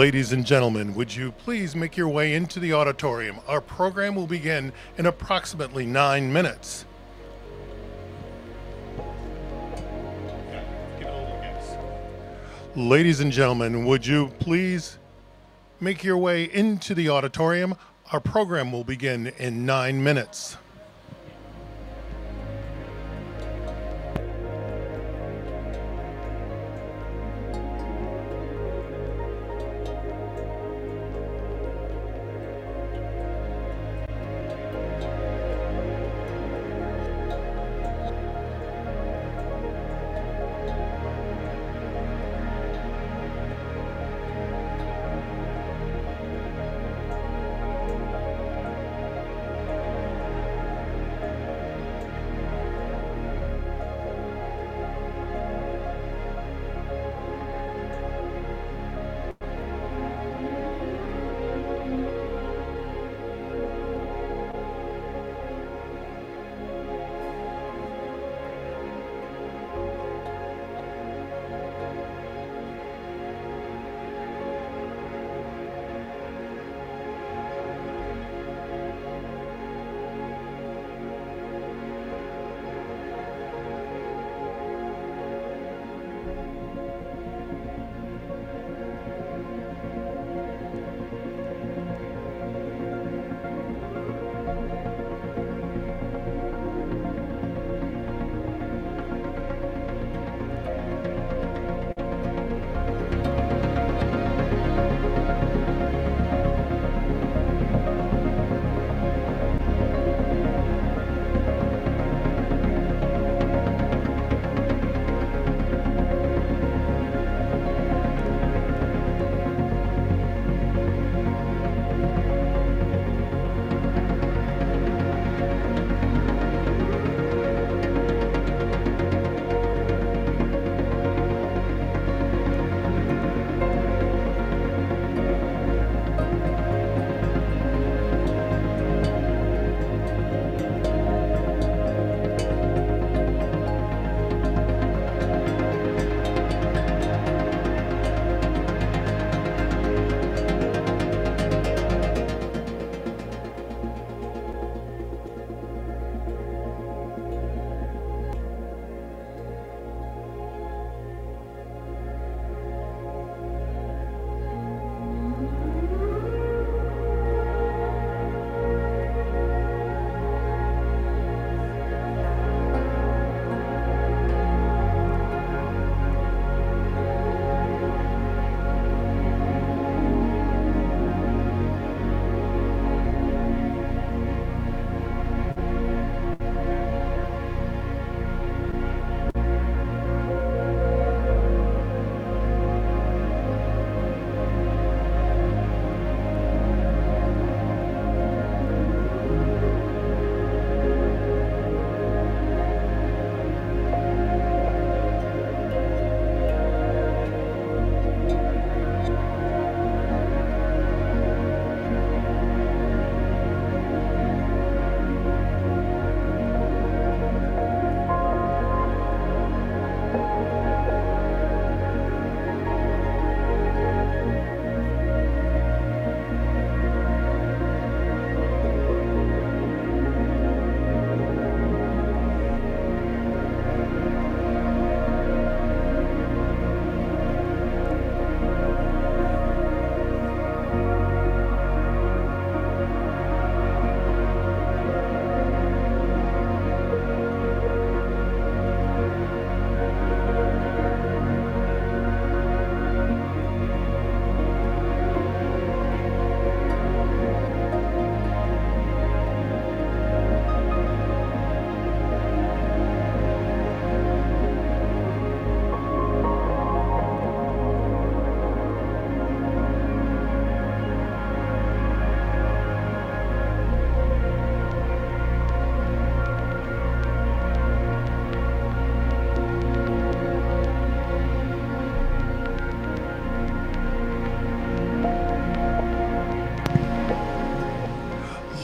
Ladies and gentlemen, would you please make your way into the auditorium? Our program will begin in approximately nine minutes. Ladies and gentlemen, would you please make your way into the auditorium? Our program will begin in nine minutes.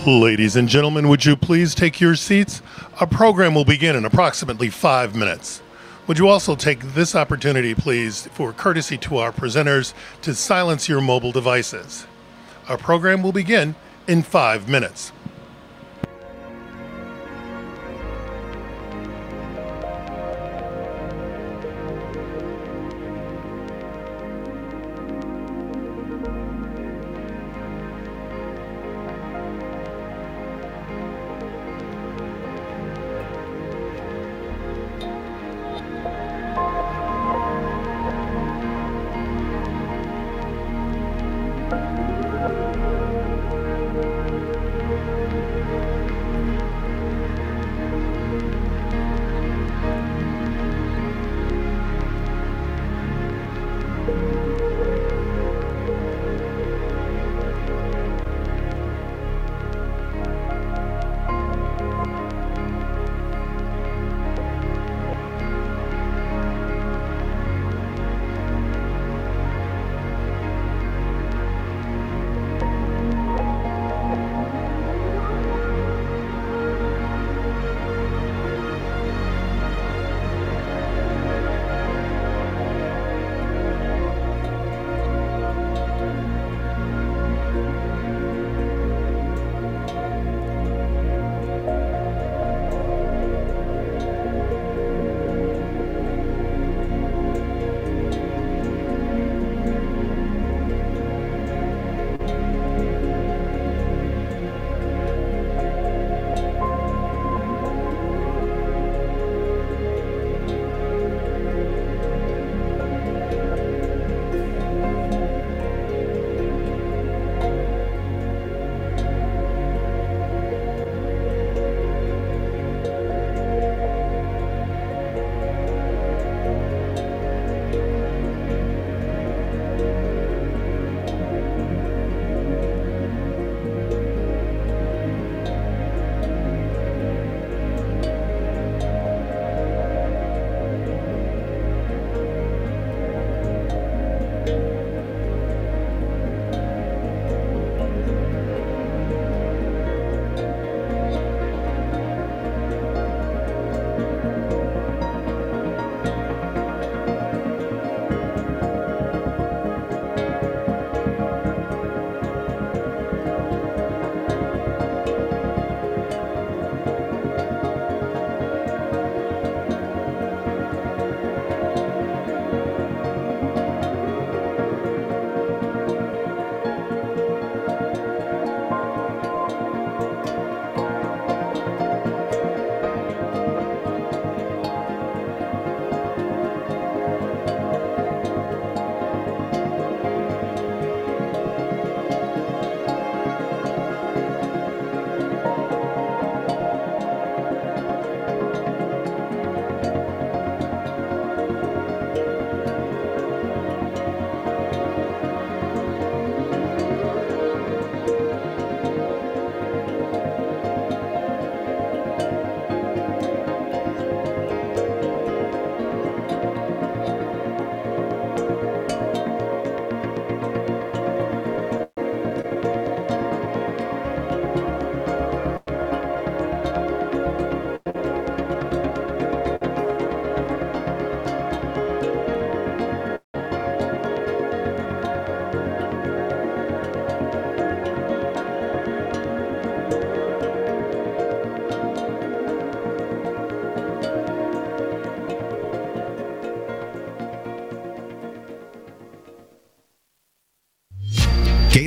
Ladies and gentlemen, would you please take your seats? Our program will begin in approximately five minutes. Would you also take this opportunity, please, for courtesy to our presenters, to silence your mobile devices. Our program will begin in five minutes.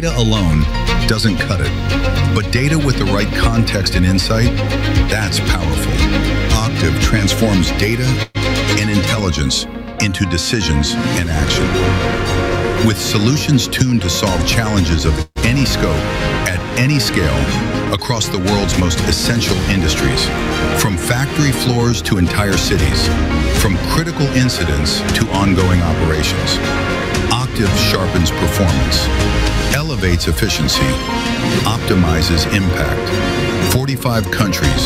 Data alone doesn't cut it, but data with the right context and insight, that's powerful. Octave transforms data and intelligence into decisions and action. With solutions tuned to solve challenges of any scope at any scale across the world's most essential industries, from factory floors to entire cities, from critical incidents to ongoing operations, Octave sharpens performance, elevates efficiency, optimizes impact. 45 countries,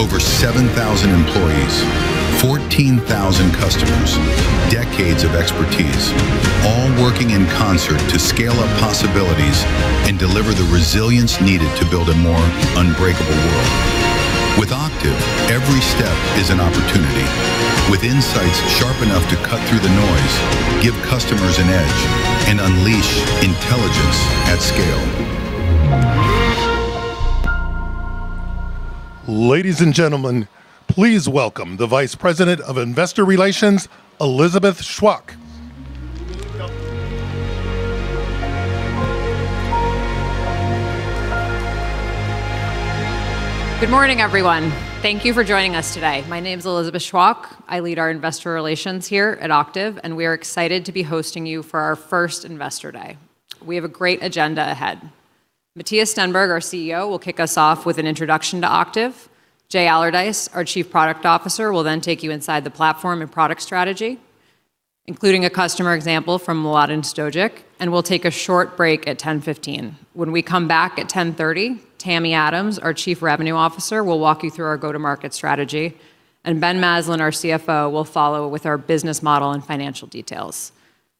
over 7,000 employees, 14,000 customers, decades of expertise, all working in concert to scale up possibilities and deliver the resilience needed to build a more unbreakable world. With Octave, every step is an opportunity. With insights sharp enough to cut through the noise, give customers an edge, and unleash intelligence at scale. Ladies and gentlemen, please welcome the Vice President of Investor Relations, Elizabeth Chwalk. Good morning, everyone. Thank you for joining us today. My name's Elizabeth Chwalk. I lead our investor relations here at Octave, and we are excited to be hosting you for our first investor day. We have a great agenda ahead. Mattias Stenberg, our CEO, will kick us off with an introduction to Octave. Jay Allardyce, our Chief Product Officer, will then take you inside the platform and product strategy, including a customer example from Mladen Stojic. We'll take a short break at 10:15 A.M. When we come back at 10:30 A.M., Tammy Adams, our Chief Revenue Officer, will walk you through our go-to-market strategy. Ben Maslen, our CFO, will follow with our business model and financial details.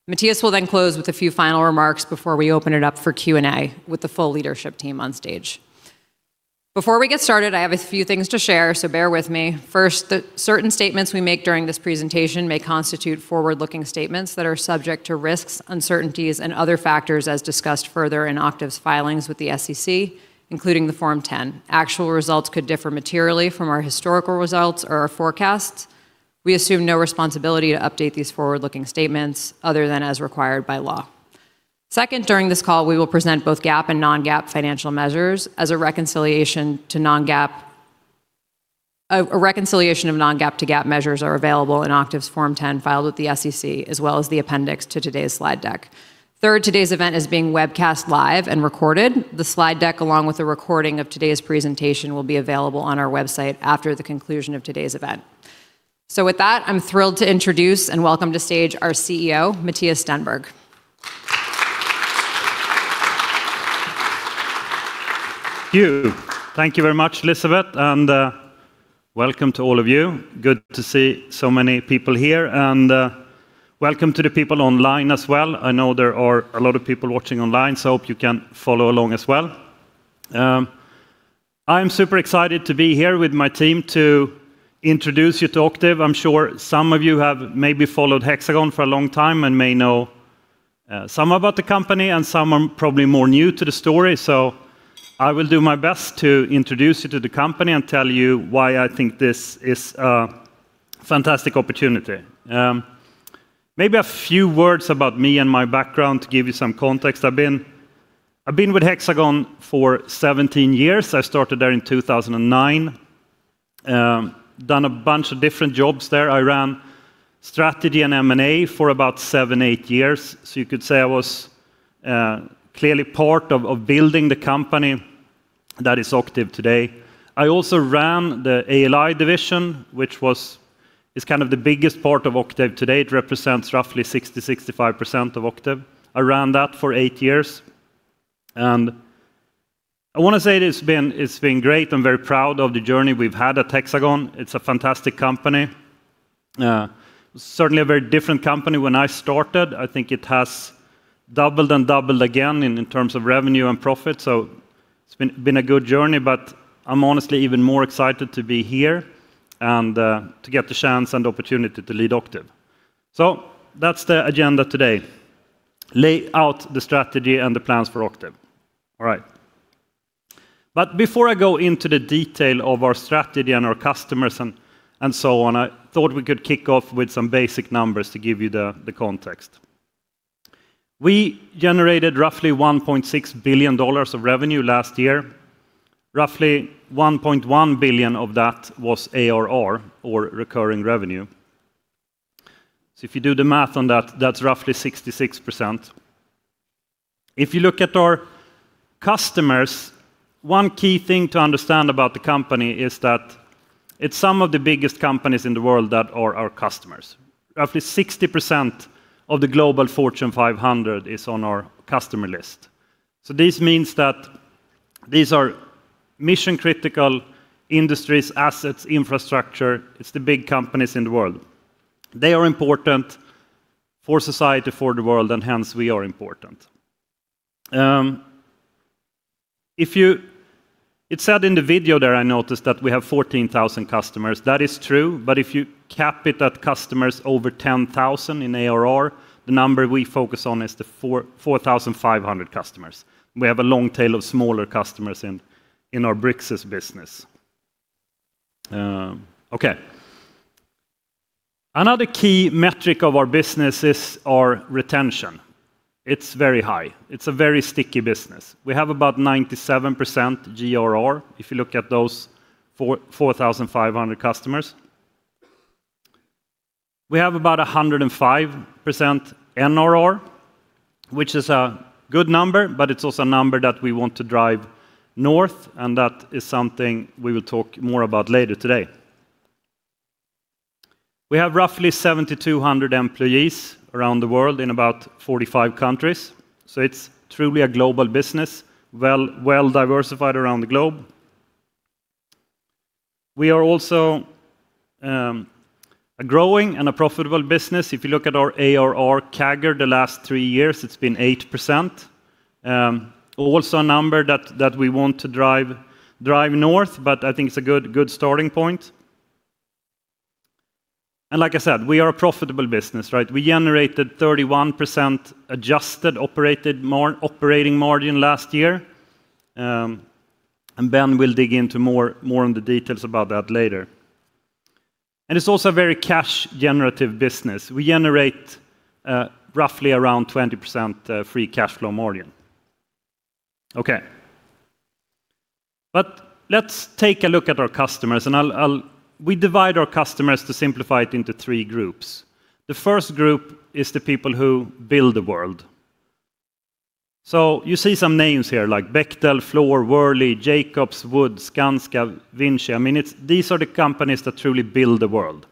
Mattias will then close with a few final remarks before we open it up for Q&A with the full leadership team on stage. Before we get started, I have a few things to share, so bear with me. First, the certain statements we make during this presentation may constitute forward-looking statements that are subject to risks, uncertainties and other factors as discussed further in Octave's filings with the SEC, including the Form 10. Actual results could differ materially from our historical results or our forecasts. We assume no responsibility to update these forward-looking statements other than as required by law. Second, during this call, we will present both GAAP and non-GAAP financial measures. A reconciliation of non-GAAP to GAAP measures are available in Octave's Form 10 filed with the SEC, as well as the appendix to today's slide deck. Third, today's event is being webcast live and recorded. The slide deck, along with a recording of today's presentation, will be available on our website after the conclusion of today's event. With that, I'm thrilled to introduce and welcome to stage our CEO, Mattias Stenberg. Thank you. Thank you very much, Elizabeth, and welcome to all of you. Good to see so many people here and welcome to the people online as well. I know there are a lot of people watching online, so hope you can follow along as well. I'm super excited to be here with my team to introduce you to Octave. I'm sure some of you have maybe followed Hexagon for a long time and may know some about the company, and some are probably more new to the story. I will do my best to introduce you to the company and tell you why I think this is a fantastic opportunity. Maybe a few words about me and my background to give you some context. I've been with Hexagon for 17 years. I started there in 2009. I've done a bunch of different jobs there. I ran strategy and M&A for about seven-eight years. You could say I was clearly part of building the company that is Octave today. I also ran the ALI division, which is kind of the biggest part of Octave today. It represents roughly 60%-65% of Octave. I ran that for eight years. I wanna say it's been great. I'm very proud of the journey we've had at Hexagon. It's a fantastic company. Certainly a very different company when I started. I think it has doubled and doubled again in terms of revenue and profit. It's been a good journey, but I'm honestly even more excited to be here and to get the chance and opportunity to lead Octave. That's the agenda today, lay out the strategy and the plans for Octave. All right. Before I go into the detail of our strategy and our customers and so on, I thought we could kick off with some basic numbers to give you the context. We generated roughly $1.6 billion of revenue last year. Roughly $1.1 billion of that was ARR or recurring revenue. If you do the math on that's roughly 66%. If you look at our customers, one key thing to understand about the company is that it's some of the biggest companies in the world that are our customers. Roughly 60% of the Fortune Global 500 is on our customer list. This means that these are mission-critical industries, assets, infrastructure. It's the big companies in the world. They are important for society, for the world, and hence we are important. It said in the video there, I noticed, that we have 14,000 customers. That is true, but if you cap it at customers over 10,000 in ARR, the number we focus on is the 4,500 customers. We have a long tail of smaller customers in our Bricsys business. Okay. Another key metric of our business is our retention. It's very high. It's a very sticky business. We have about 97% GRR if you look at those 4,500 customers. We have about 105% NRR, which is a good number, but it's also a number that we want to drive north, and that is something we will talk more about later today. We have roughly 7,200 employees around the world in about 45 countries, so it's truly a global business, well-diversified around the globe. We are also a growing and a profitable business. If you look at our ARR CAGR the last three years, it's been 8%. Also a number that we want to drive north, but I think it's a good starting point. Like I said, we are a profitable business, right? We generated 31% adjusted operating margin last year, and Ben will dig into more on the details about that later. It's also a very cash generative business. We generate roughly around 20% free cash flow margin. Okay. Let's take a look at our customers, and we divide our customers, to simplify it, into three groups. The first group is the people who build the world. You see some names here like Bechtel, Fluor, Worley, Jacobs, Wood, Skanska, Vinci. I mean, these are the companies that truly build the world.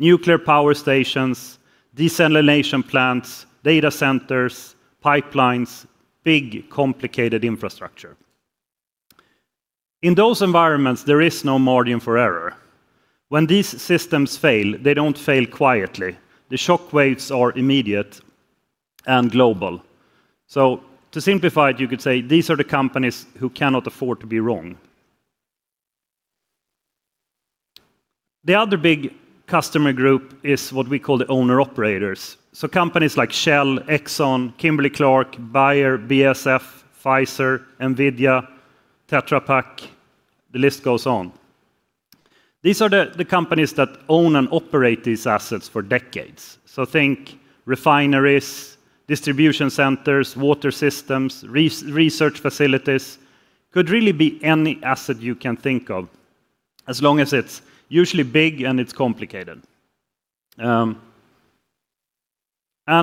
Nuclear power stations, desalination plants, data centers, pipelines, big, complicated infrastructure. In those environments, there is no margin for error. When these systems fail, they don't fail quietly. The shock waves are immediate and global. To simplify it, you could say these are the companies who cannot afford to be wrong. The other big customer group is what we call the owner-operators, so companies like Shell, Exxon, Kimberly-Clark, Bayer, BASF, Pfizer, NVIDIA, Tetra Pak, the list goes on. These are the companies that own and operate these assets for decades. Think refineries, distribution centers, water systems, research facilities. Could really be any asset you can think of as long as it's usually big and it's complicated. I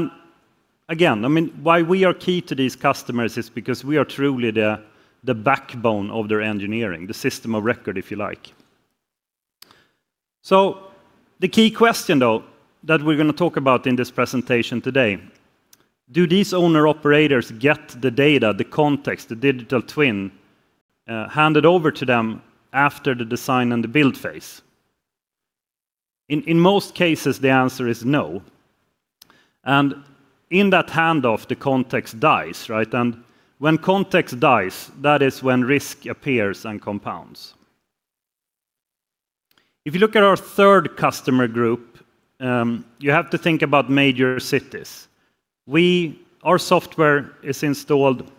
mean, why we are key to these customers is because we are truly the backbone of their engineering, the system of record, if you like. The key question, though, that we're gonna talk about in this presentation today: Do these owner-operators get the data, the context, the digital twin handed over to them after the design and the build phase? In most cases, the answer is no. In that handoff, the context dies, right? When context dies, that is when risk appears and compounds. If you look at our third customer group, you have to think about major cities. Our software is installed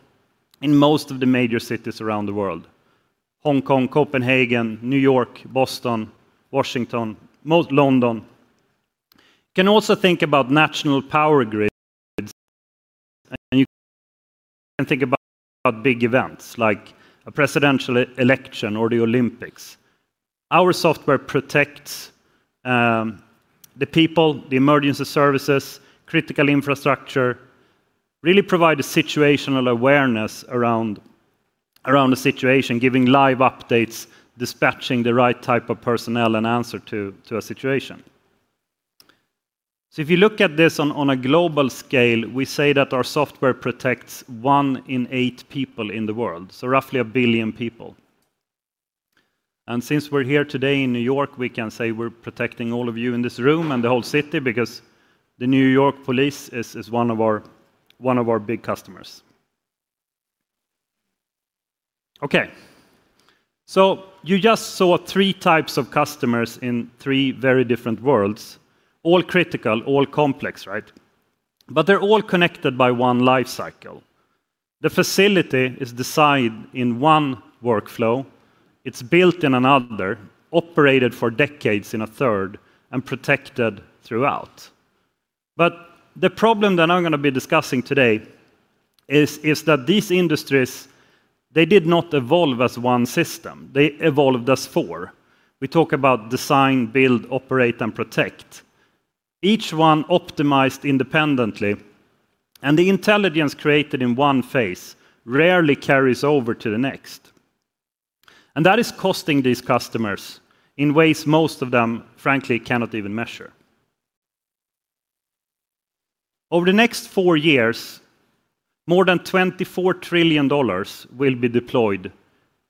in most of the major cities around the world, Hong Kong, Copenhagen, New York, Boston, Washington, London. You can also think about national power grids, and you can think about big events like a presidential election or the Olympics. Our software protects the people, the emergency services, critical infrastructure, really provide a situational awareness around the situation, giving live updates, dispatching the right type of personnel and answer to a situation. If you look at this on a global scale, we say that our software protects one in eight people in the world, so roughly a billion people. Since we're here today in New York, we can say we're protecting all of you in this room and the whole city because the New York Police is one of our big customers. Okay. You just saw three types of customers in three very different worlds, all critical, all complex, right? They're all connected by one life cycle. The facility is designed in one workflow, it's built in another, operated for decades in a third, and protected throughout. The problem that I'm gonna be discussing today is that these industries, they did not evolve as one system. They evolved as four. We talk about design, build, operate, and protect. Each one optimized independently, and the intelligence created in one phase rarely carries over to the next. That is costing these customers in ways most of them, frankly, cannot even measure. Over the next four years, more than $24 trillion will be deployed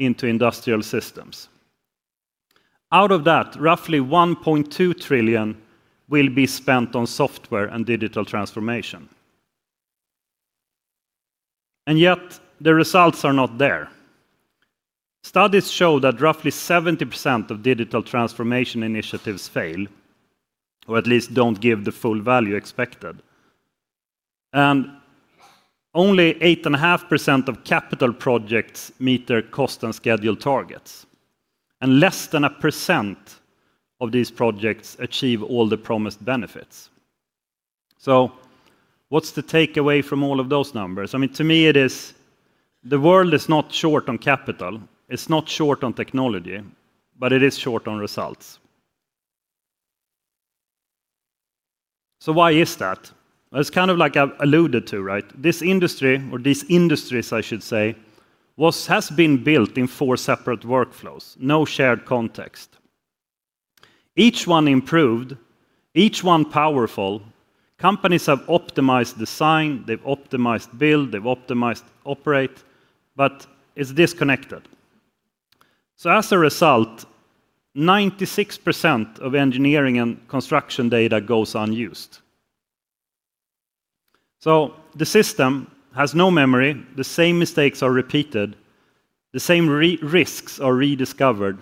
into industrial systems. Out of that, roughly $1.2 trillion will be spent on software and digital transformation. Yet the results are not there. Studies show that roughly 70% of digital transformation initiatives fail, or at least don't give the full value expected. Only 8.5% of capital projects meet their cost and schedule targets, and less than 1% of these projects achieve all the promised benefits. What's the takeaway from all of those numbers? I mean, to me it is the world is not short on capital, it's not short on technology, but it is short on results. Why is that? Well, it's kind of like I've alluded to, right? This industry, or these industries I should say, has been built in four separate workflows, no shared context. Each one improved, each one powerful. Companies have optimized design, they've optimized build, they've optimized operate, but it's disconnected. As a result, 96% of engineering and construction data goes unused. The system has no memory, the same mistakes are repeated, the same risks are rediscovered,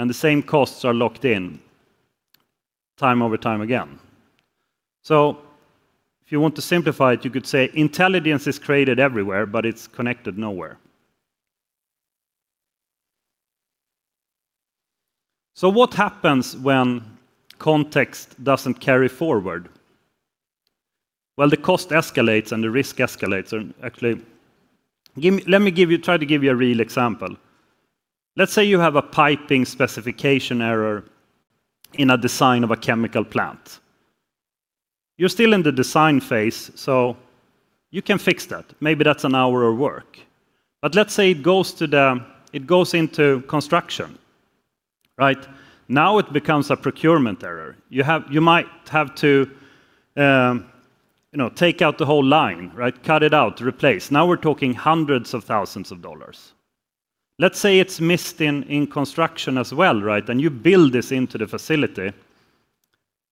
and the same costs are locked in time over time again. If you want to simplify it, you could say intelligence is created everywhere, but it's connected nowhere. What happens when context doesn't carry forward? Well, the cost escalates and the risk escalates. Actually, let me try to give you a real example. Let's say you have a piping specification error in a design of a chemical plant. You're still in the design phase, so you can fix that. Maybe that's an hour of work. Let's say it goes into construction, right? Now it becomes a procurement error. You might have to, you know, take out the whole line, right? Cut it out, replace. Now we're talking hundreds of thousands of dollars. Let's say it's missed in construction as well, right? You build this into the facility.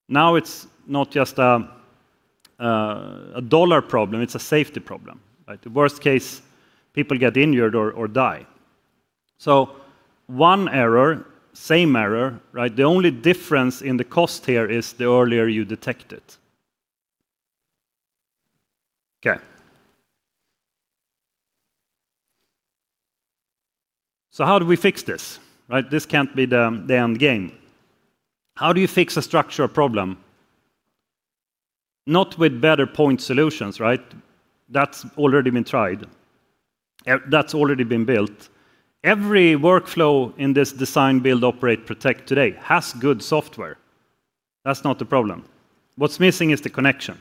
Now it's not just a dollar problem, it's a safety problem, right? The worst case, people get injured or die. One error, same error, right? The only difference in the cost here is the earlier you detect it. Okay. How do we fix this, right? This can't be the end game. How do you fix a structural problem? Not with better point solutions, right? That's already been tried. That's already been built. Every workflow in this design, build, operate, protect today has good software. That's not the problem. What's missing is the connection.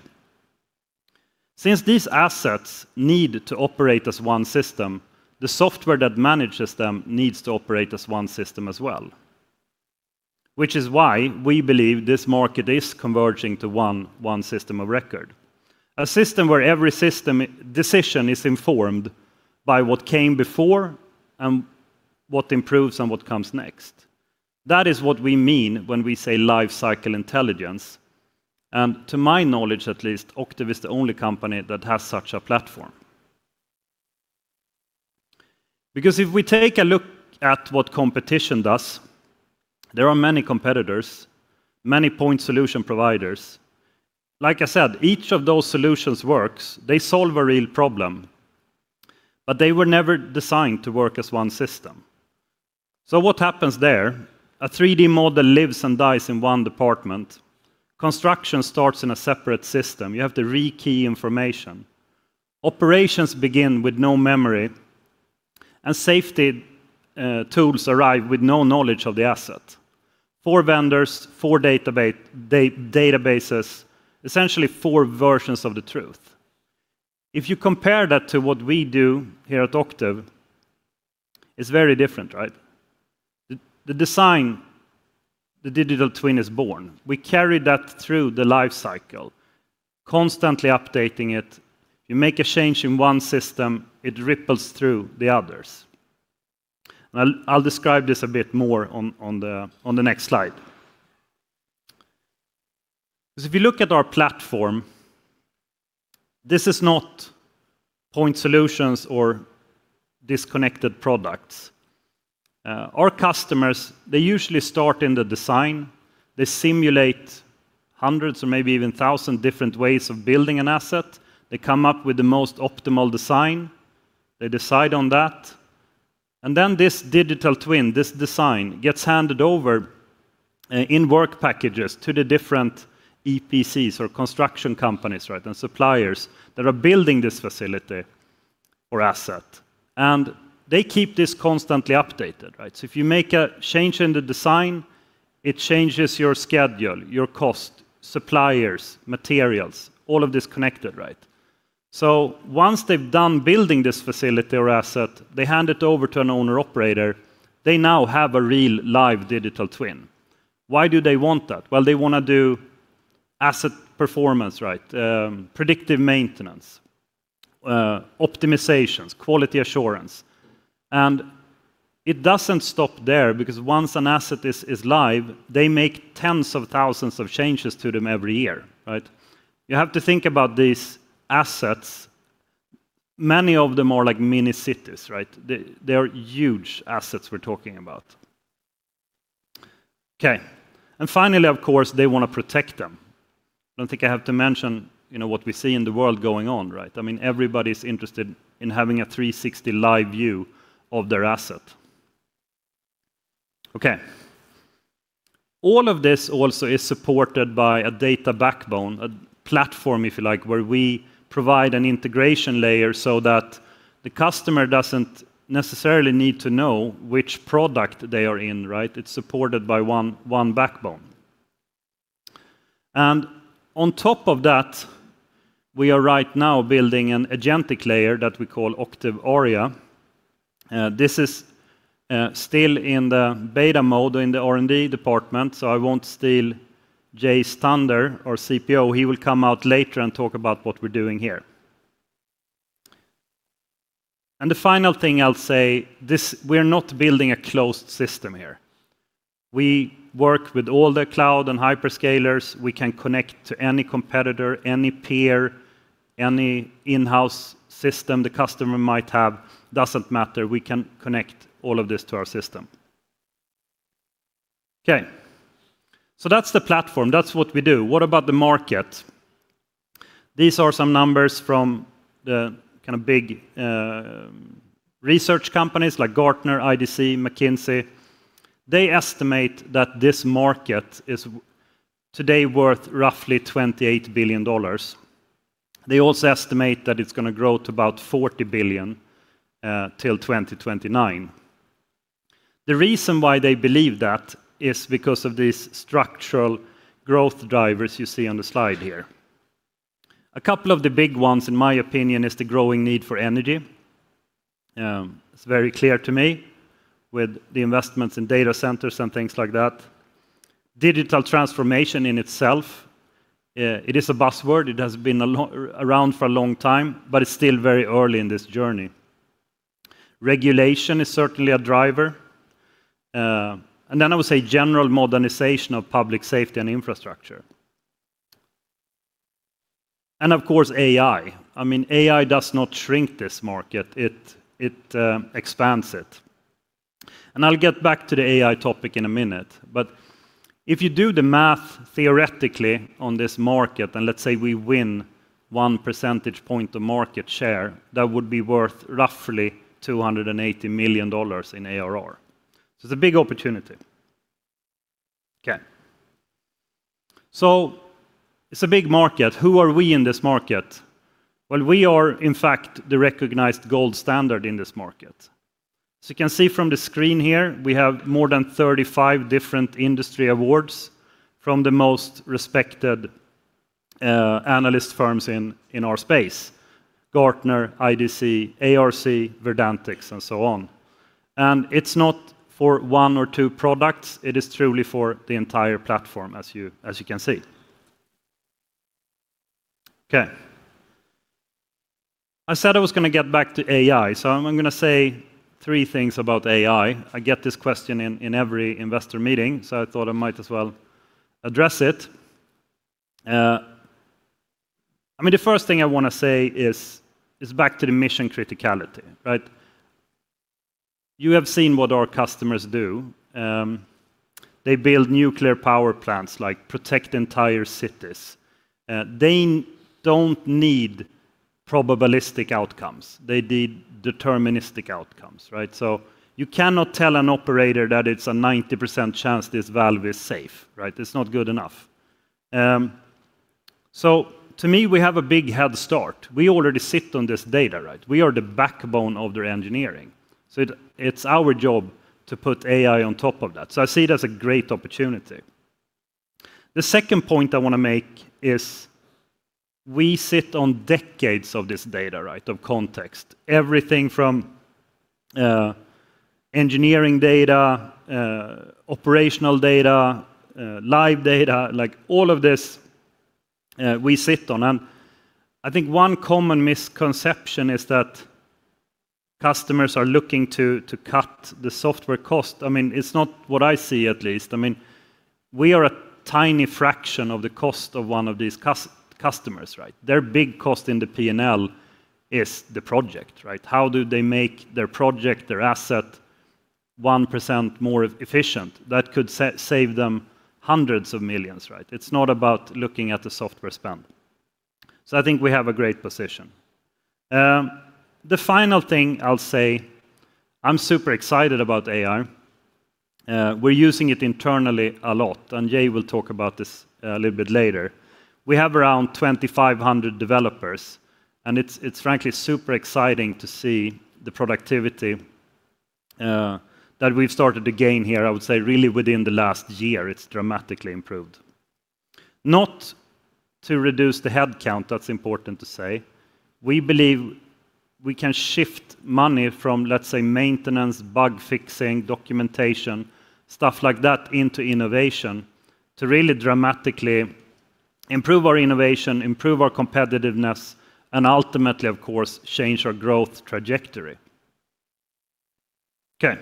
Since these assets need to operate as one system, the software that manages them needs to operate as one system as well, which is why we believe this market is converging to one system of record. A system where every system decision is informed by what came before and what improves on what comes next. That is what we mean when we say lifecycle intelligence. To my knowledge at least, Octave is the only company that has such a platform. Because if we take a look at what competition does, there are many competitors, many point solution providers. Like I said, each of those solutions works. They solve a real problem, but they were never designed to work as one system. So what happens there? A 3D model lives and dies in one department. Construction starts in a separate system. You have to re-key information. Operations begin with no memory, and safety tools arrive with no knowledge of the asset. Four vendors, four databases, essentially four versions of the truth. If you compare that to what we do here at Octave, it's very different, right? The design, the digital twin is born. We carry that through the life cycle, constantly updating it. You make a change in one system, it ripples through the others. I'll describe this a bit more on the next slide. 'Cause if you look at our platform, this is not point solutions or disconnected products. Our customers, they usually start in the design. They simulate hundreds or maybe even thousand different ways of building an asset. They come up with the most optimal design, they decide on that, and then this digital twin, this design gets handed over in work packages to the different EPCs or construction companies, right, and suppliers that are building this facility or asset. They keep this constantly updated, right? If you make a change in the design, it changes your schedule, your cost, suppliers, materials, all of this connected, right? Once they've done building this facility or asset, they hand it over to an owner operator, they now have a real live digital twin. Why do they want that? Well, they wanna do asset performance, right? Predictive maintenance, optimizations, quality assurance. It doesn't stop there because once an asset is live, they make tens of thousands of changes to them every year, right? You have to think about these assets, many of them are like mini cities, right? They are huge assets we're talking about. Okay. Finally, of course, they wanna protect them. I don't think I have to mention, you know, what we see in the world going on, right? I mean, everybody's interested in having a 360 live view of their asset. Okay. All of this also is supported by a data backbone, a platform, if you like, where we provide an integration layer so that the customer doesn't necessarily need to know which product they are in, right? It's supported by one backbone. On top of that, we are right now building an agentic layer that we call Octave Aria. This is still in the beta mode in the R&D department, so I won't steal Jay Allardyce, our CPO. He will come out later and talk about what we're doing here. The final thing I'll say, this, we're not building a closed system here. We work with all the cloud and hyperscalers. We can connect to any competitor, any peer, any in-house system the customer might have. Doesn't matter, we can connect all of this to our system. Okay, that's the platform. That's what we do. What about the market? These are some numbers from the kinda big research companies like Gartner, IDC, McKinsey. They estimate that this market is today worth roughly $28 billion. They also estimate that it's gonna grow to about $40 billion till 2029. The reason why they believe that is because of these structural growth drivers you see on the slide here. A couple of the big ones, in my opinion, is the growing need for energy. It's very clear to me with the investments in data centers and things like that. Digital transformation in itself, it is a buzzword. It has been around for a long time, but it's still very early in this journey. Regulation is certainly a driver. I would say general modernization of public safety and infrastructure. Of course, AI. I mean, AI does not shrink this market, it expands it. I'll get back to the AI topic in a minute. If you do the math theoretically on this market, and let's say we win one percentage point of market share, that would be worth roughly $280 million in ARR. It's a big opportunity. It's a big market. Who are we in this market? Well, we are in fact the recognized gold standard in this market. You can see from the screen here, we have more than 35 different industry awards from the most respected analyst firms in our space, Gartner, IDC, ARC, Verdantix, and so on. It's not for one or two products, it is truly for the entire platform as you can see. Okay. I said I was gonna get back to AI, so I'm gonna say three things about AI. I get this question in every investor meeting, so I thought I might as well address it. I mean, the first thing I wanna say is back to the mission criticality, right? You have seen what our customers do. They build nuclear power plants, like protect entire cities. They don't need probabilistic outcomes. They need deterministic outcomes, right? You cannot tell an operator that it's a 90% chance this valve is safe, right? It's not good enough. To me, we have a big head start. We already sit on this data, right? We are the backbone of their engineering, it's our job to put AI on top of that. I see it as a great opportunity. The second point I wanna make is we sit on decades of this data, right, of context. Everything from engineering data, operational data, live data, like all of this, we sit on. I think one common misconception is that customers are looking to cut the software cost. I mean, it's not what I see at least. I mean, we are a tiny fraction of the cost of one of these customers, right? Their big cost in the P&L is the project, right? How do they make their project, their asset 1% more efficient? That could save them hundreds of millions, right? It's not about looking at the software spend. I think we have a great position. The final thing I'll say, I'm super excited about AI. We're using it internally a lot, and Jay will talk about this a little bit later. We have around 2,500 developers, and it's frankly super exciting to see the productivity that we've started to gain here, I would say really within the last year it's dramatically improved. Not to reduce the head count, that's important to say. We believe we can shift money from, let's say, maintenance, bug fixing, documentation, stuff like that, into innovation to really dramatically improve our innovation, improve our competitiveness, and ultimately, of course, change our growth trajectory. Okay.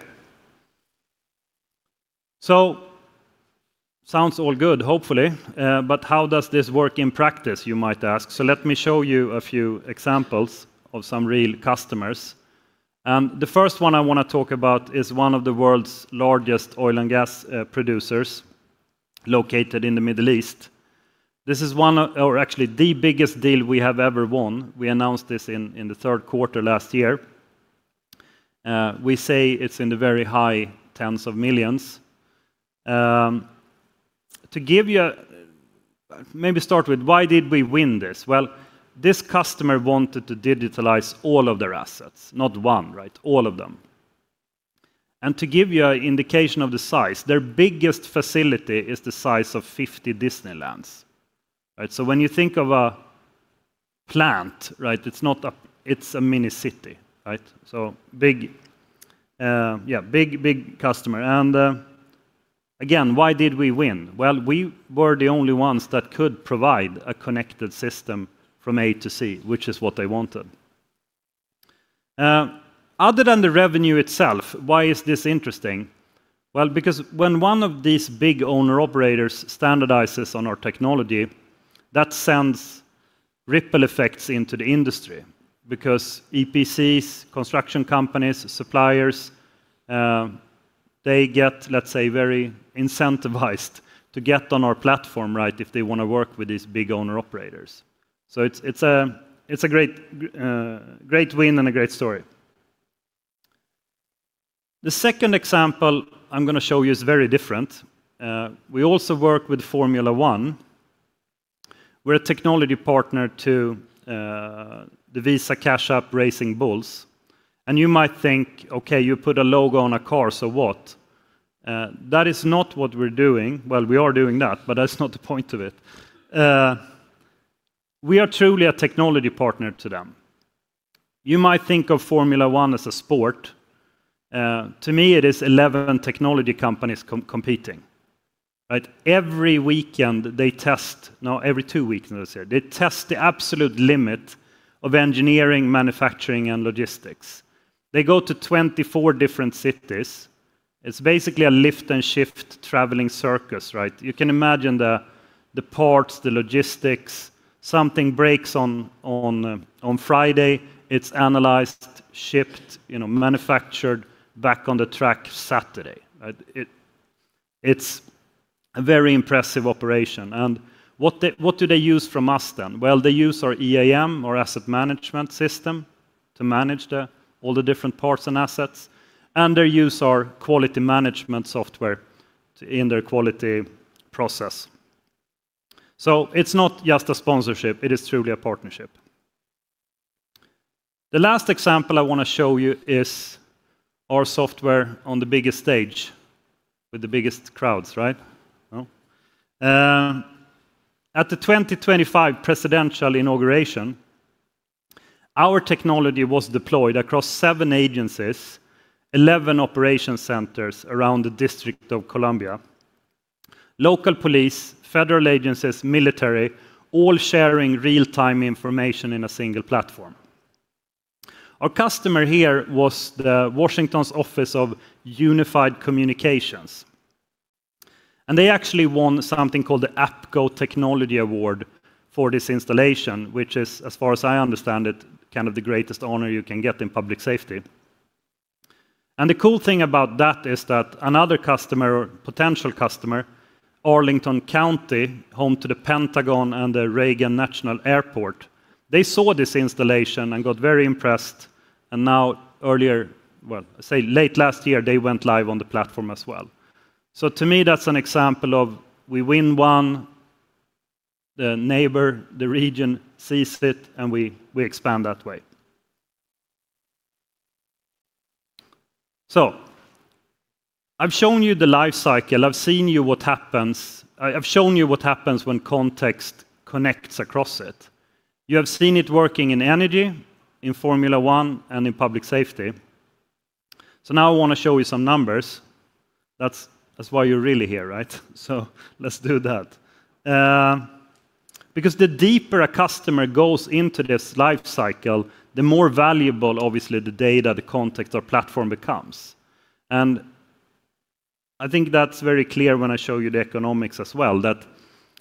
Sounds all good, hopefully. How does this work in practice, you might ask? Let me show you a few examples of some real customers. The first one I wanna talk about is one of the world's largest oil and gas producers located in the Middle East. This is, or actually, the biggest deal we have ever won. We announced this in the third quarter last year. We say it's in the very high tens of millions. To give you, maybe start with why did we win this? Well, this customer wanted to digitalize all of their assets. Not one, right? All of them. To give you an indication of the size, their biggest facility is the size of 50 Disneylands. Right? When you think of a plant, right, it's not a mini city, right? Big customer. Again, why did we win? Well, we were the only ones that could provide a connected system from A to Z, which is what they wanted. Other than the revenue itself, why is this interesting? Well, because when one of these big owner-operators standardizes on our technology, that sends ripple effects into the industry because EPCs, construction companies, suppliers, they get, let's say, very incentivized to get on our platform, right, if they wanna work with these big owner-operators. It's a great win and a great story. The second example I'm gonna show you is very different. We also work with Formula One. We're a technology partner to the Visa Cash App Racing Bulls, and you might think, okay, you put a logo on a car, so what? That is not what we're doing. Well, we are doing that, but that's not the point of it. We are truly a technology partner to them. You might think of Formula One as a sport. To me, it is 11 technology companies competing, right? Every two weekends, let's say, they test the absolute limit of engineering, manufacturing, and logistics. They go to 24 different cities. It's basically a lift-and-shift traveling circus, right? You can imagine the parts, the logistics. Something breaks on Friday. It's analyzed, shipped, you know, manufactured, back on the track Saturday, right? It's a very impressive operation. What do they use from us then? Well, they use our EAM, our asset management system to manage all the different parts and assets, and they use our quality management software in their quality process. It's not just a sponsorship, it is truly a partnership. The last example I wanna show you is our software on the biggest stage with the biggest crowds, right? No? At the 2025 presidential inauguration, our technology was deployed across seven agencies, 11 operation centers around the District of Columbia. Local police, federal agencies, military, all sharing real-time information in a single platform. Our customer here was Washington's Office of Unified Communications. They actually won something called the APCO Technology Award for this installation, which is, as far as I understand it, kind of the greatest honor you can get in public safety. The cool thing about that is that another customer, potential customer, Arlington County, home to the Pentagon and the Reagan National Airport, they saw this installation and got very impressed. Now earlier, well, say late last year, they went live on the platform as well. To me, that's an example of we win one, the neighbor, the region sees it, and we expand that way. I've shown you the life cycle. I've shown you what happens when context connects across it. You have seen it working in energy, in Formula One, and in public safety. Now I want to show you some numbers. That's why you're really here, right? Let's do that. Because the deeper a customer goes into this life cycle, the more valuable obviously the data, the context, or platform becomes. I think that's very clear when I show you the economics as well, that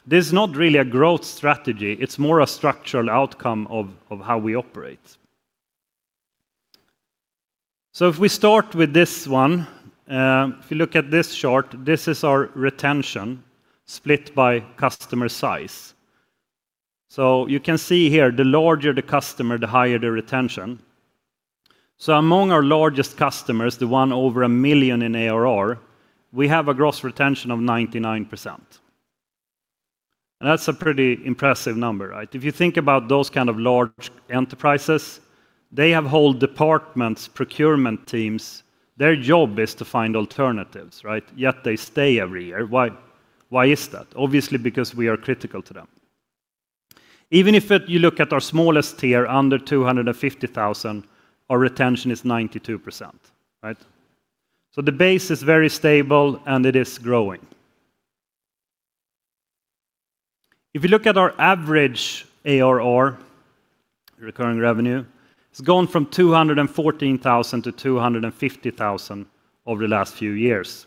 this is not really a growth strategy, it's more a structural outcome of how we operate. If we start with this one, if you look at this chart, this is our retention split by customer size. You can see here, the larger the customer, the higher the retention. Among our largest customers, the one over $1 million in ARR, we have a gross retention of 99%. That's a pretty impressive number, right? If you think about those kind of large enterprises, they have whole departments, procurement teams, their job is to find alternatives, right? Yet they stay every year. Why? Why is that? Obviously because we are critical to them. You look at our smallest tier, under $250,000, our retention is 92%, right? The base is very stable, and it is growing. If you look at our average ARR, recurring revenue, it's gone from $214,000 to $250,000 over the last few years.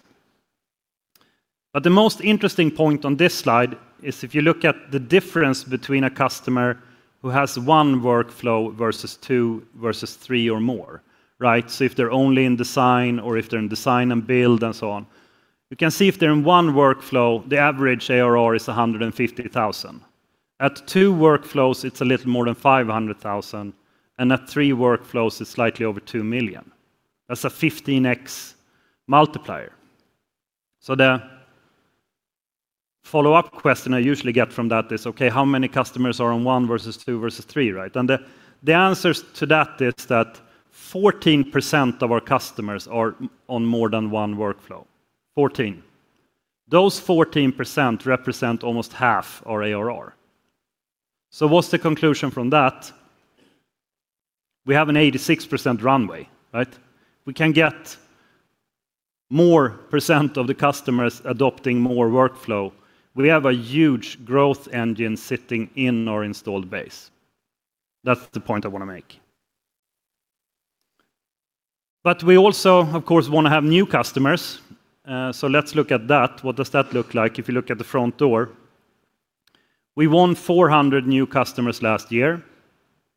The most interesting point on this slide is if you look at the difference between a customer who has one workflow versus two, versus three or more, right? If they're only in design, or if they're in design and build and so on, you can see if they're in one workflow, the average ARR is $150,000. At two workflows, it's a little more than $500,000, and at three workflows, it's slightly over $2 million. That's a 15x multiplier. The follow-up question I usually get from that is, "Okay, how many customers are on one versus two versus three," right? And the answers to that is that 14% of our customers are on more than one workflow. 14%. Those 14% represent almost half our ARR. What's the conclusion from that? We have an 86% runway, right? We can get more percent of the customers adopting more workflow. We have a huge growth engine sitting in our installed base. That's the point I wanna make. We also, of course, wanna have new customers, so let's look at that. What does that look like if you look at the front door? We won 400 new customers last year,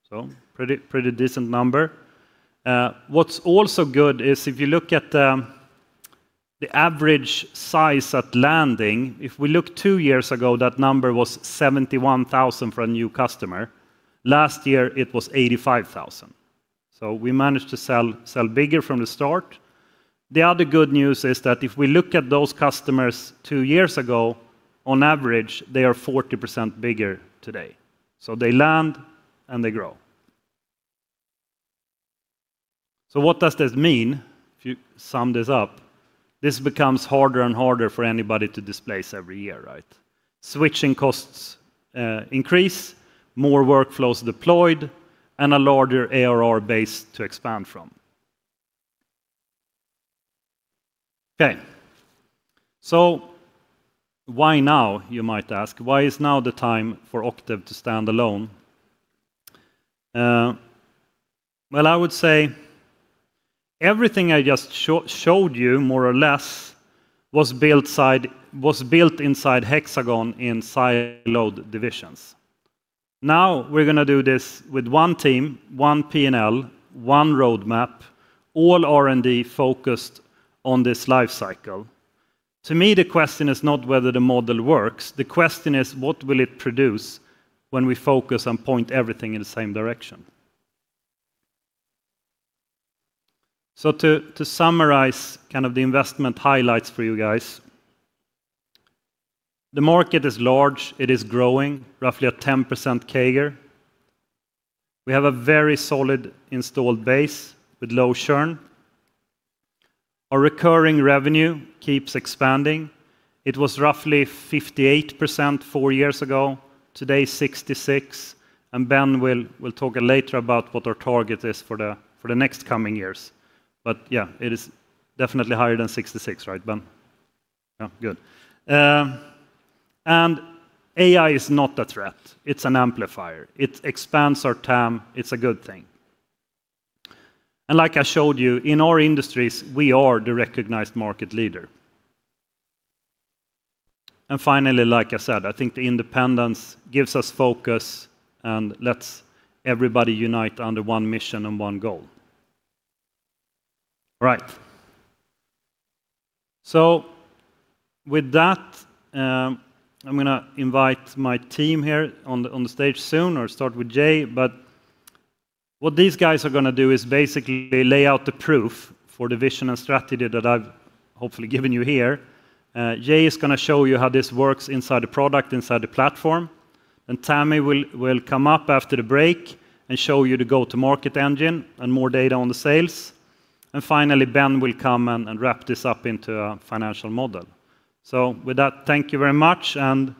so pretty decent number. What's also good is if you look at the average size at landing, if we look two years ago, that number was 71,000 for a new customer. Last year, it was 85,000. We managed to sell bigger from the start. The other good news is that if we look at those customers two years ago, on average, they are 40% bigger today. They land, and they grow. What does this mean if you sum this up? This becomes harder and harder for anybody to displace every year, right? Switching costs increase, more workflows deployed, and a larger ARR base to expand from. Okay. Why now, you might ask? Why is now the time for Octave to stand alone? Well, I would say everything I just showed you more or less was built inside Hexagon in siloed divisions. Now, we're gonna do this with one team, one P&L, one roadmap, all R&D focused on this life cycle. To me, the question is not whether the model works. The question is, what will it produce when we focus and point everything in the same direction? To summarize kind of the investment highlights for you guys, the market is large, it is growing roughly at 10% CAGR. We have a very solid installed base with low churn. Our recurring revenue keeps expanding. It was roughly 58% four years ago, today 66%, and Ben will talk later about what our target is for the next coming years. But yeah, it is definitely higher than 66%. Right, Ben? Yeah. Good. AI is not a threat. It's an amplifier. It expands our TAM. It's a good thing. Like I showed you, in our industries, we are the recognized market leader. Finally, like I said, I think the independence gives us focus and lets everybody unite under one mission and one goal. Right. With that, I'm gonna invite my team here on the stage soon, or start with Jay. What these guys are gonna do is basically lay out the proof for the vision and strategy that I've hopefully given you here. Jay is gonna show you how this works inside the product, inside the platform. Tammy will come up after the break and show you the go-to-market engine and more data on the sales. Finally, Ben will come and wrap this up into a financial model. With that, thank you very much, and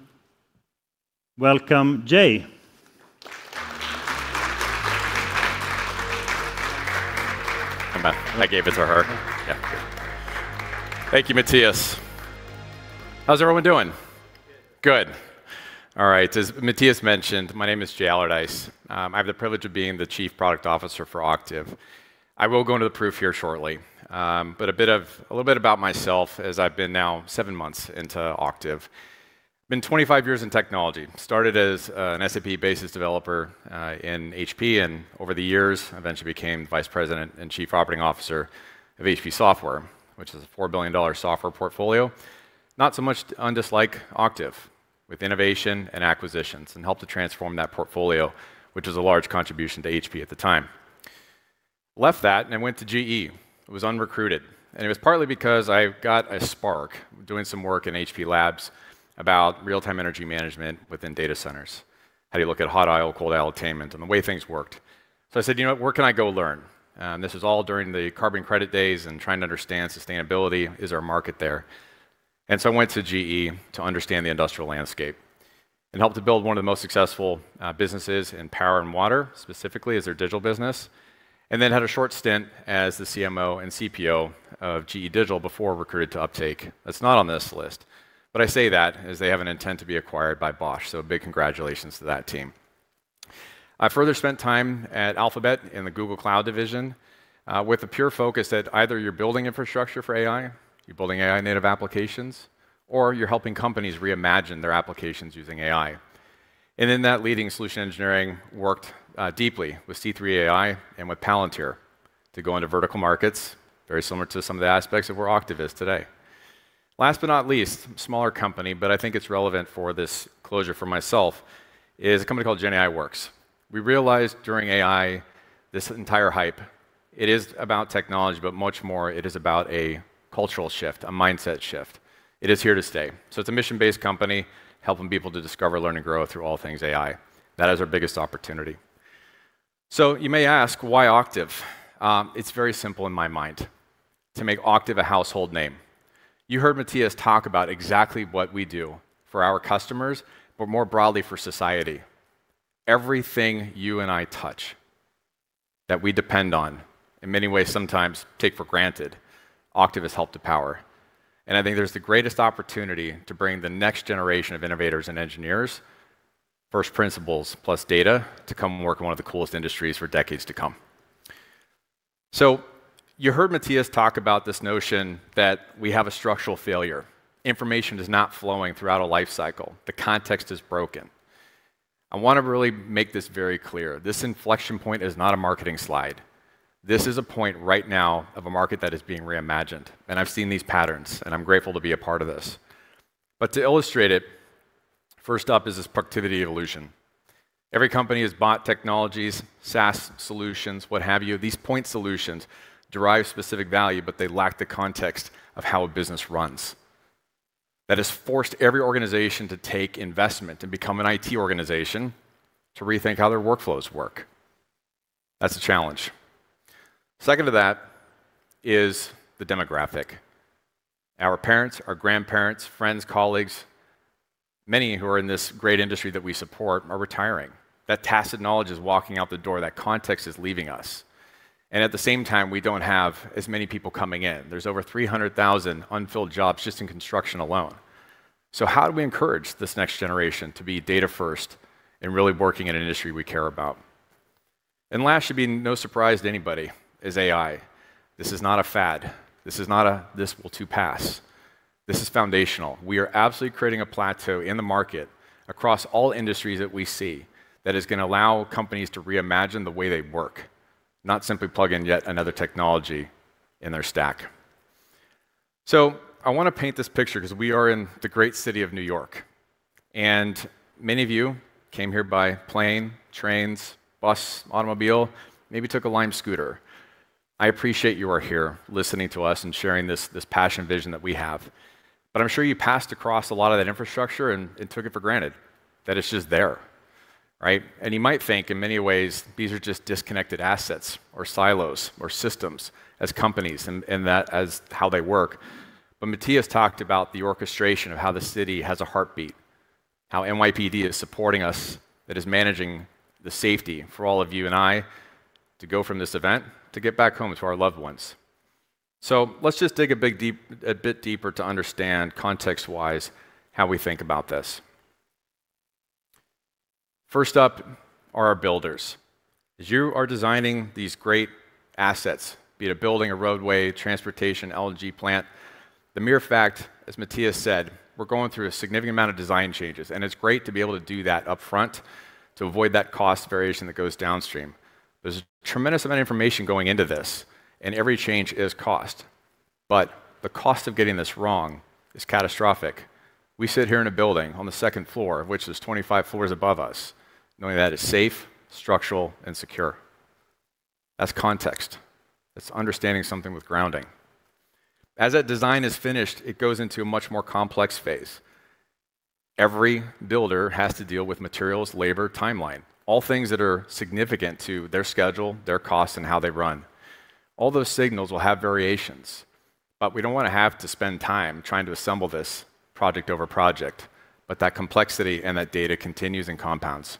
welcome, Jay. I'm back. I gave it to her. Yeah. Thank you, Mattias. How's everyone doing? Good. All right. As Mattias mentioned, my name is Jay Allardyce. I have the privilege of being the Chief Product Officer for Octave. I will go into the product here shortly. But a little bit about myself, as I've been now seven months into Octave. Been 25 years in technology, started as an SAP basis developer in HP, and over the years, eventually became Vice President and Chief Operating Officer of HP Software, which is a $4 billion software portfolio, not so much unlike Octave, with innovation and acquisitions, and helped to transform that portfolio, which was a large contribution to HP at the time. Left that and went to GE. I was recruited, and it was partly because I got a spark doing some work in HP Labs about real-time energy management within data centers. How do you look at hot aisle, cold aisle containment and the way things worked? I said, "You know what? Where can I go learn?" This is all during the carbon credit days and trying to understand sustainability. Is there a market there? I went to GE to understand the industrial landscape and helped to build one of the most successful businesses in power and water, specifically as their digital business, and then had a short stint as the CMO and CPO of GE Digital before recruited to Uptake. That's not on this list. I say that as they have an intent to be acquired by Bosch, so a big congratulations to that team. I further spent time at Alphabet in the Google Cloud division, with a pure focus that either you're building infrastructure for AI, you're building AI-native applications, or you're helping companies reimagine their applications using AI. In that leading solution engineering, worked deeply with C3 AI and with Palantir to go into vertical markets, very similar to some of the aspects of where Octave is today. Last but not least, smaller company, but I think it's relevant for this closure for myself, is a company called GenAI Works. We realized during AI, this entire hype, it is about technology, but much more it is about a cultural shift, a mindset shift. It is here to stay. It's a mission-based company helping people to discover, learn, and grow through all things AI. That is our biggest opportunity. You may ask, "Why Octave?" It's very simple in my mind: to make Octave a household name. You heard Mattias talk about exactly what we do for our customers, but more broadly for society. Everything you and I touch that we depend on, in many ways sometimes take for granted, Octave has helped to power, and I think there's the greatest opportunity to bring the next generation of innovators and engineers, first principles plus data, to come work in one of the coolest industries for decades to come. You heard Mattias talk about this notion that we have a structural failure. Information is not flowing throughout a life cycle. The context is broken. I wanna really make this very clear. This inflection point is not a marketing slide. This is a point right now of a market that is being reimagined, and I've seen these patterns, and I'm grateful to be a part of this. To illustrate it, first up is this productivity illusion. Every company has bought technologies, SaaS solutions, what have you. These point solutions derive specific value, but they lack the context of how a business runs. That has forced every organization to take investment and become an IT organization to rethink how their workflows work. That's a challenge. Second to that is the demographic. Our parents, our grandparents, friends, colleagues, many who are in this great industry that we support are retiring. That tacit knowledge is walking out the door. That context is leaving us, and at the same time, we don't have as many people coming in. There's over 300,000 unfilled jobs just in construction alone. How do we encourage this next generation to be data first and really working in an industry we care about? Last should be no surprise to anybody is AI. This is not a fad. This is not a "this will too pass." This is foundational. We are absolutely creating a plateau in the market across all industries that we see that is gonna allow companies to reimagine the way they work, not simply plug in yet another technology in their stack. I wanna paint this picture 'cause we are in the great city of New York, and many of you came here by plane, trains, bus, automobile, maybe took a Lime scooter. I appreciate you are here listening to us and sharing this passion and vision that we have, but I'm sure you passed across a lot of that infrastructure and took it for granted that it's just there. Right? You might think, in many ways, these are just disconnected assets or silos or systems as companies and that as how they work. Mattias talked about the orchestration of how the city has a heartbeat, how NYPD is supporting us, that is managing the safety for all of you and I to go from this event to get back home to our loved ones. Let's just dig a bit deeper to understand context-wise how we think about this. First up are our builders. As you are designing these great assets, be it a building, a roadway, transportation, LNG plant, the mere fact, as Mattias said, we're going through a significant amount of design changes, and it's great to be able to do that up front to avoid that cost variation that goes downstream. There's a tremendous amount of information going into this, and every change is cost. But the cost of getting this wrong is catastrophic. We sit here in a building on the second floor, which is 25 floors above us, knowing that is safe, structural, and secure. That's context. It's understanding something with grounding. As that design is finished, it goes into a much more complex phase. Every builder has to deal with materials, labor, timeline, all things that are significant to their schedule, their costs, and how they run. All those signals will have variations, but we don't wanna have to spend time trying to assemble this project over project. That complexity and that data continues and compounds.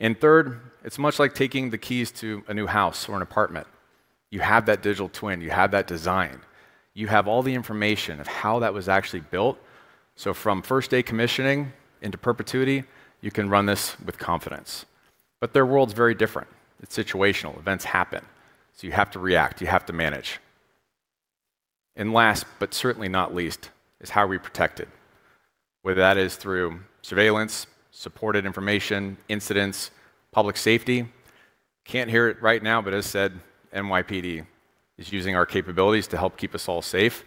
Third, it's much like taking the keys to a new house or an apartment. You have that digital twin. You have that design. You have all the information of how that was actually built. From first-day commissioning into perpetuity, you can run this with confidence. Their world's very different. It's situational. Events happen, so you have to react, you have to manage. Last, but certainly not least, is how we protect it, whether that is through surveillance, supported information, incidents, public safety. Can't hear it right now, but as said, NYPD is using our capabilities to help keep us all safe.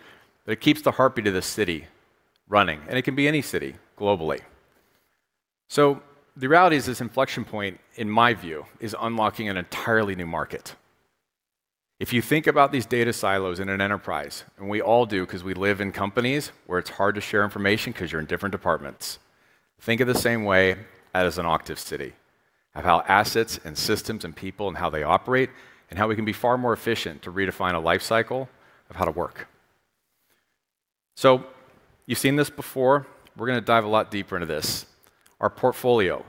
It keeps the heartbeat of this city running, and it can be any city globally. The reality is this inflection point, in my view, is unlocking an entirely new market. If you think about these data silos in an enterprise, and we all do 'cause we live in companies where it's hard to share information 'cause you're in different departments, think of the same way as an Octave city, of how assets and systems and people and how they operate, and how we can be far more efficient to redefine a life cycle of how to work. You've seen this before. We're gonna dive a lot deeper into this. Our portfolio.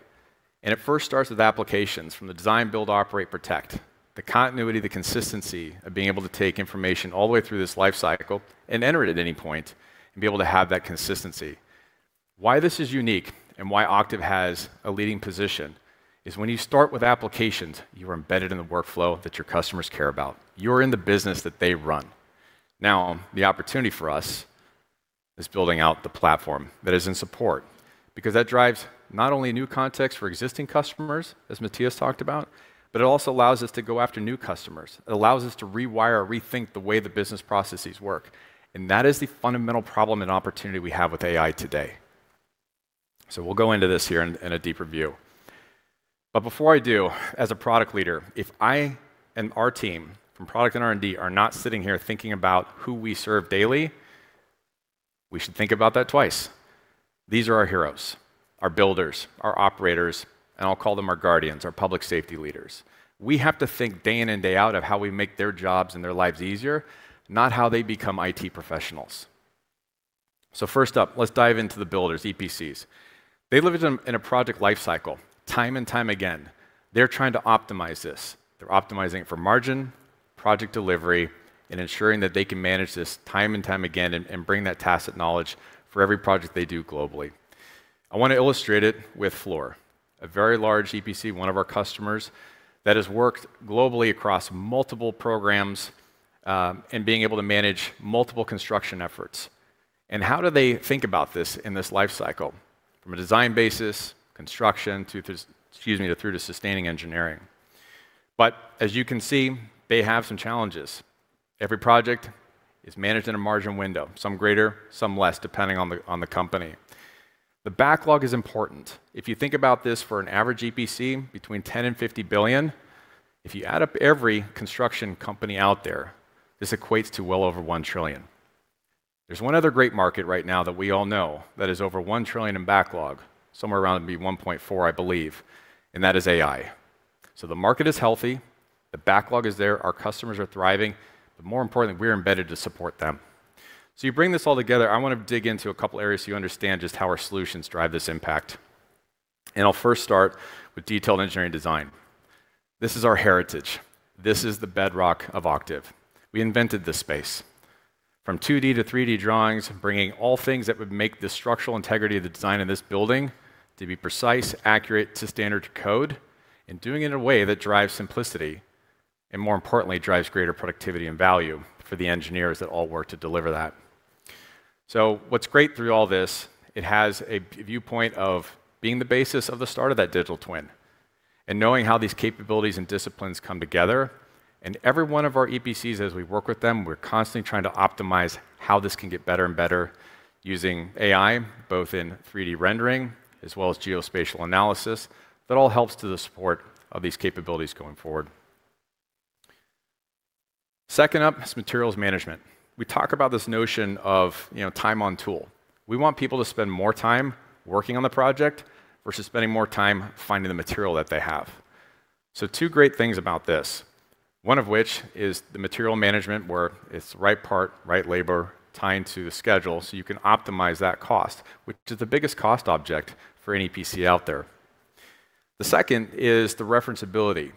It first starts with applications from the design, build, operate, protect, the continuity, the consistency of being able to take information all the way through this life cycle and enter it at any point and be able to have that consistency. Why this is unique and why Octave has a leading position is when you start with applications, you are embedded in the workflow that your customers care about. You're in the business that they run. Now, the opportunity for us is building out the platform that is in support, because that drives not only new context for existing customers, as Mattias talked about, but it also allows us to go after new customers. It allows us to rewire or rethink the way the business processes work, and that is the fundamental problem and opportunity we have with AI today. We'll go into this here in a deeper view. But before I do, as a product leader, if I and our team from product and R&D are not sitting here thinking about who we serve daily, we should think about that twice. These are our heroes, our builders, our operators, and I'll call them our guardians, our public safety leaders. We have to think day in and day out of how we make their jobs and their lives easier, not how they become IT professionals. First up, let's dive into the builders, EPCs. They live in a project life cycle time and time again. They're trying to optimize this. They're optimizing for margin, project delivery, and ensuring that they can manage this time and time again and bring that tacit knowledge for every project they do globally. I wanna illustrate it with Fluor, a very large EPC, one of our customers, that has worked globally across multiple programs, and being able to manage multiple construction efforts. How do they think about this in this life cycle? From a design basis, construction through to sustaining engineering. But as you can see, they have some challenges. Every project is managed in a margin window, some greater, some less, depending on the company. The backlog is important. If you think about this for an average EPC between $10 billion and $50 billion, if you add up every construction company out there, this equates to well over $1 trillion. There's one other great market right now that we all know that is over $1 trillion in backlog, somewhere around maybe $1.4 trillion, I believe, and that is AI. The market is healthy, the backlog is there, our customers are thriving, but more importantly, we're embedded to support them. You bring this all together, I wanna dig into a couple areas so you understand just how our solutions drive this impact. I'll first start with detailed engineering design. This is our heritage. This is the bedrock of Octave. We invented this space. From 2D to 3D drawings, bringing all things that would make the structural integrity of the design of this building to be precise, accurate to standard code, and doing it in a way that drives simplicity, and more importantly, drives greater productivity and value for the engineers that all work to deliver that. What's great through all this, it has a viewpoint of being the basis of the start of that digital twin, and knowing how these capabilities and disciplines come together. Every one of our EPCs, as we work with them, we're constantly trying to optimize how this can get better and better using AI, both in 3D rendering as well as geospatial analysis. That all helps to the support of these capabilities going forward. Second up is materials management. We talk about this notion of, you know, time on tool. We want people to spend more time working on the project versus spending more time finding the material that they have. Two great things about this, one of which is the material management, where it's right part, right labor tying to the schedule, so you can optimize that cost, which is the biggest cost object for any EPC out there. The second is the reference ability.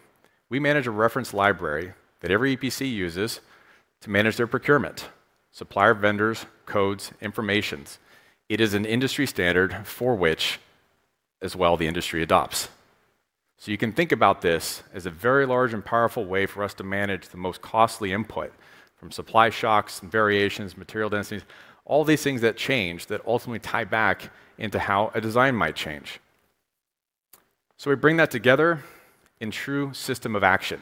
We manage a reference library that every EPC uses to manage their procurement, supplier, vendors, codes, information. It is an industry standard for which as well the industry adopts. You can think about this as a very large and powerful way for us to manage the most costly input from supply shocks and variations, material densities, all these things that change that ultimately tie back into how a design might change. We bring that together in true system of action.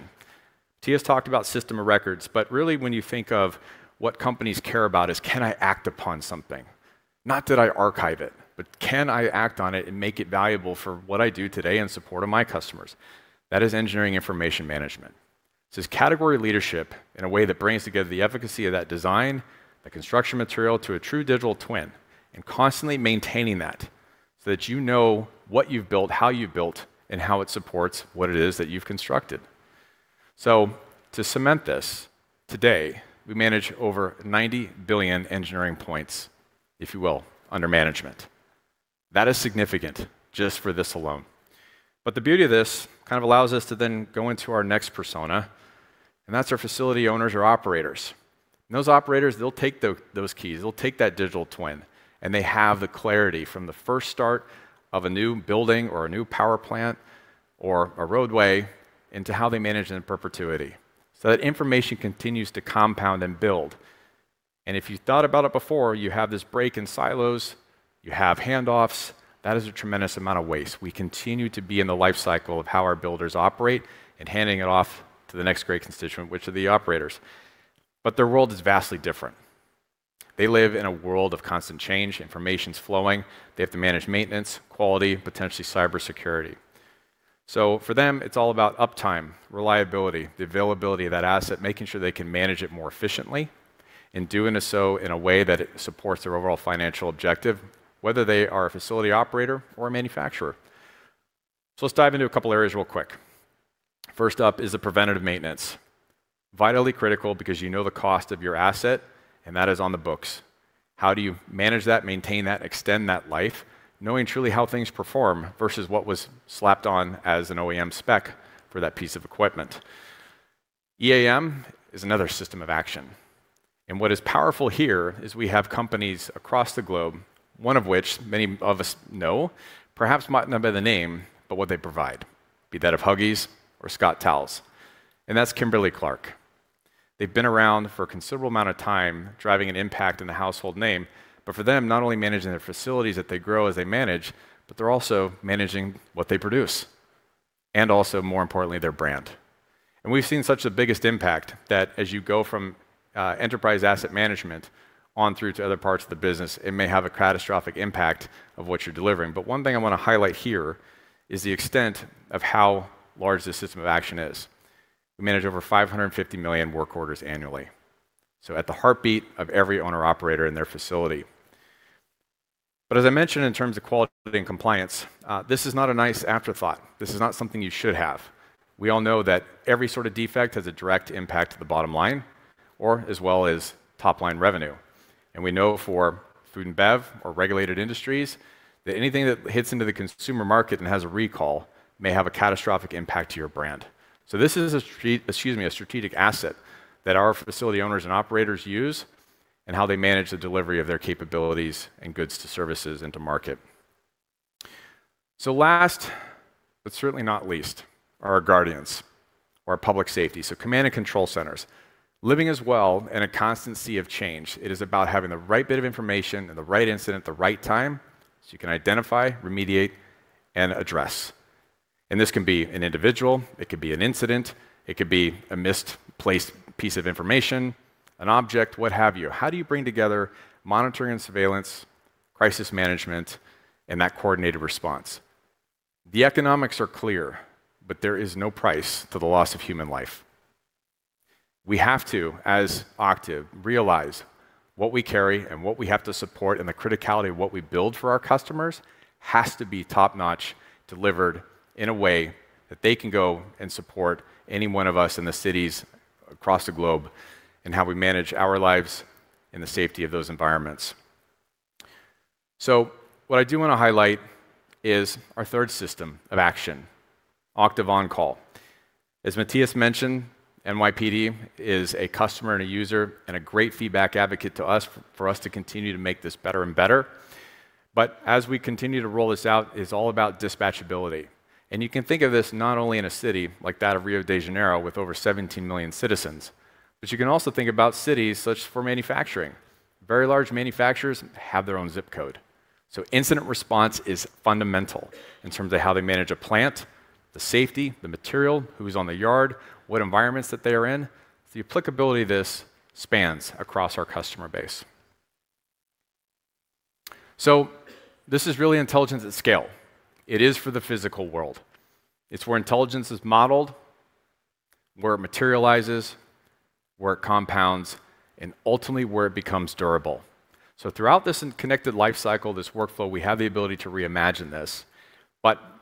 Mattias talked about system of records, but really when you think of what companies care about is, can I act upon something? Not, did I archive it, but can I act on it and make it valuable for what I do today in support of my customers? That is engineering information management. This is category leadership in a way that brings together the efficacy of that design, the construction material to a true digital twin, and constantly maintaining that so that you know what you've built, how you've built, and how it supports what it is that you've constructed. To cement this, today, we manage over 90 billion engineering points, if you will, under management. That is significant just for this alone. The beauty of this kind of allows us to then go into our next persona, and that's our facility owners or operators. Those operators, they'll take those keys, they'll take that digital twin, and they have the clarity from the first start of a new building or a new power plant or a roadway into how they manage it in perpetuity. That information continues to compound and build. If you thought about it before, you have this break in silos, you have handoffs. That is a tremendous amount of waste. We continue to be in the life cycle of how our builders operate and handing it off to the next great constituent, which are the operators. Their world is vastly different. They live in a world of constant change, information's flowing. They have to manage maintenance, quality, potentially cybersecurity. For them, it's all about uptime, reliability, the availability of that asset, making sure they can manage it more efficiently, and doing so in a way that it supports their overall financial objective, whether they are a facility operator or a manufacturer. Let's dive into a couple areas real quick. First up is the preventative maintenance. Vitally critical because you know the cost of your asset, and that is on the books. How do you manage that, maintain that, extend that life, knowing truly how things perform versus what was slapped on as an OEM spec for that piece of equipment? EAM is another system of action, and what is powerful here is we have companies across the globe, one of which many of us know, perhaps might not know by the name, but what they provide, be that of Huggies or Scott Towels, and that's Kimberly-Clark. They've been around for a considerable amount of time driving an impact in the household name. For them, not only managing their facilities that they grow as they manage, but they're also managing what they produce, and also, more importantly, their brand. We've seen such the biggest impact that as you go from enterprise asset management on through to other parts of the business, it may have a catastrophic impact of what you're delivering. One thing I wanna highlight here is the extent of how large this system of action is. We manage over 550 million work orders annually, so at the heartbeat of every owner-operator in their facility. As I mentioned in terms of quality and compliance, this is not a nice afterthought. This is not something you should have. We all know that every sort of defect has a direct impact to the bottom line or as well as top-line revenue. We know for food and bev or regulated industries that anything that hits into the consumer market and has a recall may have a catastrophic impact to your brand. This is a strategic asset that our facility owners and operators use in how they manage the delivery of their capabilities and goods and services into the market. Last, but certainly not least, are our guardians or our public safety command and control centers, living as well in a constant sea of change. It is about having the right bit of information in the right incident at the right time, so you can identify, remediate, and address. This can be an individual, it could be an incident, it could be a misplaced piece of information, an object, what have you. How do you bring together monitoring and surveillance, crisis management, and that coordinated response? The economics are clear, but there is no price to the loss of human life. We have to, as Octave, realize what we carry and what we have to support and the criticality of what we build for our customers has to be top-notch delivered in a way that they can go and support any one of us in the cities across the globe in how we manage our lives and the safety of those environments. What I do wanna highlight is our third system of action, Octave OnCall. As Mattias mentioned, NYPD is a customer and a user and a great feedback advocate to us for us to continue to make this better and better. As we continue to roll this out, it's all about dispatchability. You can think of this not only in a city like that of Rio de Janeiro with over 17 million citizens, but you can also think about cities such for manufacturing. Very large manufacturers have their own zip code. Incident response is fundamental in terms of how they manage a plant, the safety, the material, who's on the yard, what environments that they are in. The applicability of this spans across our customer base. This is really intelligence at scale. It is for the physical world. It's where intelligence is modeled, where it materializes, where it compounds, and ultimately where it becomes durable. Throughout this connected life cycle, this workflow, we have the ability to reimagine this.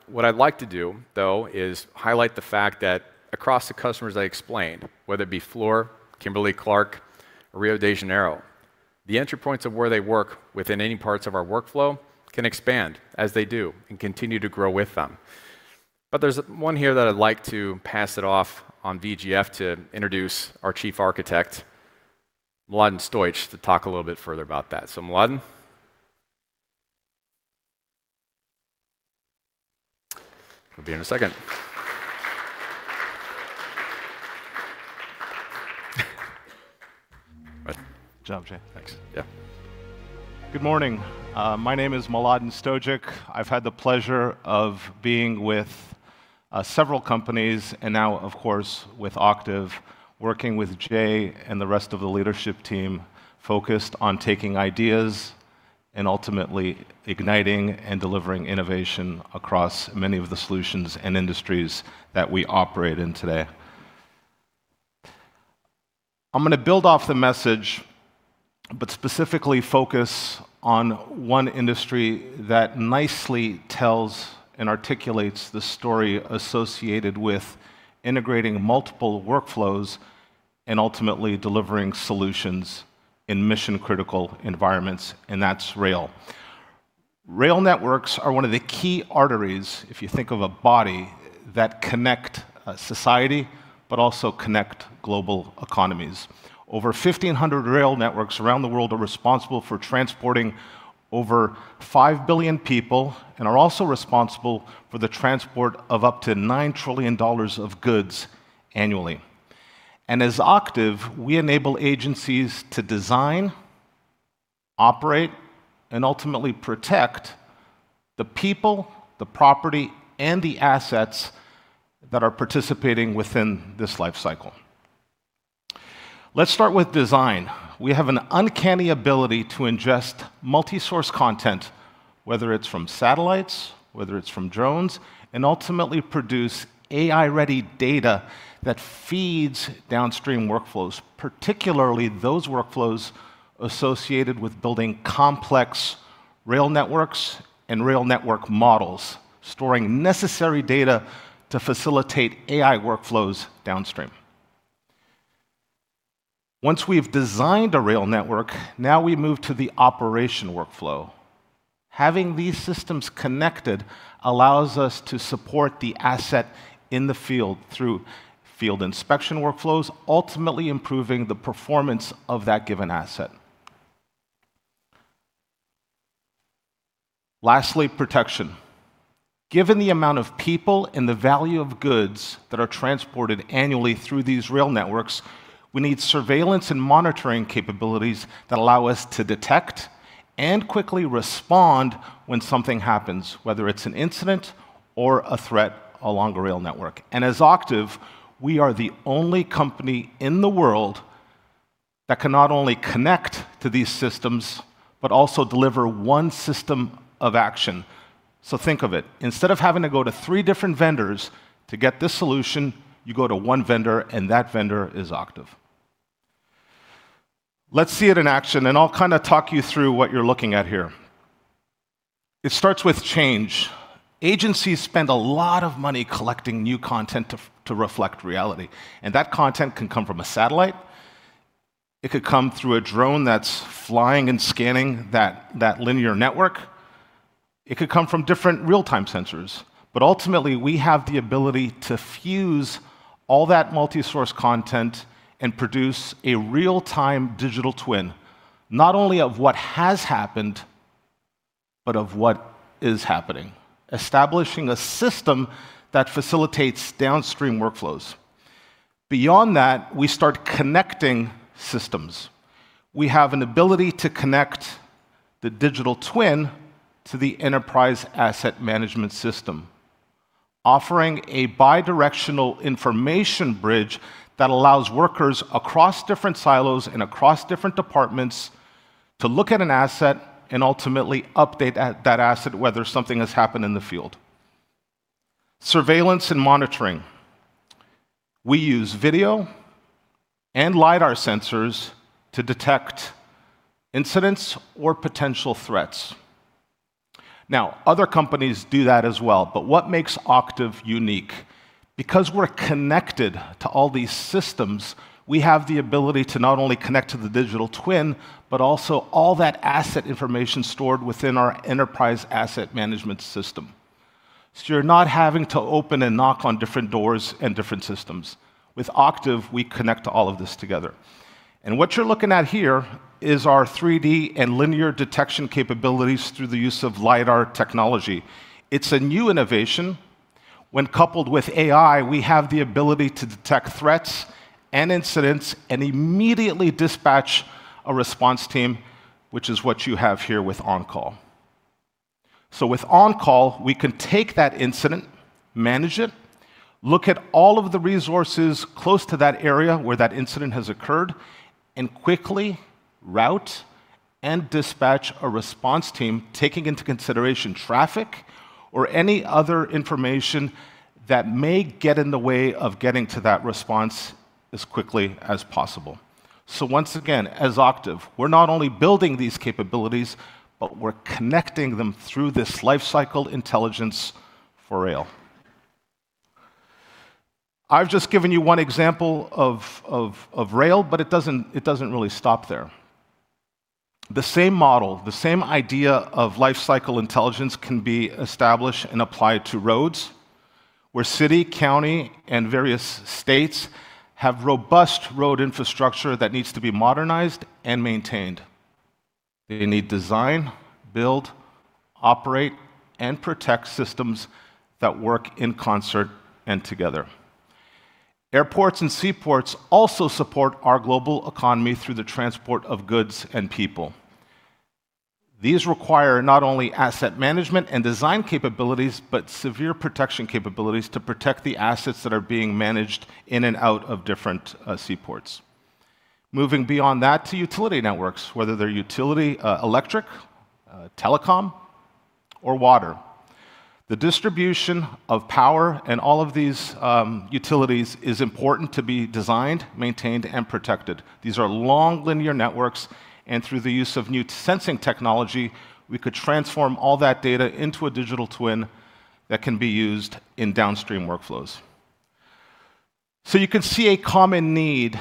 What I'd like to do, though, is highlight the fact that across the customers I explained, whether it be Fluor, Kimberly-Clark, or Rio de Janeiro, the entry points of where they work within any parts of our workflow can expand as they do and continue to grow with them. There's one here that I'd like to pass it off on VGF to introduce our Chief Architect, Mladen Stojic, to talk a little bit further about that. Mladen. He'll be here in a second. Good job, Jay. Thanks. Yeah. Good morning. My name is Mladen Stojic. I've had the pleasure of being with several companies and now of course, with Octave, working with Jay and the rest of the leadership team, focused on taking ideas and ultimately igniting and delivering innovation across many of the solutions and industries that we operate in today. I'm gonna build off the message, but specifically focus on one industry that nicely tells and articulates the story associated with integrating multiple workflows and ultimately delivering solutions in mission-critical environments, and that's rail. Rail networks are one of the key arteries, if you think of a body, that connect society, but also connect global economies. Over 1,500 rail networks around the world are responsible for transporting over 5 billion people and are also responsible for the transport of up to $9 trillion of goods annually. As Octave, we enable agencies to design, operate, and ultimately protect the people, the property, and the assets that are participating within this life cycle. Let's start with design. We have an uncanny ability to ingest multi-source content, whether it's from satellites, whether it's from drones, and ultimately produce AI-ready data that feeds downstream workflows, particularly those workflows associated with building complex rail networks and rail network models, storing necessary data to facilitate AI workflows downstream. Once we've designed a rail network, now we move to the operation workflow. Having these systems connected allows us to support the asset in the field through field inspection workflows, ultimately improving the performance of that given asset. Lastly, protection. Given the amount of people and the value of goods that are transported annually through these rail networks, we need surveillance and monitoring capabilities that allow us to detect and quickly respond when something happens, whether it's an incident or a threat along a rail network. As Octave, we are the only company in the world that can not only connect to these systems but also deliver one system of action. Think of it. Instead of having to go to three different vendors to get this solution, you go to one vendor, and that vendor is Octave. Let's see it in action, and I'll kinda talk you through what you're looking at here. It starts with change. Agencies spend a lot of money collecting new content to reflect reality, and that content can come from a satellite. It could come through a drone that's flying and scanning that linear network. It could come from different real-time sensors. Ultimately, we have the ability to fuse all that multi-source content and produce a real-time digital twin, not only of what has happened, but of what is happening, establishing a system that facilitates downstream workflows. Beyond that, we start connecting systems. We have an ability to connect the digital twin to the Enterprise Asset Management system, offering a bi-directional information bridge that allows workers across different silos and across different departments to look at an asset and ultimately update that asset whether something has happened in the field. Surveillance and monitoring. We use video and lidar sensors to detect incidents or potential threats. Now, other companies do that as well, but what makes Octave unique? Because we're connected to all these systems, we have the ability to not only connect to the digital twin, but also all that asset information stored within our enterprise asset management system. You're not having to open and knock on different doors and different systems. With Octave, we connect all of this together. What you're looking at here is our 3D and linear detection capabilities through the use of lidar technology. It's a new innovation. When coupled with AI, we have the ability to detect threats and incidents and immediately dispatch a response team, which is what you have here with OnCall. With on-call, we can take that incident, manage it look at all of the resources close to that area where that incident has occurred and quickly route and dispatch a response team, taking into consideration traffic or any other information that may get in the way of getting to that response as quickly as possible. Once again, as Octave, we're not only building these capabilities, but we're connecting them through this lifecycle intelligence for rail. I've just given you one example of rail, but it doesn't really stop there. The same model, the same idea of lifecycle intelligence can be established and applied to roads where city, county, and various states have robust road infrastructure that needs to be modernized and maintained. They need design, build, operate, and protect systems that work in concert and together. Airports and seaports also support our global economy through the transport of goods and people. These require not only asset management and design capabilities, but severe protection capabilities to protect the assets that are being managed in and out of different seaports. Moving beyond that to utility networks, whether they're utility, electric, telecom, or water. The distribution of power and all of these utilities is important to be designed, maintained, and protected. These are long linear networks, and through the use of new sensing technology, we could transform all that data into a digital twin that can be used in downstream workflows. You can see a common need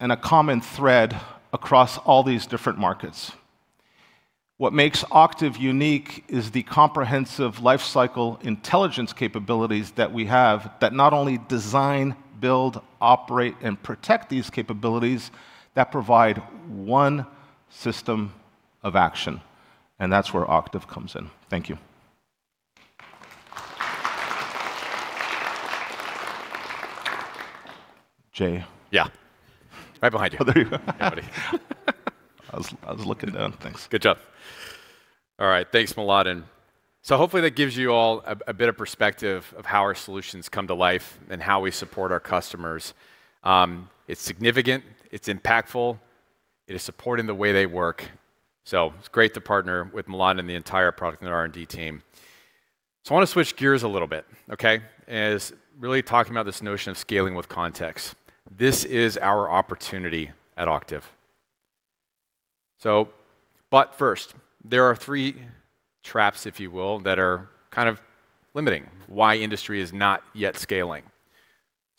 and a common thread across all these different markets. What makes Octave unique is the comprehensive lifecycle intelligence capabilities that we have that not only design, build, operate, and protect these capabilities that provide one system of action, and that's where Octave comes in. Thank you. Jay. Yeah. Right behind you. Oh, there you are. Howdy. I was looking down. Thanks. Good job. All right, thanks Mladen. Hopefully that gives you all a bit of perspective of how our solutions come to life and how we support our customers. It's significant, it's impactful, it is supporting the way they work, so it's great to partner with Mladen and the entire product and R&D team. I wanna switch gears a little bit, okay? It's really talking about this notion of scaling with context. This is our opportunity at Octave. But first, there are three traps, if you will, that are kind of limiting why industry is not yet scaling.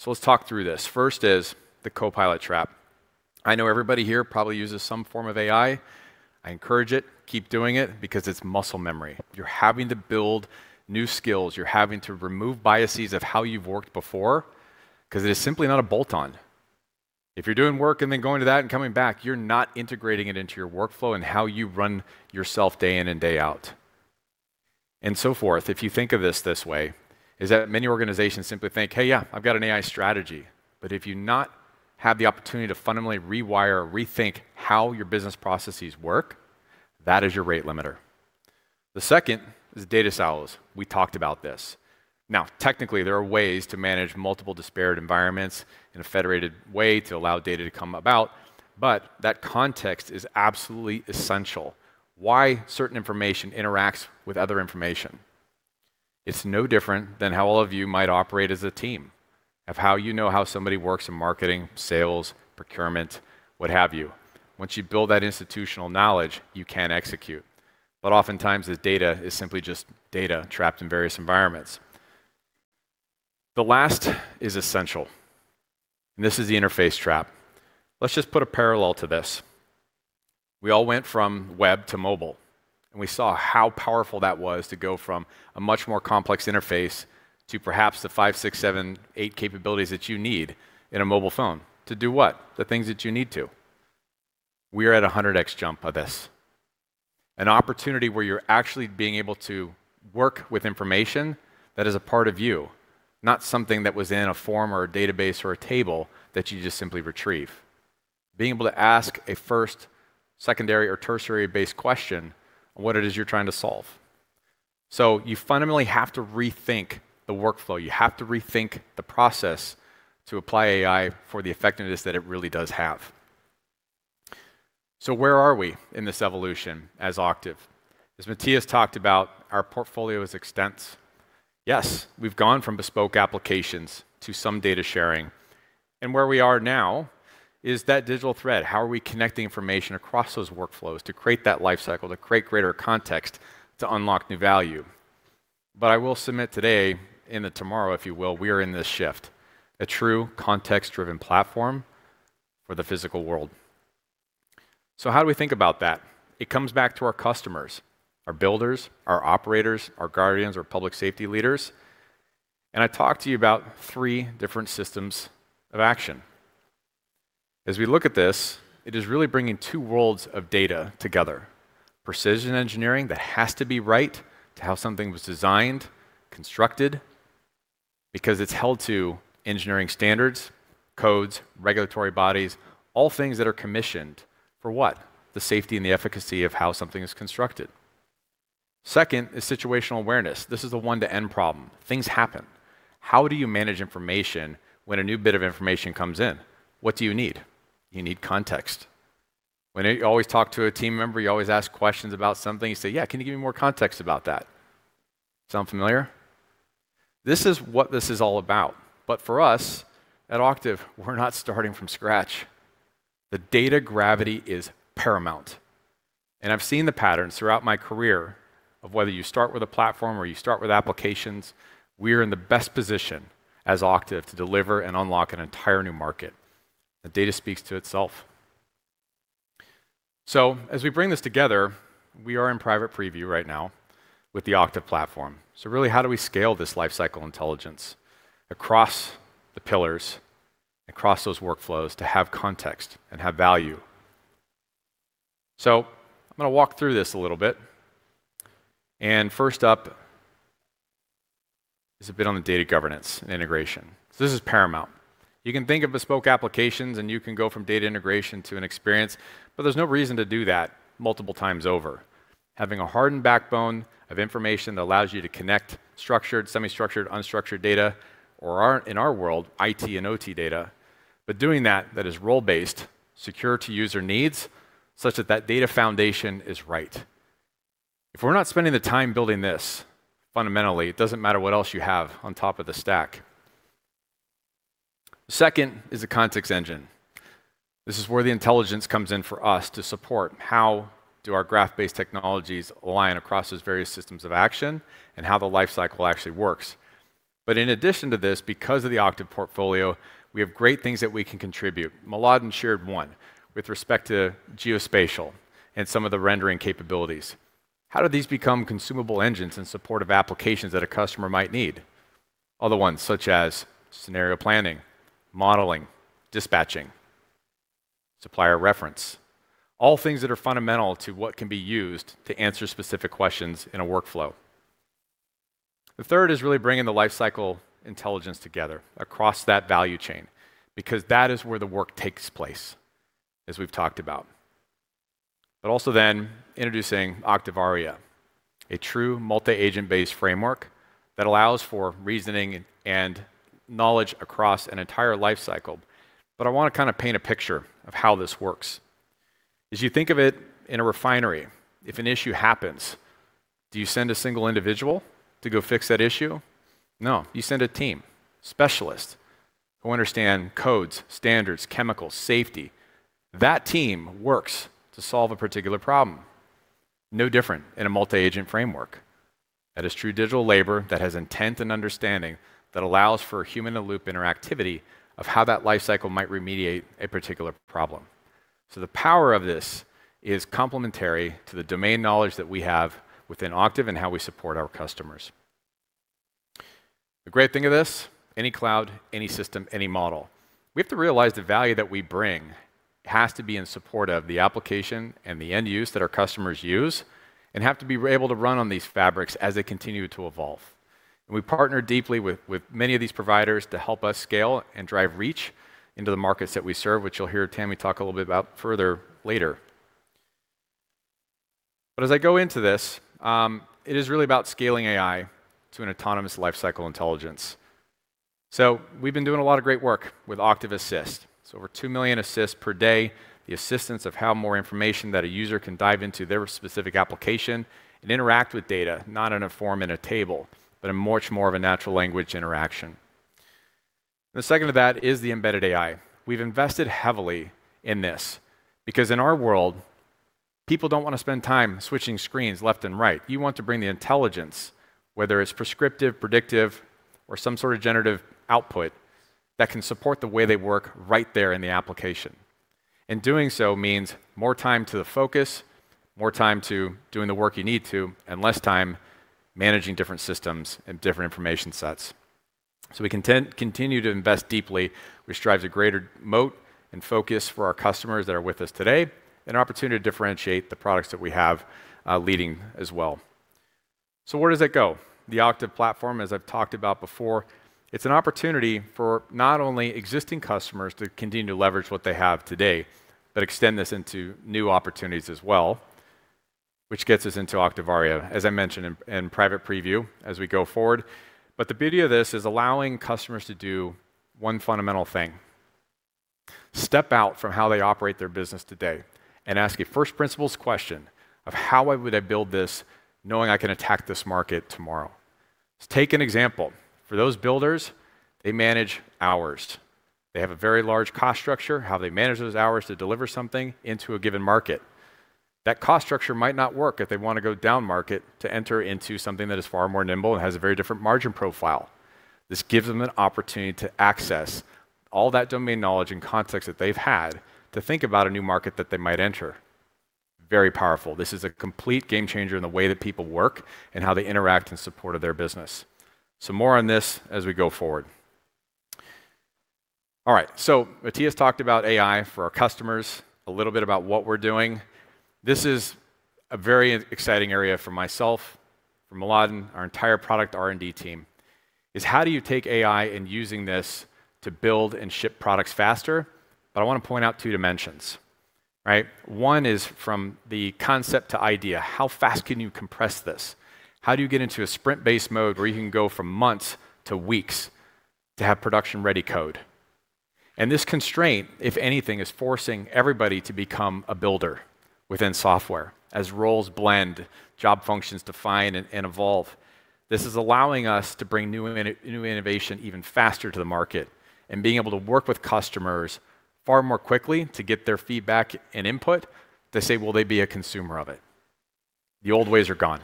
Let's talk through this. First is the co-pilot trap. I know everybody here probably uses some form of AI. I encourage it. Keep doing it because it's muscle memory. You're having to build new skills. You're having to remove biases of how you've worked before 'cause it is simply not a bolt on. If you're doing work and then going to that and coming back, you're not integrating it into your workflow and how you run yourself day in and day out and so forth. If you think of this way, it's that many organizations simply think, "Hey, yeah, I've got an AI strategy." If you not have the opportunity to fundamentally rewire or rethink how your business processes work, that is your rate limiter. The second is data silos. We talked about this. Now, technically, there are ways to manage multiple disparate environments in a federated way to allow data to come about, but that context is absolutely essential. Why certain information interacts with other information. It's no different than how all of you might operate as a team, of how you know how somebody works in marketing, sales, procurement, what have you. Once you build that institutional knowledge, you can execute, but oftentimes the data is simply just data trapped in various environments. The last is essential, and this is the interface trap. Let's just put a parallel to this. We all went from web to mobile, and we saw how powerful that was to go from a much more complex interface to perhaps the five, six, seven, eight capabilities that you need in a mobile phone. To do what? The things that you need to. We're at a 100x jump of this. An opportunity where you're actually being able to work with information that is a part of you, not something that was in a form or a database or a table that you just simply retrieve. Being able to ask a first, secondary or tertiary based question on what it is you're trying to solve. You fundamentally have to rethink the workflow. You have to rethink the process to apply AI for the effectiveness that it really does have. Where are we in this evolution as Octave? As Mattias talked about, our portfolio extends. Yes, we've gone from bespoke applications to some data sharing, and where we are now is that digital thread. How are we connecting information across those workflows to create that life cycle, to create greater context, to unlock new value? I will submit today and then tomorrow, if you will, we are in this shift. A true context-driven platform for the physical world. How do we think about that? It comes back to our customers, our builders, our operators, our guardians, our public safety leaders, and I talked to you about three different systems of action. As we look at this, it is really bringing two worlds of data together. Precision engineering that has to be right to how something was designed, constructed. Because it's held to engineering standards, codes, regulatory bodies, all things that are commissioned. For what? The safety and the efficacy of how something is constructed. Second is situational awareness. This is the end-to-end problem. Things happen. How do you manage information when a new bit of information comes in? What do you need? You need context. When you always talk to a team member, you always ask questions about something, you say, "Yeah, can you give me more context about that?" Sound familiar? This is what this is all about. For us at Octave, we're not starting from scratch. The data gravity is paramount, and I've seen the patterns throughout my career of whether you start with a platform or you start with applications, we're in the best position as Octave to deliver and unlock an entire new market. The data speaks to itself. As we bring this together, we are in private preview right now with the Octave platform. Really, how do we scale this lifecycle intelligence across the pillars, across those workflows to have context and have value? I'm gonna walk through this a little bit, and first up is a bit on the data governance and integration. This is paramount. You can think of bespoke applications, and you can go from data integration to an experience, but there's no reason to do that multiple times over. Having a hardened backbone of information that allows you to connect structured, semi-structured, unstructured data, or, in our world, IT and OT data, but doing that is role-based, secure to user needs, such that that data foundation is right. If we're not spending the time building this, fundamentally, it doesn't matter what else you have on top of the stack. Second is the context engine. This is where the intelligence comes in for us to support how our graph-based technologies align across those various systems of action and how the lifecycle actually works. In addition to this, because of the Octave portfolio, we have great things that we can contribute. Mladen shared one with respect to geospatial and some of the rendering capabilities. How do these become consumable engines in support of applications that a customer might need? Other ones such as scenario planning, modeling, dispatching, supplier reference, all things that are fundamental to what can be used to answer specific questions in a workflow. The third is really bringing the lifecycle intelligence together across that value chain because that is where the work takes place, as we've talked about. Also then introducing Octavia, a true multi-agent based framework that allows for reasoning and knowledge across an entire lifecycle. I wanna kinda paint a picture of how this works. As you think of it in a refinery, if an issue happens, do you send a single individual to go fix that issue? No. You send a team, specialists who understand codes, standards, chemicals, safety. That team works to solve a particular problem. No different in a multi-agent framework. That is true digital labor that has intent and understanding that allows for human-in-the-loop interactivity of how that lifecycle might remediate a particular problem. The power of this is complementary to the domain knowledge that we have within Octave and how we support our customers. The great thing of this, any cloud, any system, any model. We have to realize the value that we bring has to be in support of the application and the end use that our customers use and have to be able to run on these fabrics as they continue to evolve. We partner deeply with many of these providers to help us scale and drive reach into the markets that we serve, which you'll hear Tammy talk a little bit about further later. As I go into this, it is really about scaling AI to an autonomous lifecycle intelligence. We've been doing a lot of great work with Octave Assist. It's over 2 million assists per day. The assistant shows more information that a user can dive into their specific application and interact with data, not in the form of a table, but in a much more natural language interaction. The second of that is the embedded AI. We've invested heavily in this because in our world, people don't wanna spend time switching screens left and right. You want to bring the intelligence, whether it's prescriptive, predictive, or some sort of generative output that can support the way they work right there in the application. Doing so means more time to the focus, more time to doing the work you need to, and less time managing different systems and different information sets. We continue to invest deeply, which drives a greater moat and focus for our customers that are with us today, and an opportunity to differentiate the products that we have, leading as well. Where does it go? The Octave platform, as I've talked about before, it's an opportunity for not only existing customers to continue to leverage what they have today but extend this into new opportunities as well, which gets us into Octavia, as I mentioned, in private preview as we go forward. The beauty of this is allowing customers to do one fundamental thing, step out from how they operate their business today and ask a first principles question of how would I build this knowing I can attack this market tomorrow? Let's take an example. For those builders, they manage hours. They have a very large cost structure, how they manage those hours to deliver something into a given market. That cost structure might not work if they wanna go down market to enter into something that is far more nimble and has a very different margin profile. This gives them an opportunity to access all that domain knowledge and context that they've had to think about a new market that they might enter. Very powerful. This is a complete game changer in the way that people work and how they interact in support of their business. More on this as we go forward. All right. Mattias talked about AI for our customers, a little bit about what we're doing. This is a very exciting area for myself, for Mladen, our entire product R&D team, is how do you take AI and using this to build and ship products faster? I want to point out two dimensions, right? One is from the concept to idea. How fast can you compress this? How do you get into a sprint-based mode where you can go from months to weeks to have production-ready code? This constraint, if anything, is forcing everybody to become a builder within software. As roles blend, job functions define and evolve, this is allowing us to bring new innovation even faster to the market, and being able to work with customers far more quickly to get their feedback and input to say will they be a consumer of it. The old ways are gone.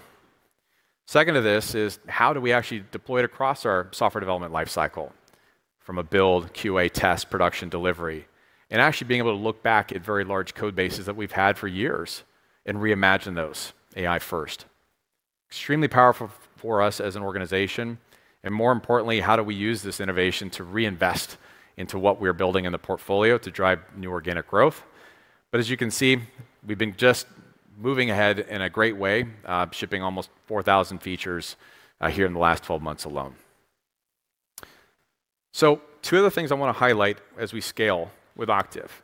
Second to this is how do we actually deploy it across our software development lifecycle from a build, QA test, production delivery, and actually being able to look back at very large code bases that we've had for years and reimagine those AI first? Extremely powerful for us as an organization, and more importantly, how do we use this innovation to reinvest into what we're building in the portfolio to drive new organic growth? As you can see, we've been just moving ahead in a great way, shipping almost 4,000 features here in the last 12 months alone. Two of the things I wanna highlight as we scale with Octave.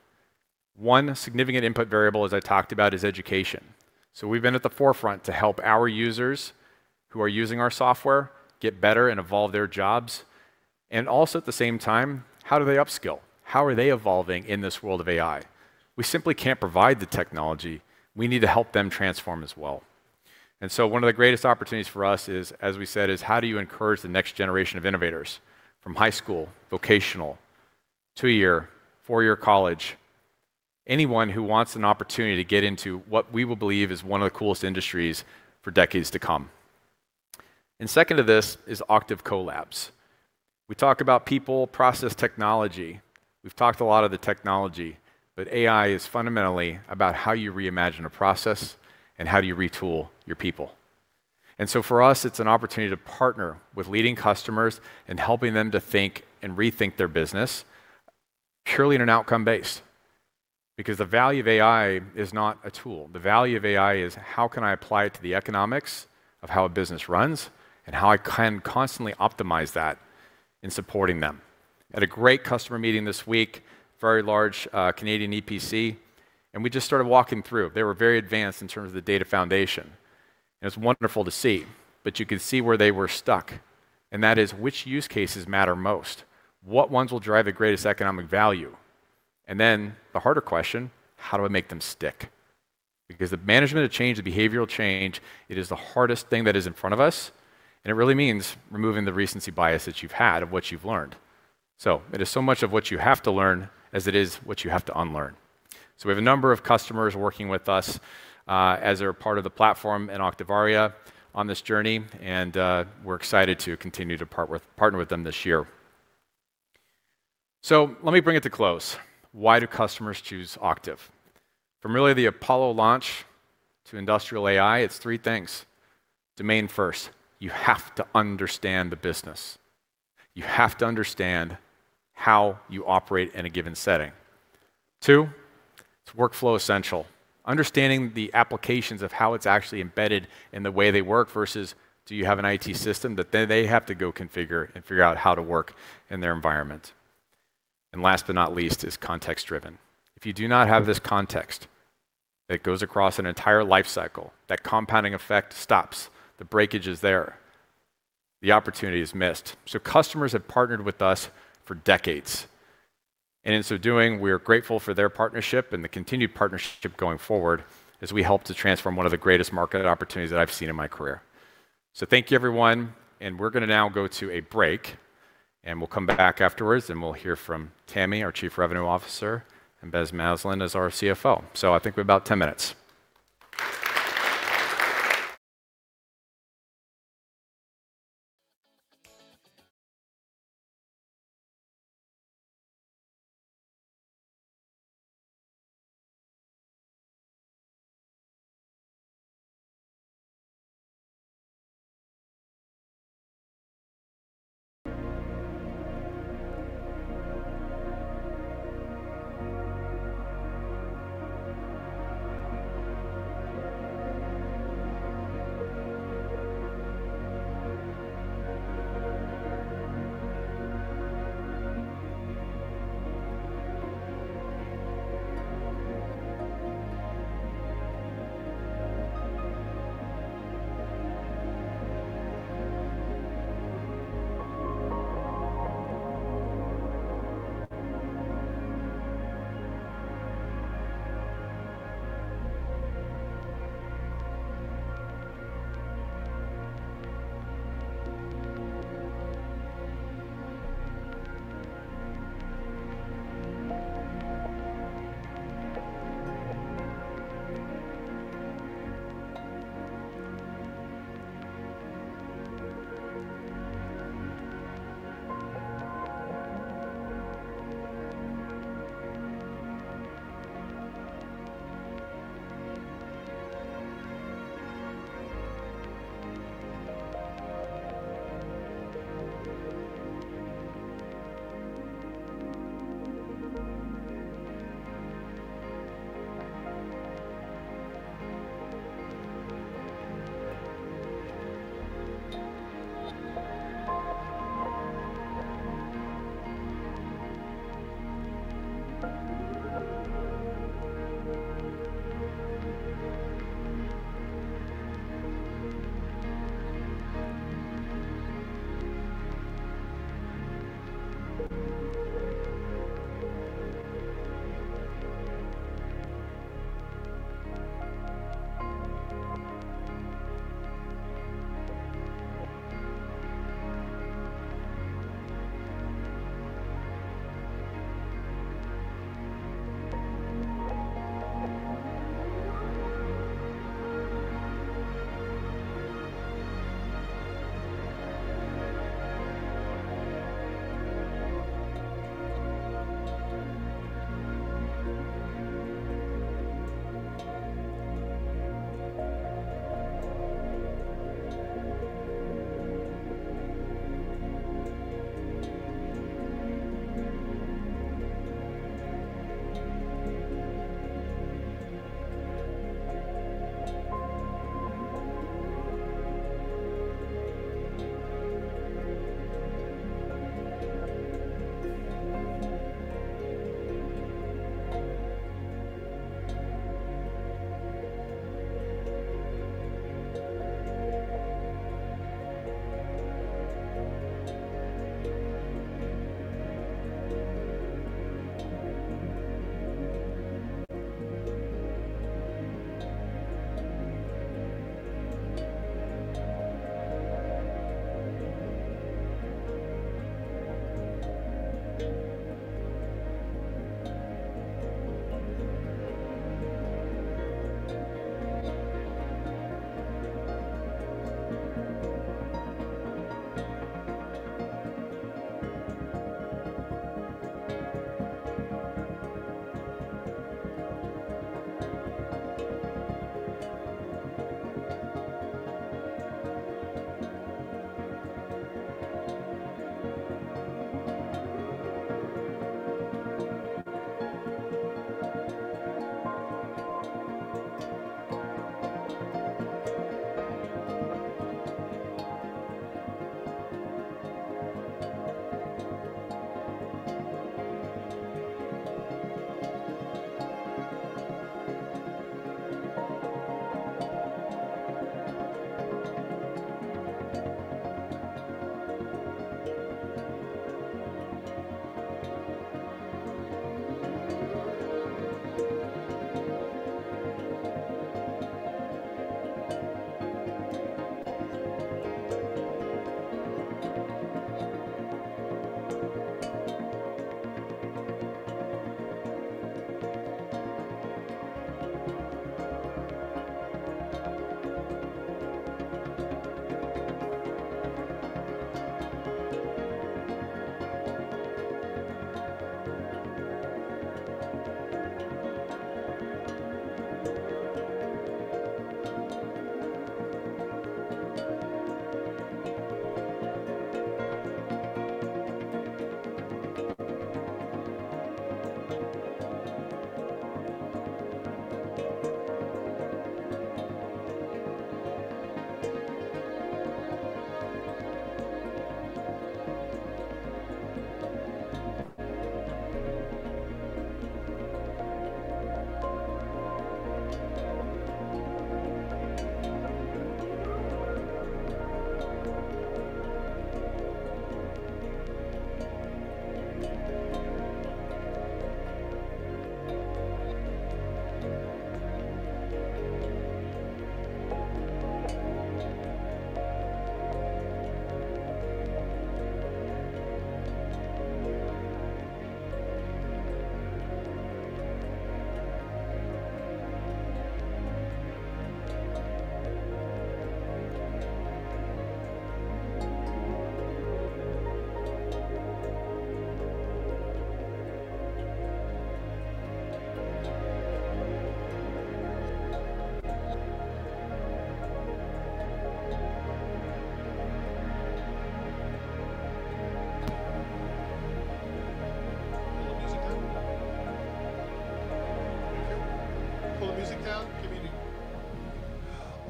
One significant input variable, as I talked about, is education. We've been at the forefront to help our users who are using our software get better and evolve their jobs. Also at the same time, how do they upskill? How are they evolving in this world of AI? We simply can't provide the technology. We need to help them transform as well. One of the greatest opportunities for us is, as we said, is how do you encourage the next generation of innovators from high school, vocational, two-year, four-year college, anyone who wants an opportunity to get into what we will believe is one of the coolest industries for decades to come. Second to this is Octave Collabs. We talk about people, process, technology. We've talked a lot of the technology, but AI is fundamentally about how you reimagine a process and how do you retool your people. For us, it's an opportunity to partner with leading customers and helping them to think and rethink their business purely in an outcome base. Because the value of AI is not a tool. The value of AI is how can I apply it to the economics of how a business runs and how I can constantly optimize that in supporting them. At a great customer meeting this week, very large Canadian EPC, and we just started walking through. They were very advanced in terms of the data foundation, and it's wonderful to see. You can see where they were stuck, and that is which use cases matter most? What ones will drive the greatest economic value? Then the harder question, how do I make them stick? Because the management of change, the behavioral change, it is the hardest thing that is in front of us, and it really means removing the recency bias that you've had of what you've learned. It is so much of what you have to learn as it is what you have to unlearn. We have a number of customers working with us as they're part of the platform in Octave on this journey, and we're excited to continue to partner with them this year. Let me bring it to close. Why do customers choose Octave? From really the Apollo launch to industrial AI, it's three things. Domain first. You have to understand the business. You have to understand how you operate in a given setting. Two, it's workflow essential. Understanding the applications of how it's actually embedded in the way they work versus do you have an IT system that they have to go configure and figure out how to work in their environment. And last but not least is context-driven. If you do not have this context that goes across an entire lifecycle, that compounding effect stops. The breakage is there. The opportunity is missed. Customers have partnered with us for decades. In so doing, we are grateful for their partnership and the continued partnership going forward as we help to transform one of the greatest market opportunities that I've seen in my career. Thank you, everyone. We're gonna now go to a break, and we'll come back afterwards, and we'll hear from Tammy Adams, our Chief Revenue Officer, and Ben Maslen as our CFO. I think we have about 10 minutes.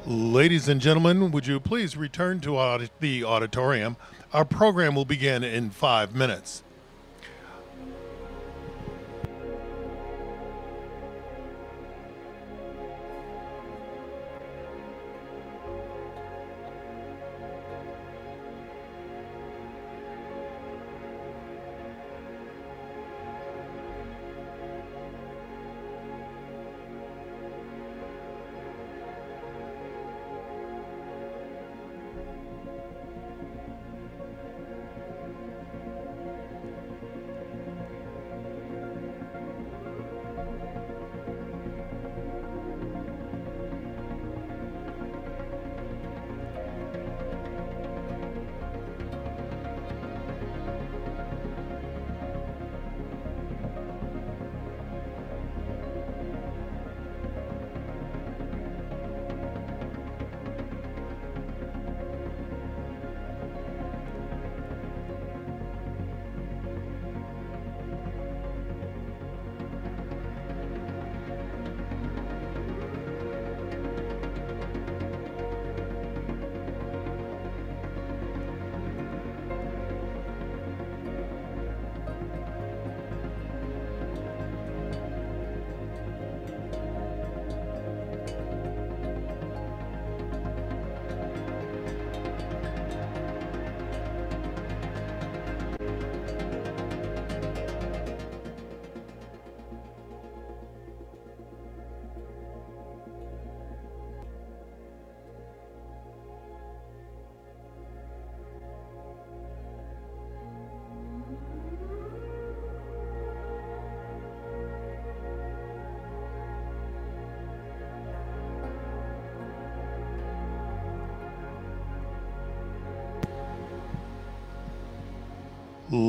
Pull the music down. Thank you. Pull the music down. Give me the- Ladies and gentlemen, would you please return to the auditorium? Our program will begin in five minutes.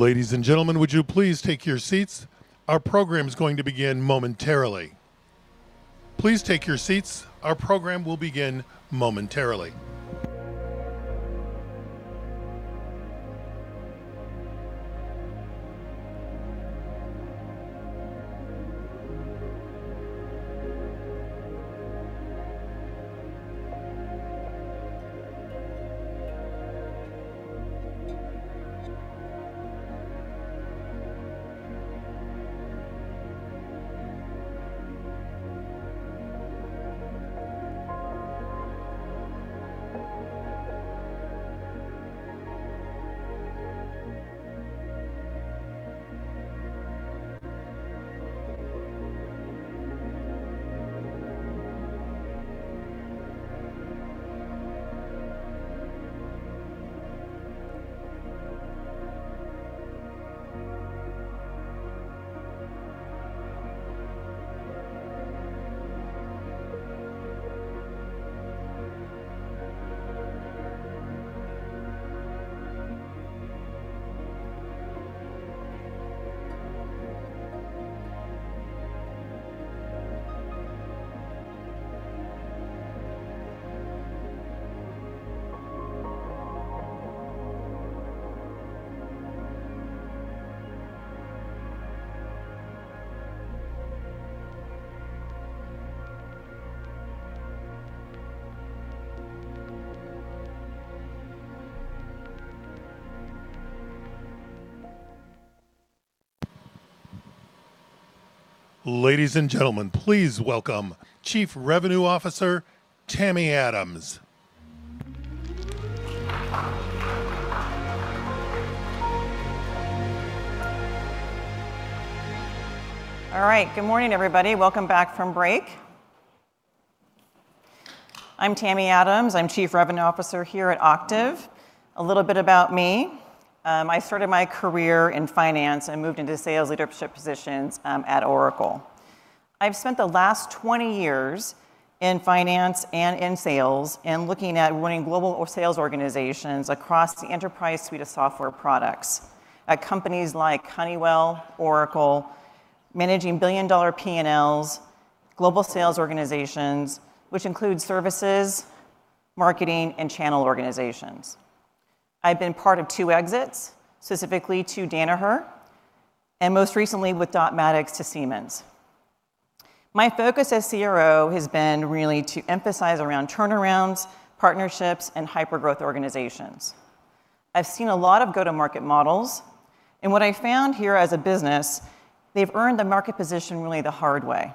Ladies and gentlemen, would you please take your seats? Our program is going to begin momentarily. Please take your seats. Our program will begin momentarily. Ladies and gentlemen, please welcome Chief Revenue Officer Tammy Adams. All right. Good morning, everybody. Welcome back from break. I'm Tammy Adams. I'm Chief Revenue Officer here at Octave. A little bit about me, I started my career in finance and moved into sales leadership positions, at Oracle. I've spent the last 20 years in finance and in sales and looking at running global sales organizations across the enterprise suite of software products at companies like Honeywell, Oracle, managing billion-dollar P&Ls, global sales organizations, which include services, marketing, and channel organizations. I've been part of two exits, specifically to Danaher, and most recently with Dotmatics to Siemens. My focus as CRO has been really to emphasize around turnarounds, partnerships, and hypergrowth organizations. I've seen a lot of go-to-market models, and what I found here as a business, they've earned the market position really the hard way.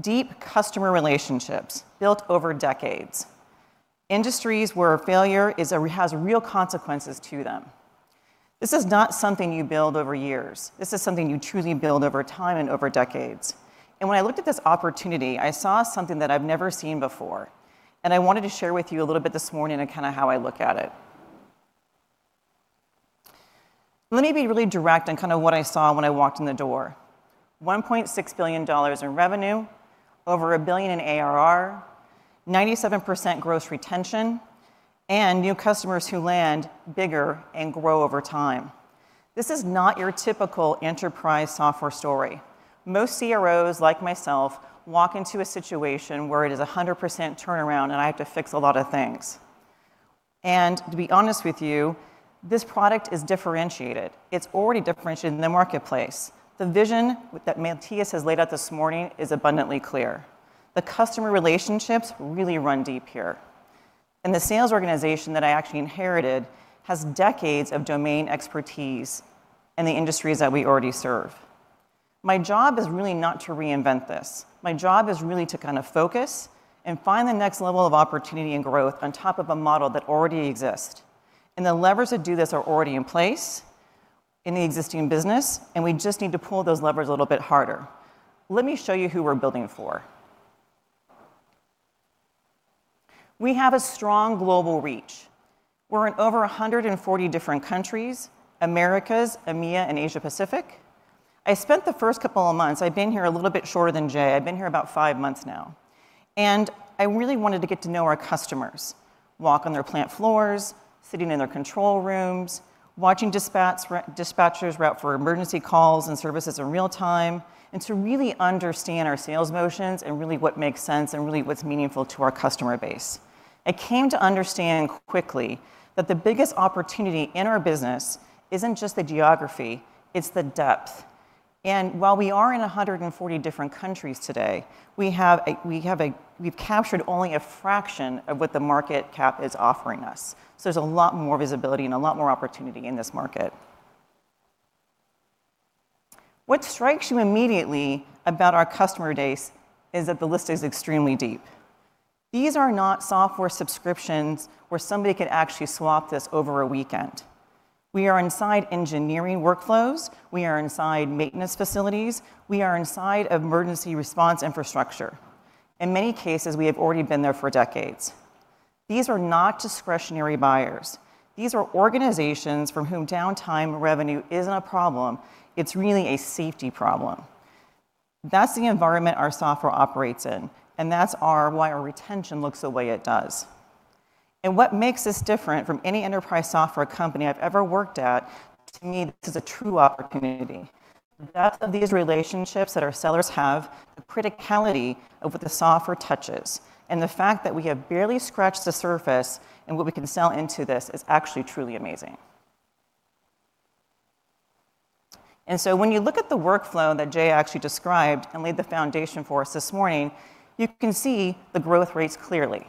Deep customer relationships built over decades. Industries where failure has real consequences to them. This is not something you build over years. This is something you truly build over time and over decades. When I looked at this opportunity, I saw something that I've never seen before, and I wanted to share with you a little bit this morning on kinda how I look at it. Let me be really direct on kinda what I saw when I walked in the door. $1.6 billion in revenue, over $1 billion in ARR, 97% gross retention, and new customers who land bigger and grow over time. This is not your typical enterprise software story. Most CROs like myself walk into a situation where it is 100% turnaround, and I have to fix a lot of things. To be honest with you, this product is differentiated. It's already differentiated in the marketplace. The vision that Mattias has laid out this morning is abundantly clear. The customer relationships really run deep here. The sales organization that I actually inherited has decades of domain expertise in the industries that we already serve. My job is really not to reinvent this. My job is really to kind of focus and find the next level of opportunity and growth on top of a model that already exists. The levers that do this are already in place in the existing business, and we just need to pull those levers a little bit harder. Let me show you who we're building for. We have a strong global reach. We're in over 140 different countries, Americas, EMEA, and Asia Pacific. I spent the first couple of months. I've been here a little bit shorter than Jay. I've been here about five months now. I really wanted to get to know our customers, walk on their plant floors, sitting in their control rooms, watching dispatchers route for emergency calls and services in real time, and to really understand our sales motions and really what makes sense and really what's meaningful to our customer base. I came to understand quickly that the biggest opportunity in our business isn't just the geography, it's the depth. While we are in 140 different countries today, we've captured only a fraction of what the market cap is offering us. There's a lot more visibility and a lot more opportunity in this market. What strikes you immediately about our customer base is that the list is extremely deep. These are not software subscriptions where somebody could actually swap this over a weekend. We are inside engineering workflows. We are inside maintenance facilities. We are inside of emergency response infrastructure. In many cases, we have already been there for decades. These are not discretionary buyers. These are organizations for whom downtime revenue isn't a problem, it's really a safety problem. That's the environment our software operates in, and that's why our retention looks the way it does. What makes us different from any enterprise software company I've ever worked at, to me, this is a true opportunity. The depth of these relationships that our sellers have, the criticality of what the software touches, and the fact that we have barely scratched the surface in what we can sell into this is actually truly amazing. When you look at the workflow that Jay actually described and laid the foundation for us this morning, you can see the growth rates clearly.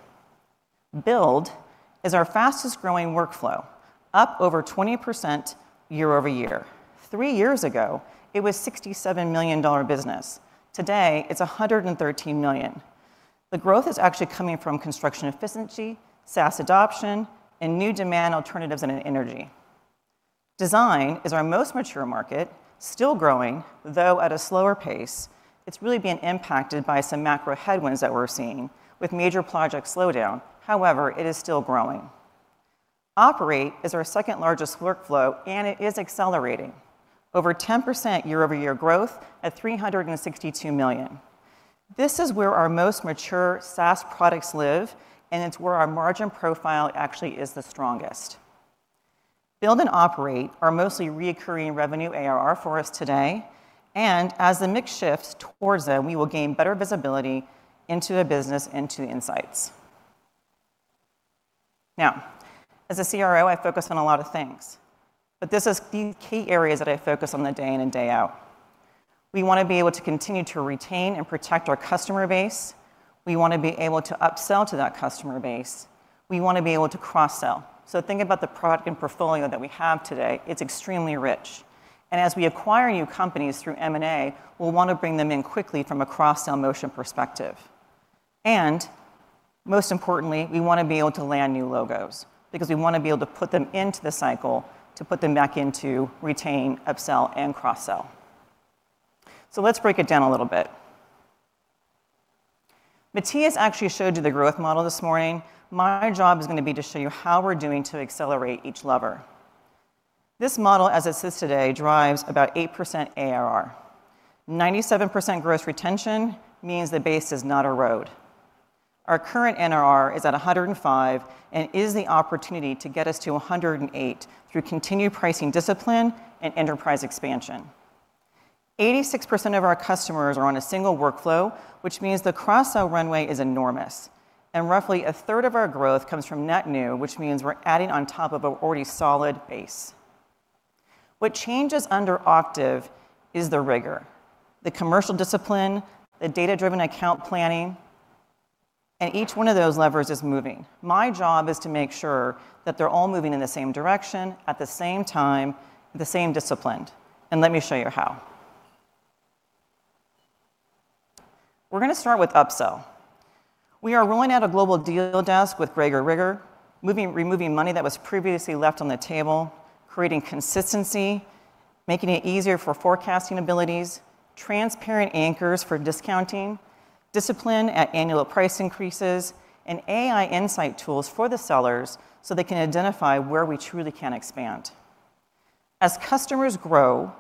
Build is our fastest-growing workflow, up over 20% year-over-year. Three years ago, it was $67 million business. Today, it's $113 million. The growth is actually coming from construction efficiency, SaaS adoption, and new demand alternatives in energy. Design is our most mature market, still growing, though at a slower pace. It's really being impacted by some macro headwinds that we're seeing with major project slowdown. However, it is still growing. Operate is our second-largest workflow, and it is accelerating. Over 10% year-over-year growth at $362 million. This is where our most mature SaaS products live, and it's where our margin profile actually is the strongest. Build and Operate are mostly recurring revenue ARR for us today, and as the mix shifts towards them, we will gain better visibility into the business, into the insights. As a CRO, I focus on a lot of things, but this is the key areas that I focus on day in and day out. We wanna be able to continue to retain and protect our customer base. We wanna be able to upsell to that customer base. We wanna be able to cross-sell. Think about the product and portfolio that we have today. It's extremely rich. As we acquire new companies through M&A, we'll wanna bring them in quickly from a cross-sell motion perspective. Most importantly, we wanna be able to land new logos because we wanna be able to put them into the cycle to put them back into retain, upsell, and cross-sell. Let's break it down a little bit. Mattias actually showed you the growth model this morning. My job is gonna be to show you how we're doing to accelerate each lever. This model, as it sits today, drives about 8% ARR. 97% gross retention means the base is not eroding. Our current NRR is at 105 and is the opportunity to get us to 108 through continued pricing discipline and enterprise expansion. 86% of our customers are on a single workflow, which means the cross-sell runway is enormous. Roughly a third of our growth comes from net new, which means we're adding on top of an already solid base. What changes under Octave is the rigor, the commercial discipline, the data-driven account planning, and each one of those levers is moving. My job is to make sure that they're all moving in the same direction at the same time with the same discipline. Let me show you how. We're gonna start with upsell. We are rolling out a global deal desk with greater rigor, removing money that was previously left on the table, creating consistency, making it easier for forecasting abilities, transparent anchors for discounting, discipline at annual price increases, and AI insight tools for the sellers so they can identify where we truly can expand. As customers grow,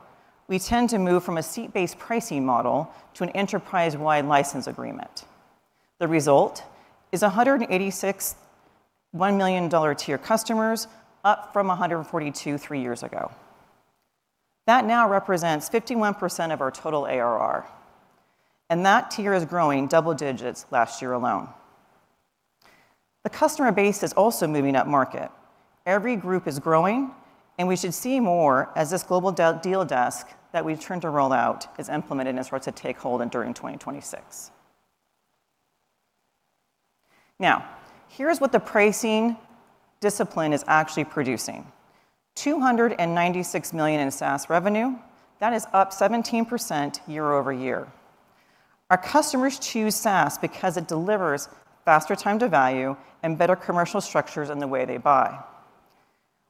we tend to move from a seat-based pricing model to an enterprise-wide license agreement. The result is 186, 1 million tier customers, up from 142 three years ago. That now represents 51% of our total ARR, and that tier is growing double digits last year alone. The customer base is also moving up market. Every group is growing, and we should see more as this global deal desk that we've turned to roll out is implemented and starts to take hold and during 2026. Now, here's what the pricing discipline is actually producing. $296 million in SaaS revenue. That is up 17% year-over-year. Our customers choose SaaS because it delivers faster time to value and better commercial structures in the way they buy.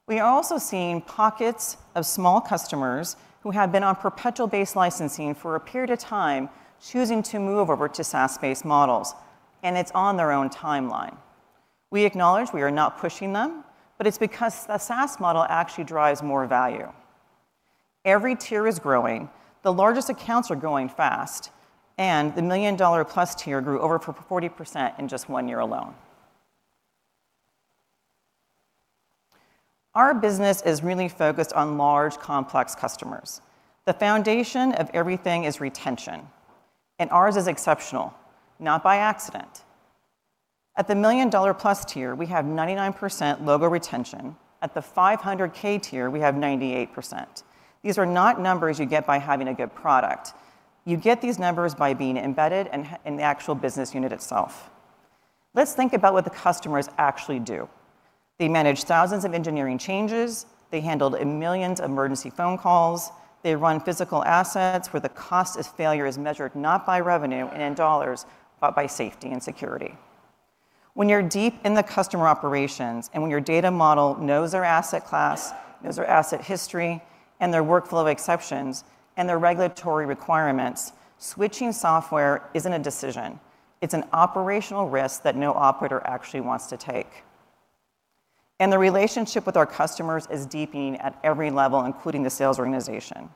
We are also seeing pockets of small customers who have been on perpetual-based licensing for a period of time choosing to move over to SaaS-based models, and it's on their own timeline. We acknowledge we are not pushing them, but it's because the SaaS model actually drives more value. Every tier is growing, the largest accounts are growing fast, and the million-dollar-plus tier grew over 40% in just one year alone. Our business is really focused on large, complex customers. The foundation of everything is retention, and ours is exceptional, not by accident. At the $1 million+ tier, we have 99% logo retention. At the $500,000 tier, we have 98%. These are not numbers you get by having a good product. You get these numbers by being embedded in the actual business unit itself. Let's think about what the customers actually do. They manage thousands of engineering changes. They handled millions of emergency phone calls. They run physical assets where the cost of failure is measured not by revenue or in dollars, but by safety and security. When you're deep in the customer operations and when your data model knows their asset class, knows their asset history, and their workflow exceptions, and their regulatory requirements, switching software isn't a decision, it's an operational risk that no operator actually wants to take. The relationship with our customers is deepening at every level, including the sales organization.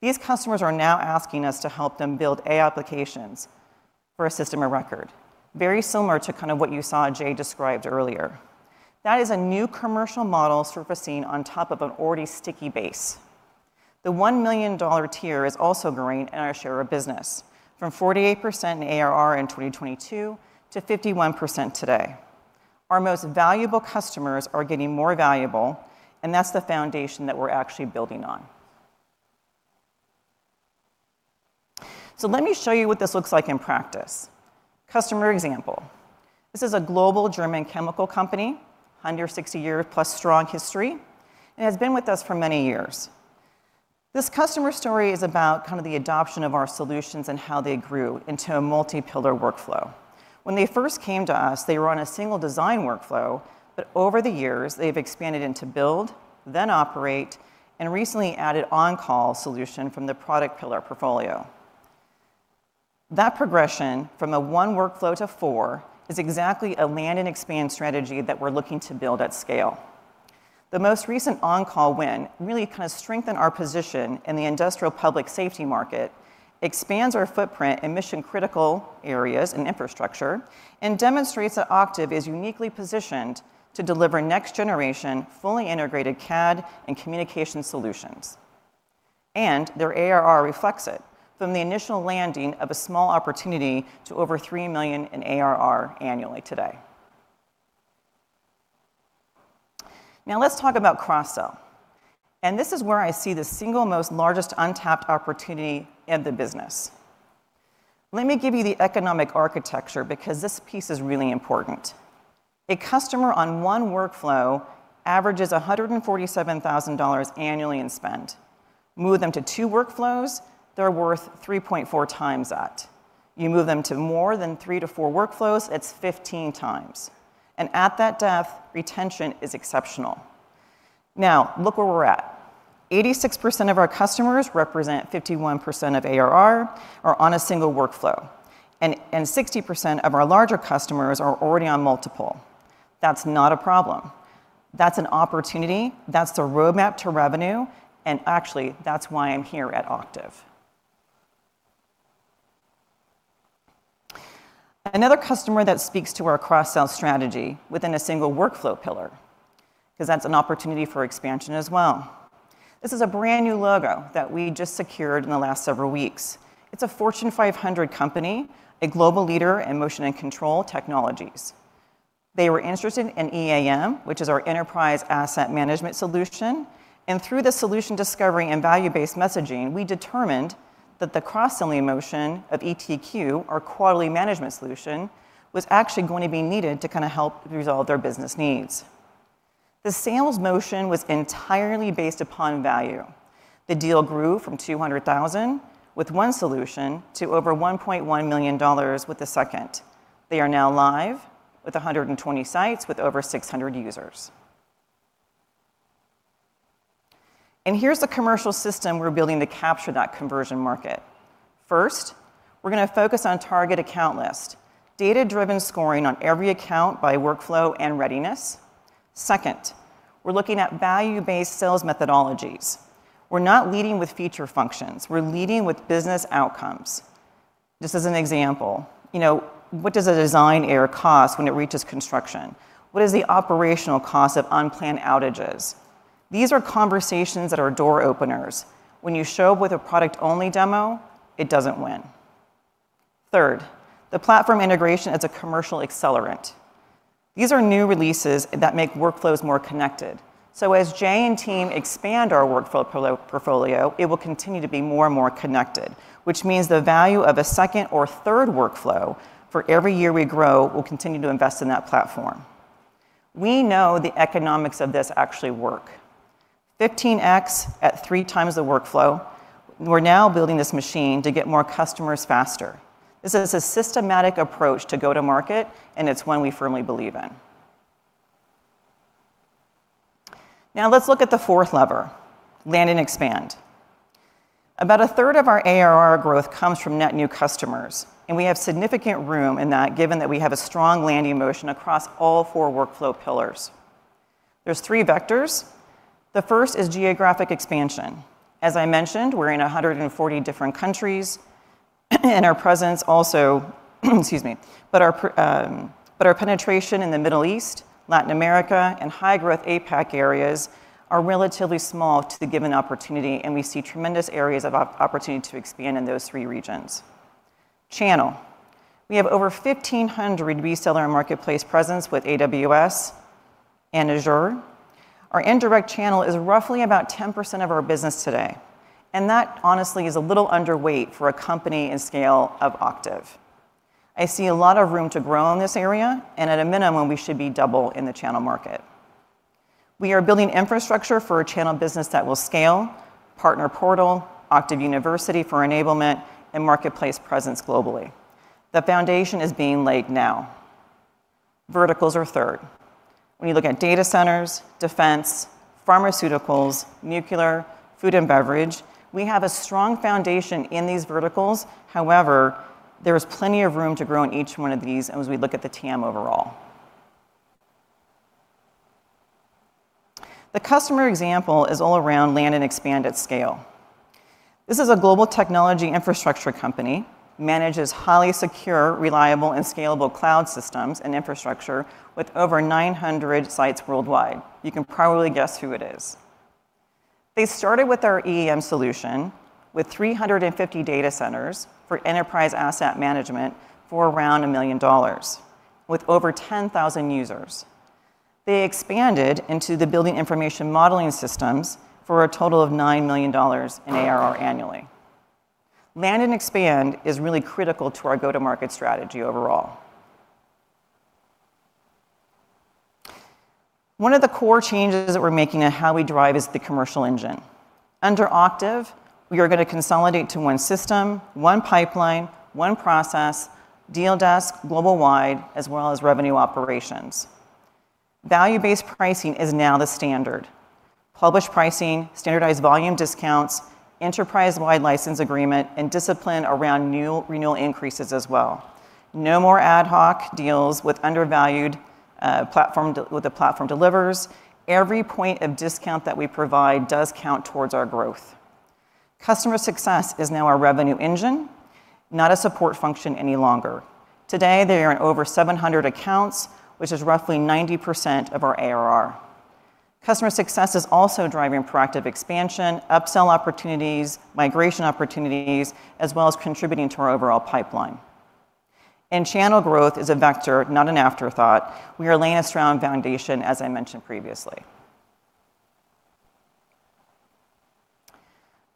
These customers are now asking us to help them build AI applications for a system of record. Very similar to kind of what you saw Jay described earlier. That is a new commercial model servicing on top of an already sticky base. The $1 million tier is also growing in our share of business from 48% in ARR in 2022 to 51% today. Our most valuable customers are getting more valuable, and that's the foundation that we're actually building on. Let me show you what this looks like in practice. Customer example. This is a global German chemical company, 160+ year strong history, and has been with us for many years. This customer story is about kind of the adoption of our solutions and how they grew into a multi-pillar workflow. When they first came to us, they were on a single design workflow, but over the years, they've expanded into build, then operate, and recently added OnCall solution from the product pillar portfolio. That progression from a one workflow to four is exactly a land and expand strategy that we're looking to build at scale. The most recent OnCall win really kind of strengthened our position in the industrial public safety market, expands our footprint in mission-critical areas and infrastructure, and demonstrates that Octave is uniquely positioned to deliver next generation, fully integrated CAD and communication solutions. Their ARR reflects it from the initial landing of a small opportunity to over $3 million in ARR annually today. Now let's talk about cross-sell. This is where I see the single most largest untapped opportunity in the business. Let me give you the economic architecture because this piece is really important. A customer on 1 workflow averages $147,000 annually in spend. Move them to two workflows, they're worth 3.4 times that. You move them to more than three-four workflows, it's 15 times. At that depth, retention is exceptional. Now, look where we're at. 86% of our customers represent 51% of ARR are on a single workflow, and 60% of our larger customers are already on multiple. That's not a problem. That's an opportunity. That's the roadmap to revenue. Actually, that's why I'm here at Octave. Another customer that speaks to our cross-sell strategy within a single workflow pillar, 'cause that's an opportunity for expansion as well. This is a brand new logo that we just secured in the last several weeks. It's a Fortune 500 company, a global leader in motion and control technologies. They were interested in EAM, which is our enterprise asset management solution, and through the solution discovery and value-based messaging, we determined that the cross-selling motion of ETQ, our quality management solution, was actually going to be needed to kinda help resolve their business needs. The sales motion was entirely based upon value. The deal grew from $200,000 with one solution to over $1.1 million with the second. They are now live with 120 sites with over 600 users. Here's the commercial system we're building to capture that conversion market. First, we're gonna focus on target account list, data-driven scoring on every account by workflow and readiness. Second, we're looking at value-based sales methodologies. We're not leading with feature functions. We're leading with business outcomes. Just as an example, you know, what does a design error cost when it reaches construction? What is the operational cost of unplanned outages? These are conversations that are door openers. When you show with a product-only demo, it doesn't win. Third, the platform integration is a commercial accelerant. These are new releases that make workflows more connected. As Jay and team expand our workflow portfolio, it will continue to be more and more connected, which means the value of a second or third workflow for every year we grow will continue to invest in that platform. We know the economics of this actually work. 15x at three times the workflow, we're now building this machine to get more customers faster. This is a systematic approach to go to market, and it's one we firmly believe in. Now let's look at the fourth lever, land and expand. About a third of our ARR growth comes from net new customers, and we have significant room in that given that we have a strong landing motion across all four workflow pillars. There's three vectors. The first is geographic expansion. As I mentioned, we're in 140 different countries and our presence also excuse me. Our penetration in the Middle East, Latin America, and high-growth APAC areas are relatively small to the given opportunity, and we see tremendous areas of opportunity to expand in those three regions. Channel. We have over 1,500 reseller and marketplace presence with AWS and Azure. Our indirect channel is roughly about 10% of our business today, and that honestly is a little underweight for a company and scale of Octave. I see a lot of room to grow in this area, and at a minimum, we should be double in the channel market. We are building infrastructure for a channel business that will scale, partner portal, Octave University for enablement, and marketplace presence globally. The foundation is being laid now. Verticals are third. When you look at data centers, defense, pharmaceuticals, nuclear, food and beverage, we have a strong foundation in these verticals. However, there is plenty of room to grow in each one of these and as we look at the TAM overall. The customer example is all around land and expand at scale. This is a global technology infrastructure company, manages highly secure, reliable, and scalable cloud systems and infrastructure with over 900 sites worldwide. You can probably guess who it is. They started with our EAM solution with 350 data centers for enterprise asset management for around $1 million with over 10,000 users. They expanded into the Building Information Modeling systems for a total of $9 million in ARR annually. Land and expand is really critical to our go-to-market strategy overall. One of the core changes that we're making on how we drive is the commercial engine. Under Octave, we are gonna consolidate to one system, one pipeline, one process, deal desk, globally, as well as revenue operations. Value-based pricing is now the standard. Published pricing, standardized volume discounts, enterprise-wide license agreement, and discipline around new renewal increases as well. No more ad hoc deals with undervalued, what the platform delivers. Every point of discount that we provide does count towards our growth. Customer success is now our revenue engine, not a support function any longer. Today, there are over 700 accounts, which is roughly 90% of our ARR. Customer success is also driving proactive expansion, upsell opportunities, migration opportunities, as well as contributing to our overall pipeline. Channel growth is a vector, not an afterthought. We are laying a strong foundation, as I mentioned previously.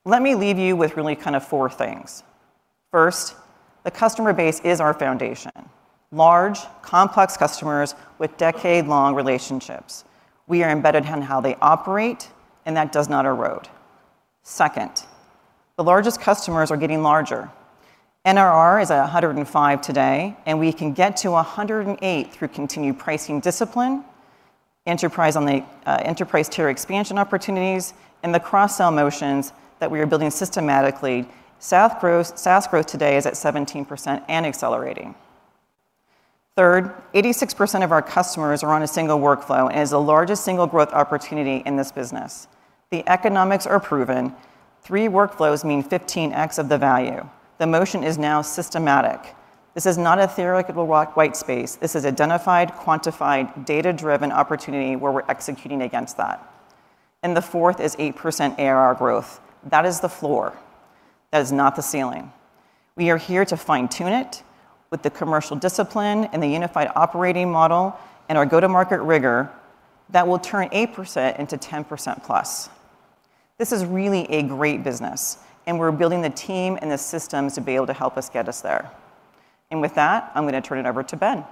Let me leave you with really kind of four things. First, the customer base is our foundation. Large, complex customers with decade-long relationships. We are embedded in how they operate, and that does not erode. Second, the largest customers are getting larger. NRR is at 105 today, and we can get to 108 through continued pricing discipline, enterprise tier expansion opportunities, and the cross-sell motions that we are building systematically. SaaS growth today is at 17% and accelerating. Third, 86% of our customers are on a single workflow and is the largest single growth opportunity in this business. The economics are proven. Three workflows mean 15x of the value. The motion is now systematic. This is not a theoretical white space. This is identified, quantified, data-driven opportunity where we're executing against that. The fourth is 8% ARR growth. That is the floor. That is not the ceiling. We are here to fine-tune it with the commercial discipline and the unified operating model and our go-to-market rigor that will turn 8% into 10%+. This is really a great business, and we're building the team and the systems to be able to help us get there. With that, I'm gonna turn it over to Ben.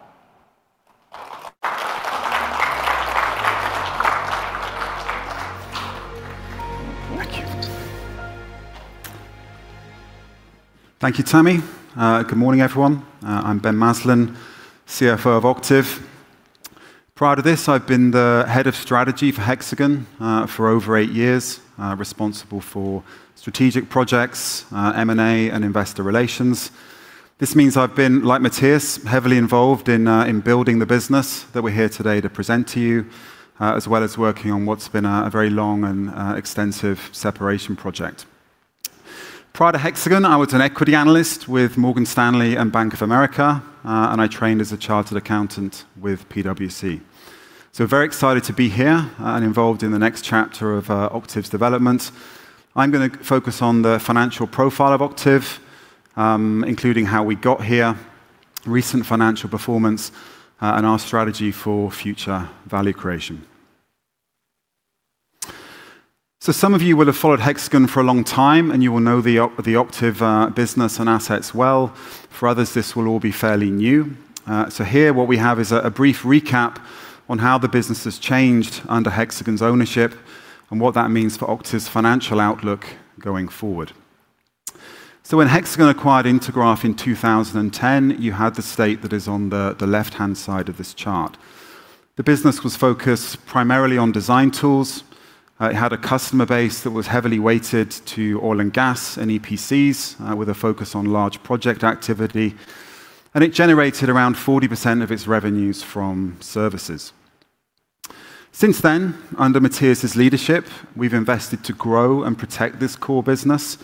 Thank you. Thank you, Tammy. Good morning, everyone. I'm Ben Maslen, CFO of Octave. Prior to this, I've been the head of strategy for Hexagon, for over eight years, responsible for strategic projects, M&A, and investor relations. This means I've been, like Mattias, heavily involved in building the business that we're here today to present to you, as well as working on what's been a very long and extensive separation project. Prior to Hexagon, I was an equity analyst with Morgan Stanley and Bank of America, and I trained as a chartered accountant with PwC. Very excited to be here, and involved in the next chapter of, Octave's development. I'm gonna focus on the financial profile of Octave, including how we got here, recent financial performance, and our strategy for future value creation. Some of you will have followed Hexagon for a long time, and you will know the Octave business and assets well. For others, this will all be fairly new. Here what we have is a brief recap on how the business has changed under Hexagon's ownership and what that means for Octave's financial outlook going forward. When Hexagon acquired Intergraph in 2010, you had the state that is on the left-hand side of this chart. The business was focused primarily on design tools. It had a customer base that was heavily weighted to oil and gas and EPCs, with a focus on large project activity, and it generated around 40% of its revenues from services. Since then, under Mattias' leadership, we've invested to grow and protect this core business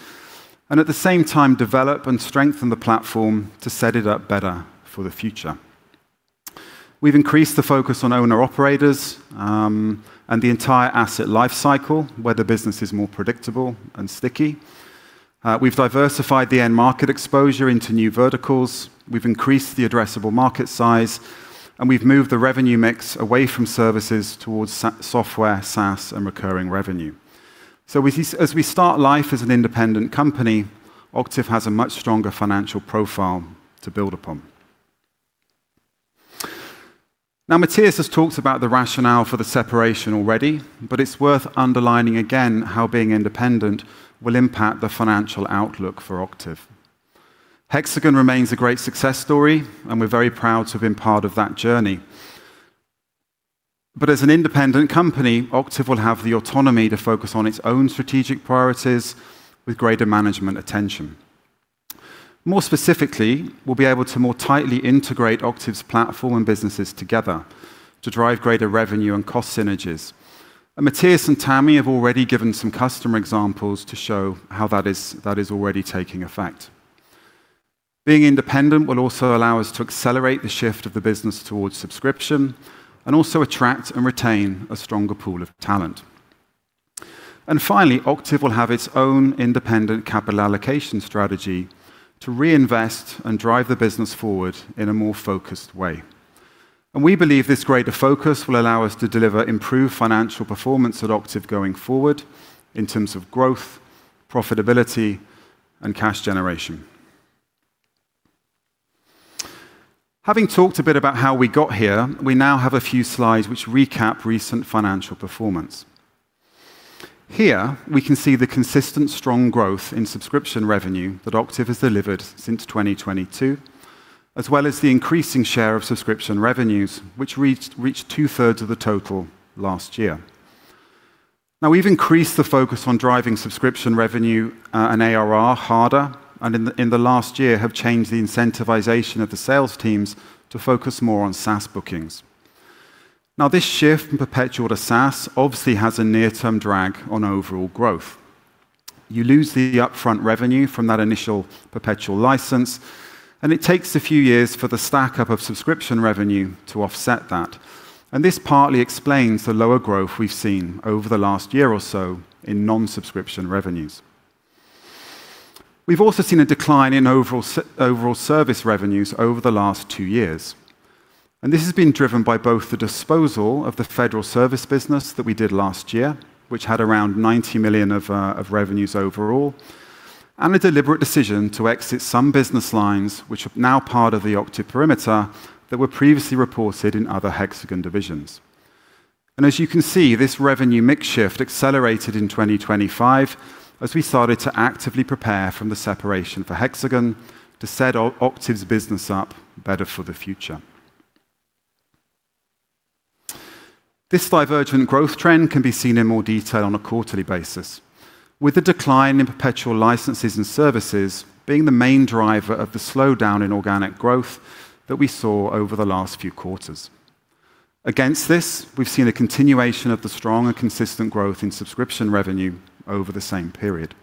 and at the same time develop and strengthen the platform to set it up better for the future. We've increased the focus on owner-operators and the entire asset life cycle, where the business is more predictable and sticky. We've diversified the end market exposure into new verticals, we've increased the addressable market size, and we've moved the revenue mix away from services towards software, SaaS, and recurring revenue. As we start life as an independent company, Octave has a much stronger financial profile to build upon. Now, Mattias has talked about the rationale for the separation already, but it's worth underlining again how being independent will impact the financial outlook for Octave. Hexagon remains a great success story, and we're very proud to have been part of that journey. As an independent company, Octave will have the autonomy to focus on its own strategic priorities with greater management attention. More specifically, we'll be able to more tightly integrate Octave's platform and businesses together to drive greater revenue and cost synergies. Mattias and Tammy have already given some customer examples to show how that is already taking effect. Being independent will also allow us to accelerate the shift of the business towards subscription and also attract and retain a stronger pool of talent. Finally, Octave will have its own independent capital allocation strategy to reinvest and drive the business forward in a more focused way. We believe this greater focus will allow us to deliver improved financial performance at Octave going forward in terms of growth, profitability, and cash generation. Having talked a bit about how we got here, we now have a few slides which recap recent financial performance. Here we can see the consistent strong growth in subscription revenue that Octave has delivered since 2022, as well as the increasing share of subscription revenues, which reached two-thirds of the total last year. Now, we've increased the focus on driving subscription revenue and ARR harder, and in the last year have changed the incentivization of the sales teams to focus more on SaaS bookings. Now, this shift from perpetual to SaaS obviously has a near-term drag on overall growth. You lose the upfront revenue from that initial perpetual license, and it takes a few years for the stack-up of subscription revenue to offset that. This partly explains the lower growth we've seen over the last year or so in non-subscription revenues. We've also seen a decline in overall service revenues over the last two years, and this has been driven by both the disposal of the federal service business that we did last year, which had around $90 million of revenues overall, and a deliberate decision to exit some business lines which are now part of the Octave perimeter that were previously reported in other Hexagon divisions. As you can see, this revenue mix shift accelerated in 2025 as we started to actively prepare for the separation for Hexagon to set Octave's business up better for the future. This divergent growth trend can be seen in more detail on a quarterly basis, with the decline in perpetual licenses and services being the main driver of the slowdown in organic growth that we saw over the last few quarters. Against this, we've seen a continuation of the strong and consistent growth in subscription revenue over the same period.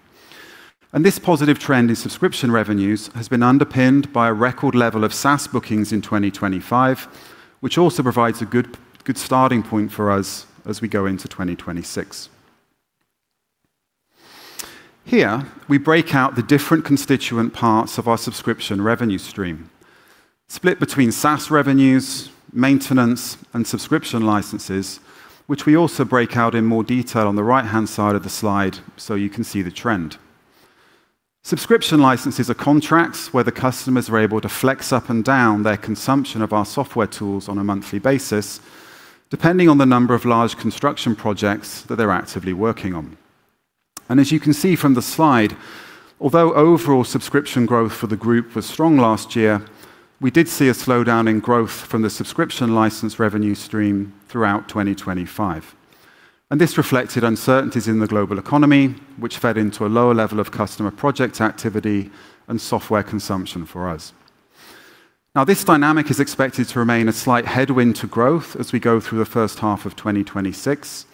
This positive trend in subscription revenues has been underpinned by a record level of SaaS bookings in 2025, which also provides a good starting point for us as we go into 2026. Here we break out the different constituent parts of our subscription revenue stream, split between SaaS revenues, maintenance, and subscription licenses, which we also break out in more detail on the right-hand side of the slide so you can see the trend. Subscription licenses are contracts where the customers are able to flex up and down their consumption of our software tools on a monthly basis, depending on the number of large construction projects that they're actively working on. As you can see from the slide, although overall subscription growth for the group was strong last year, we did see a slowdown in growth from the subscription license revenue stream throughout 2025. This reflected uncertainties in the global economy, which fed into a lower level of customer project activity and software consumption for us. Now, this dynamic is expected to remain a slight headwind to growth as we go through the first half of 2026.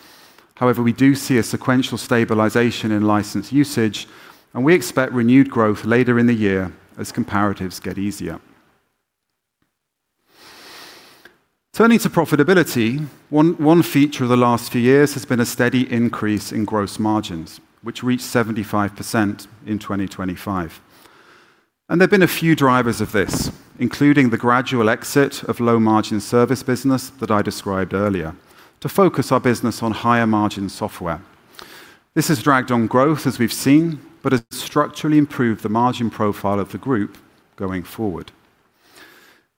However, we do see a sequential stabilization in license usage, and we expect renewed growth later in the year as comparatives get easier. Turning to profitability, one feature of the last few years has been a steady increase in gross margins, which reached 75% in 2025. There have been a few drivers of this, including the gradual exit of low-margin service business that I described earlier to focus our business on higher-margin software. This has dragged on growth, as we've seen, but has structurally improved the margin profile of the group going forward.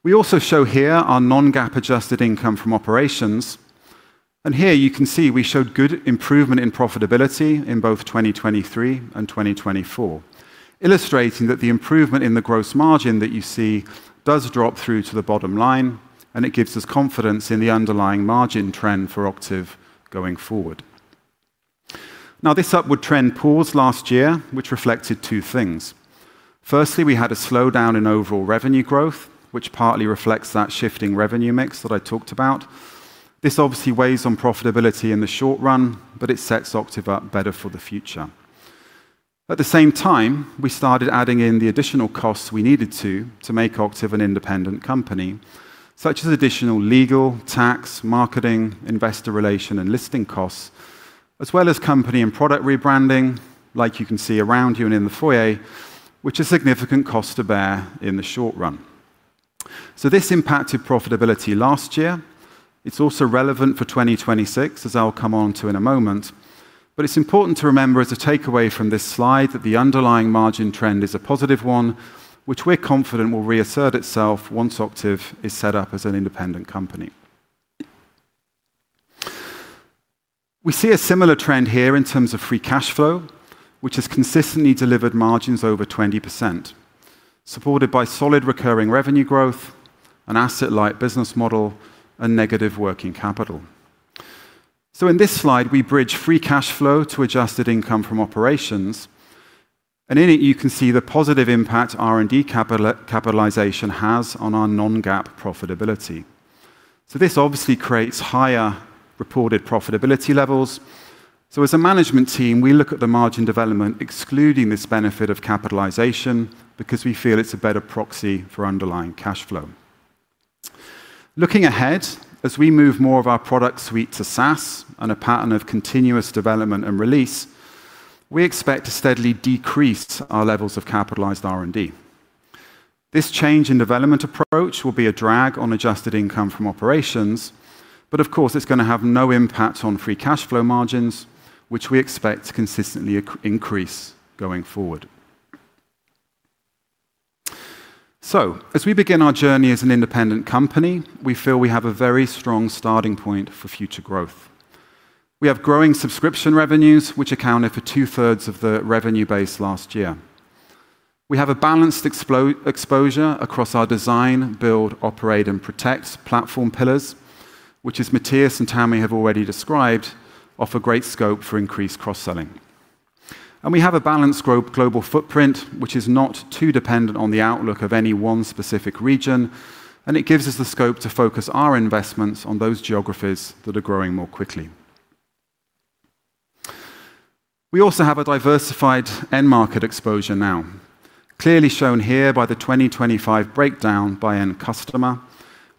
We also show here our non-GAAP adjusted income from operations. Here you can see we showed good improvement in profitability in both 2023 and 2024, illustrating that the improvement in the gross margin that you see does drop through to the bottom line, and it gives us confidence in the underlying margin trend for Octave going forward. Now, this upward trend paused last year, which reflected two things. Firstly, we had a slowdown in overall revenue growth, which partly reflects that shifting revenue mix that I talked about. This obviously weighs on profitability in the short run, but it sets Octave up better for the future. At the same time, we started adding in the additional costs we needed to make Octave an independent company, such as additional legal, tax, marketing, investor relation, and listing costs, as well as company and product rebranding, like you can see around you and in the foyer, which is significant cost to bear in the short run. This impacted profitability last year. It's also relevant for 2026, as I'll come on to in a moment. It's important to remember as a takeaway from this slide that the underlying margin trend is a positive one, which we're confident will reassert itself once Octave is set up as an independent company. We see a similar trend here in terms of free cash flow, which has consistently delivered margins over 20%, supported by solid recurring revenue growth, an asset-light business model, and negative working capital. In this slide, we bridge free cash flow to adjusted income from operations. In it, you can see the positive impact R&D capitalization has on our non-GAAP profitability. This obviously creates higher reported profitability levels. As a management team, we look at the margin development excluding this benefit of capitalization because we feel it's a better proxy for underlying cash flow. Looking ahead, as we move more of our product suite to SaaS on a pattern of continuous development and release, we expect to steadily decrease our levels of capitalized R&D. This change in development approach will be a drag on adjusted income from operations, but of course, it's gonna have no impact on free cash flow margins, which we expect to consistently increase going forward. As we begin our journey as an independent company, we feel we have a very strong starting point for future growth. We have growing subscription revenues, which accounted for 2/3 of the revenue base last year. We have a balanced exposure across our design, build, operate, and protect platform pillars, which as Mattias and Tammy have already described, offer great scope for increased cross-selling. We have a balanced global footprint, which is not too dependent on the outlook of any one specific region, and it gives us the scope to focus our investments on those geographies that are growing more quickly. We also have a diversified end market exposure now, clearly shown here by the 2025 breakdown by end customer,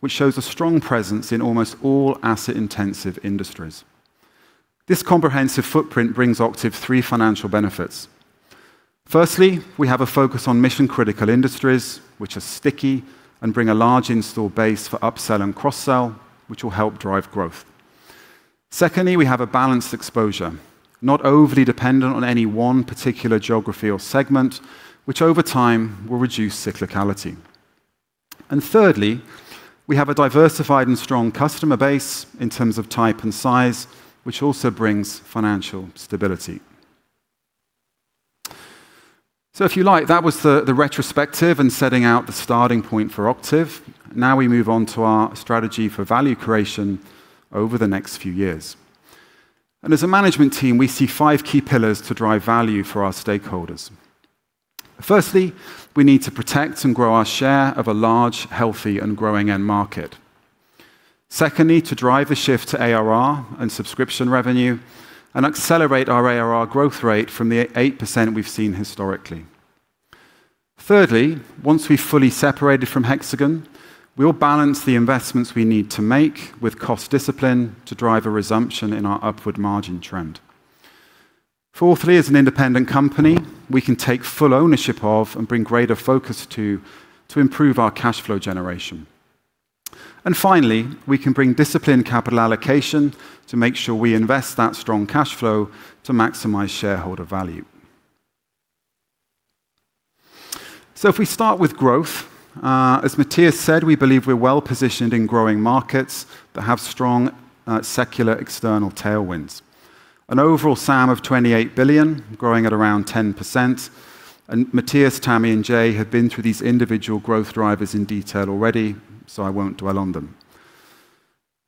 which shows a strong presence in almost all asset-intensive industries. This comprehensive footprint brings Octave three financial benefits. Firstly, we have a focus on mission-critical industries, which are sticky and bring a large install base for upsell and cross-sell, which will help drive growth. Secondly, we have a balanced exposure, not overly dependent on any one particular geography or segment, which over time will reduce cyclicality. Thirdly, we have a diversified and strong customer base in terms of type and size, which also brings financial stability. If you like, that was the retrospective and setting out the starting point for Octave. Now we move on to our strategy for value creation over the next few years. As a management team, we see five key pillars to drive value for our stakeholders. Firstly, we need to protect and grow our share of a large, healthy and growing end market. Secondly, to drive the shift to ARR and subscription revenue and accelerate our ARR growth rate from the 8% we've seen historically. Thirdly, once we've fully separated from Hexagon, we'll balance the investments we need to make with cost discipline to drive a resumption in our upward margin trend. Fourthly, as an independent company, we can take full ownership of and bring greater focus to improve our cash flow generation. Finally, we can bring disciplined capital allocation to make sure we invest that strong cash flow to maximize shareholder value. If we start with growth, as Mattias said, we believe we're well-positioned in growing markets that have strong, secular external tailwinds. An overall SAM of $28 billion growing at around 10%. Mattias, Tammy, and Jay have been through these individual growth drivers in detail already, so I won't dwell on them.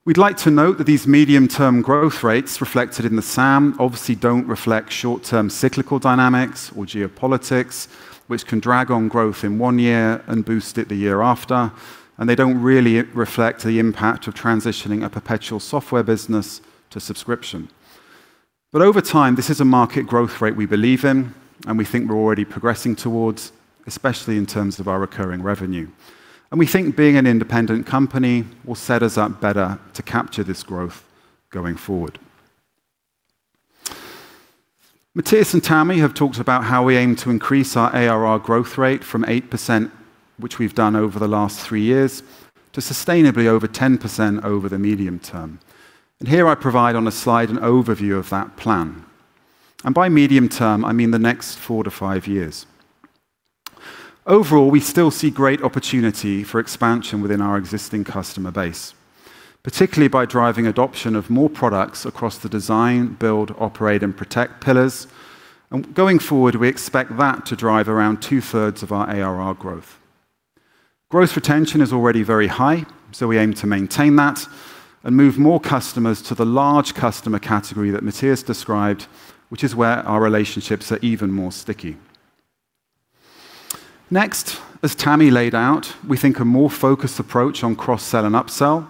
We'd like to note that these medium-term growth rates reflected in the SAM obviously don't reflect short-term cyclical dynamics or geopolitics, which can drag on growth in one year and boost it the year after. They don't really reflect the impact of transitioning a perpetual software business to subscription. Over time, this is a market growth rate we believe in, and we think we're already progressing towards, especially in terms of our recurring revenue. We think being an independent company will set us up better to capture this growth going forward. Mattias and Tammy have talked about how we aim to increase our ARR growth rate from 8%, which we've done over the last three years, to sustainably over 10% over the medium term. Here I provide on a slide an overview of that plan. By medium term, I mean the next four to five years. Overall, we still see great opportunity for expansion within our existing customer base, particularly by driving adoption of more products across the design, build, operate, and protect pillars. Going forward, we expect that to drive around two-thirds of our ARR growth. Growth retention is already very high, so we aim to maintain that and move more customers to the large customer category that Mattias described, which is where our relationships are even more sticky. Next, as Tammy laid out, we think a more focused approach on cross-sell and upsell,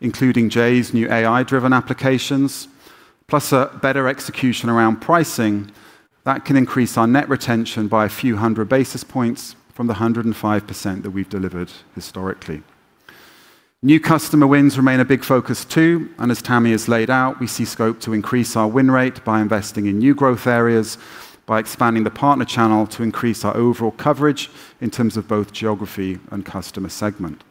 including Jay's new AI-driven applications, plus a better execution around pricing that can increase our net retention by a few hundred basis points from the 105% that we've delivered historically. New customer wins remain a big focus, too. As Tammy has laid out, we see scope to increase our win rate by investing in new growth areas by expanding the partner channel to increase our overall coverage in terms of both geography and customer segment.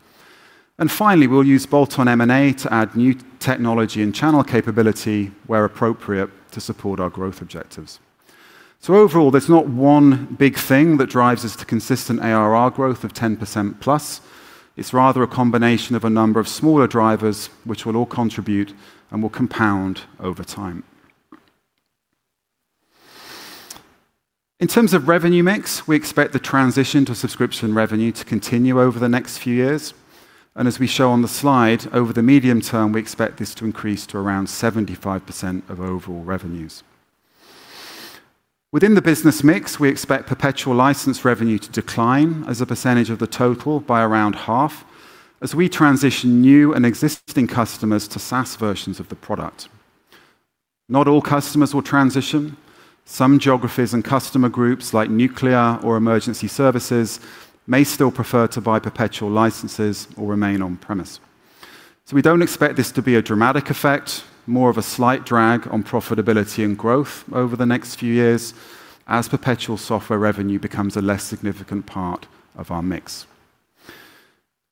Finally, we'll use bolt-on M&A to add new technology and channel capability where appropriate to support our growth objectives. Overall, there's not one big thing that drives us to consistent ARR growth of 10%+. It's rather a combination of a number of smaller drivers which will all contribute and will compound over time. In terms of revenue mix, we expect the transition to subscription revenue to continue over the next few years. As we show on the slide, over the medium term, we expect this to increase to around 75% of overall revenues. Within the business mix, we expect perpetual license revenue to decline as a percentage of the total by around half as we transition new and existing customers to SaaS versions of the product. Not all customers will transition. Some geographies and customer groups, like nuclear or emergency services, may still prefer to buy perpetual licenses or remain on-premises. We don't expect this to be a dramatic effect, more of a slight drag on profitability and growth over the next few years as perpetual software revenue becomes a less significant part of our mix.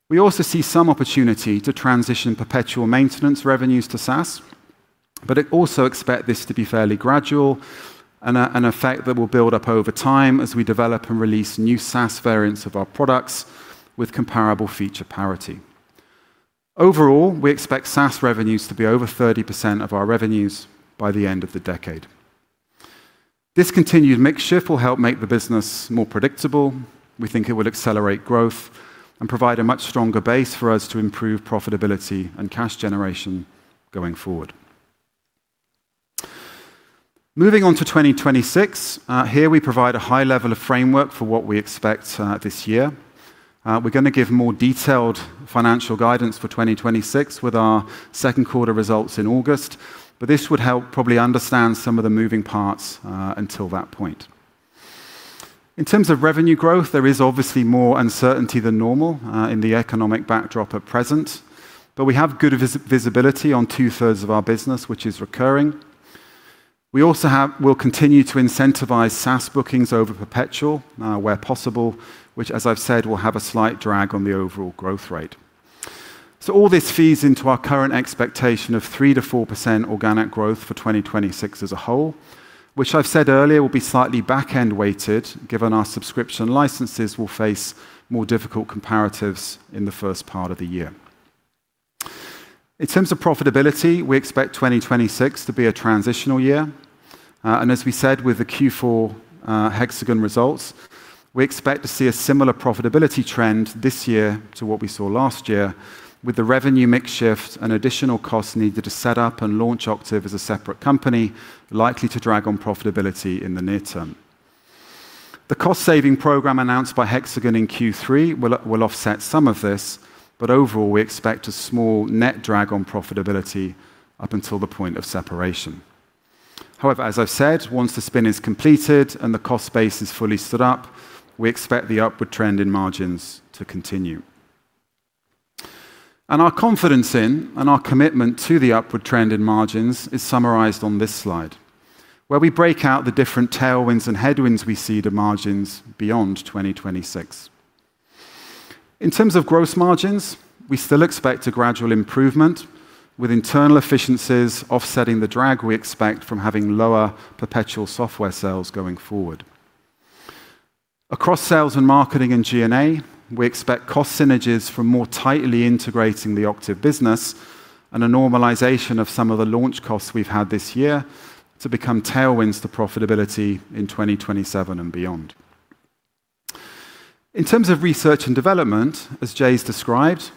We also see some opportunity to transition perpetual maintenance revenues to SaaS, but we also expect this to be fairly gradual and an effect that will build up over time as we develop and release new SaaS variants of our products with comparable feature parity. Overall, we expect SaaS revenues to be over 30% of our revenues by the end of the decade. This continued mix shift will help make the business more predictable. We think it will accelerate growth and provide a much stronger base for us to improve profitability and cash generation going forward. Moving on to 2026. Here we provide a high level of framework for what we expect this year. We're gonna give more detailed financial guidance for 2026 with our second quarter results in August, but this would help probably understand some of the moving parts until that point. In terms of revenue growth, there is obviously more uncertainty than normal in the economic backdrop at present, but we have good visibility on two-thirds of our business, which is recurring. We'll continue to incentivize SaaS bookings over perpetual where possible, which, as I've said, will have a slight drag on the overall growth rate. All this feeds into our current expectation of 3%-4% organic growth for 2026 as a whole, which I've said earlier, will be slightly back-end weighted, given our subscription licenses will face more difficult comparatives in the first part of the year. In terms of profitability, we expect 2026 to be a transitional year. As we said with the Q4 Hexagon results, we expect to see a similar profitability trend this year to what we saw last year with the revenue mix shift and additional costs needed to set up and launch Octave as a separate company likely to drag on profitability in the near term. The cost-saving program announced by Hexagon in Q3 will offset some of this, but overall, we expect a small net drag on profitability up until the point of separation. However, as I've said, once the spin is completed and the cost base is fully stood up, we expect the upward trend in margins to continue. Our confidence in and our commitment to the upward trend in margins is summarized on this slide, where we break out the different tailwinds and headwinds we see to margins beyond 2026. In terms of gross margins, we still expect a gradual improvement with internal efficiencies offsetting the drag we expect from having lower perpetual software sales going forward. Across sales and marketing and G&A, we expect cost synergies from more tightly integrating the Octave business and a normalization of some of the launch costs we've had this year to become tailwinds to profitability in 2027 and beyond. In terms of research and development, as Jay's described,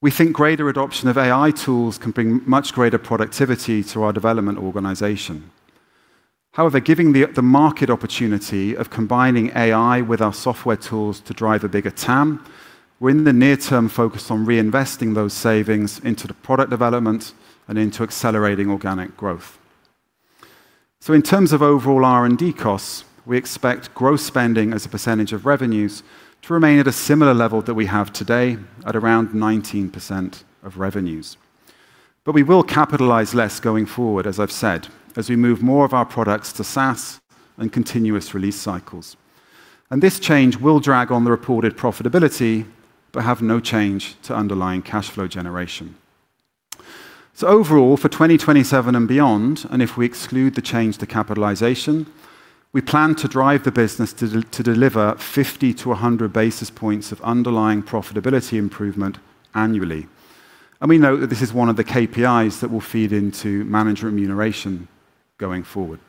we think greater adoption of AI tools can bring much greater productivity to our development organization. However, given the market opportunity of combining AI with our software tools to drive a bigger TAM, we're in the near term focused on reinvesting those savings into the product development and into accelerating organic growth. In terms of overall R&D costs, we expect gross spending as a percentage of revenues to remain at a similar level that we have today at around 19% of revenues. We will capitalize less going forward, as I've said, as we move more of our products to SaaS and continuous release cycles. This change will drag on the reported profitability but have no change to underlying cash flow generation. Overall, for 2027 and beyond, and if we exclude the change to capitalization, we plan to drive the business to deliver 50-100 basis points of underlying profitability improvement annually. We know that this is one of the KPIs that will feed into manager remuneration going forward.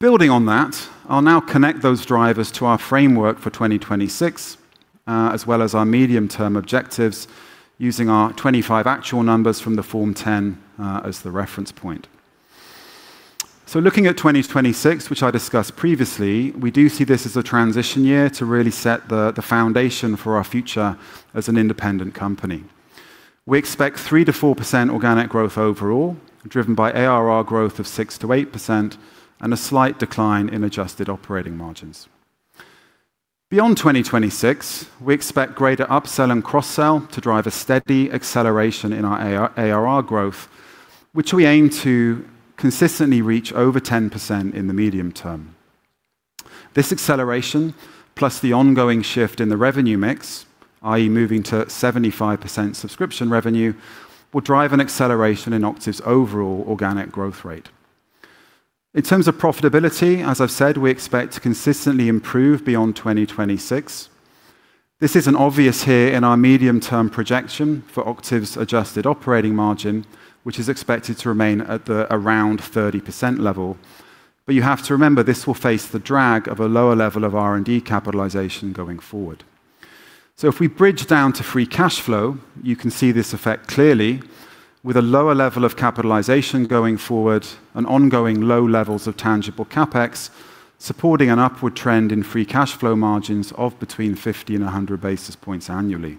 Building on that, I'll now connect those drivers to our framework for 2026, as well as our medium-term objectives using our 2025 actual numbers from the Form 10, as the reference point. Looking at 2026, which I discussed previously, we do see this as a transition year to really set the foundation for our future as an independent company. We expect 3%-4% organic growth overall, driven by ARR growth of 6%-8% and a slight decline in adjusted operating margins. Beyond 2026, we expect greater upsell and cross-sell to drive a steady acceleration in our ARR growth, which we aim to consistently reach over 10% in the medium term. This acceleration, plus the ongoing shift in the revenue mix, i.e., moving to 75% subscription revenue, will drive an acceleration in Octave's overall organic growth rate. In terms of profitability, as I've said, we expect to consistently improve beyond 2026. This is obvious in our medium-term projection for Octave's adjusted operating margin, which is expected to remain at around 30% level. You have to remember, this will face the drag of a lower level of R&D capitalization going forward. If we bridge down to free cash flow, you can see this effect clearly with a lower level of capitalization going forward and ongoing low levels of tangible CapEx, supporting an upward trend in free cash flow margins of between 50 and 100 basis points annually.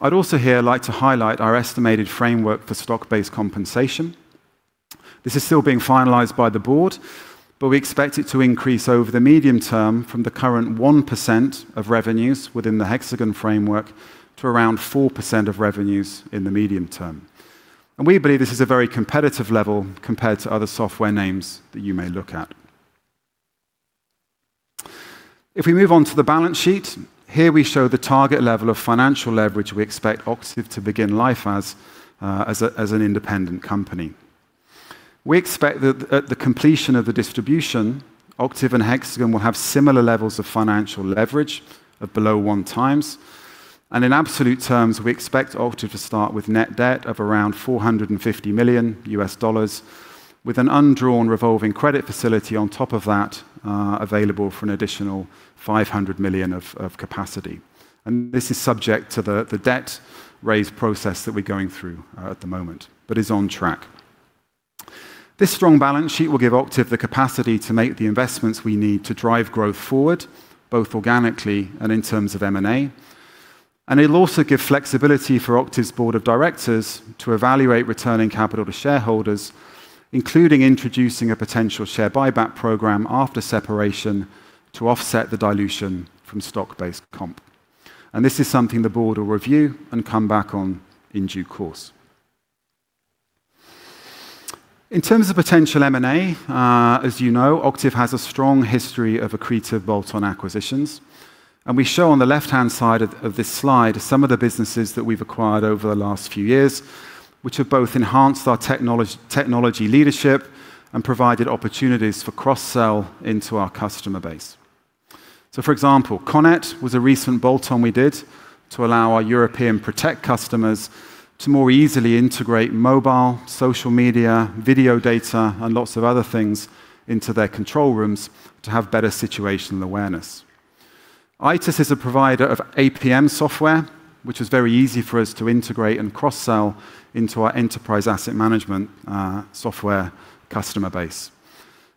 I'd also like to highlight here our estimated framework for stock-based compensation. This is still being finalized by the board, but we expect it to increase over the medium term from the current 1% of revenues within the Hexagon framework to around 4% of revenues in the medium term. We believe this is a very competitive level compared to other software names that you may look at. If we move on to the balance sheet, here we show the target level of financial leverage we expect Octave to begin life as an independent company. We expect that at the completion of the distribution, Octave and Hexagon will have similar levels of financial leverage of below one times. In absolute terms, we expect Octave to start with net debt of around $450 million, with an undrawn revolving credit facility on top of that, available for an additional $500 million of capacity. This is subject to the debt raise process that we're going through at the moment, but is on track. This strong balance sheet will give Octave the capacity to make the investments we need to drive growth forward, both organically and in terms of M&A. It'll also give flexibility for Octave's board of directors to evaluate returning capital to shareholders, including introducing a potential share buyback program after separation to offset the dilution from stock-based comp. This is something the board will review and come back on in due course. In terms of potential M&A, as you know, Octave has a strong history of accretive bolt-on acquisitions. We show on the left-hand side of this slide some of the businesses that we've acquired over the last few years, which have both enhanced our technology leadership and provided opportunities for cross-sell into our customer base. For example, CONET was a recent bolt-on we did to allow our European project customers to more easily integrate mobile, social media, video data, and lots of other things into their control rooms to have better situational awareness. iTAS is a provider of APM software, which is very easy for us to integrate and cross-sell into our Enterprise Asset Management software customer base.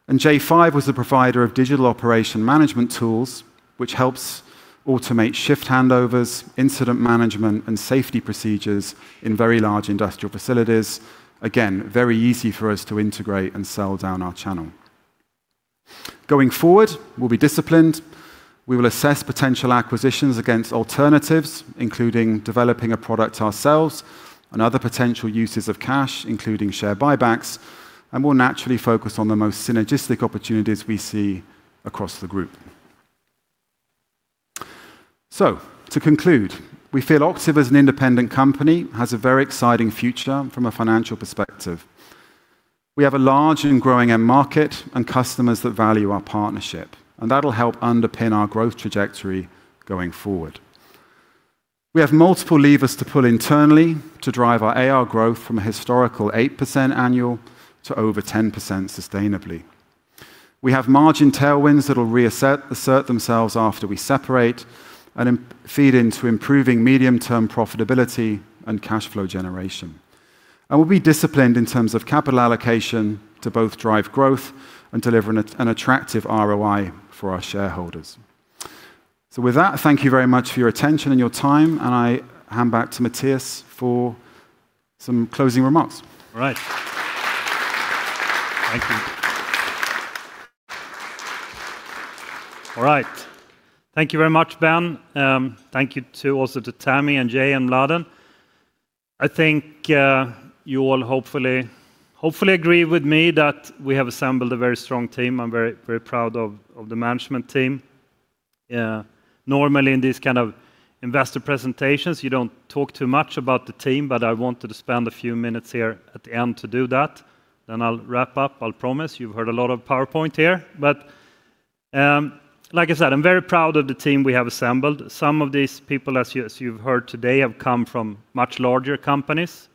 j5 was the provider of digital operation management tools, which helps automate shift handovers, incident management, and safety procedures in very large industrial facilities. Again, very easy for us to integrate and sell down our channel. Going forward, we'll be disciplined. We will assess potential acquisitions against alternatives, including developing a product ourselves and other potential uses of cash, including share buybacks, and we'll naturally focus on the most synergistic opportunities we see across the group. To conclude, we feel Octave as an independent company has a very exciting future from a financial perspective. We have a large and growing end market and customers that value our partnership, and that'll help underpin our growth trajectory going forward. We have multiple levers to pull internally to drive our AR growth from a historical 8% annual to over 10% sustainably. We have margin tailwinds that'll assert themselves after we separate and feed into improving medium-term profitability and cash flow generation. We'll be disciplined in terms of capital allocation to both drive growth and deliver an attractive ROI for our shareholders. With that, thank you very much for your attention and your time, and I hand back to Mattias for some closing remarks. Right. Thank you. All right. Thank you very much, Ben. Thank you to, also to Tammy and Jay and Mladen. I think you all hopefully agree with me that we have assembled a very strong team. I'm very proud of the management team. Yeah. Normally in these kind of investor presentations, you don't talk too much about the team, but I wanted to spend a few minutes here at the end to do that. Then I'll wrap up, I'll promise. You've heard a lot of PowerPoint here. Like I said, I'm very proud of the team we have assembled. Some of these people, as you've heard today, have come from much larger companies.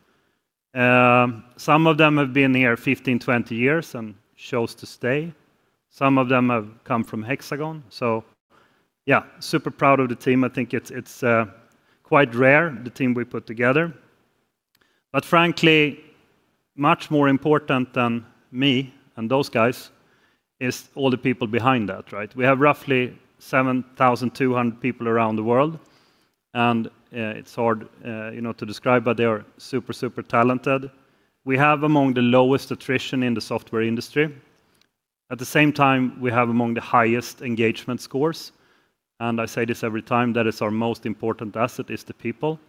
Some of them have been here 15, 20 years and chose to stay. Some of them have come from Hexagon. So yeah, super proud of the team. I think it's quite rare, the team we put together. Frankly, much more important than me and those guys is all the people behind that, right? We have roughly 7,200 people around the world, and it's hard, you know, to describe, but they are super talented. We have among the lowest attrition in the software industry. At the same time, we have among the highest engagement scores. I say this every time, that is our most important asset, is the people.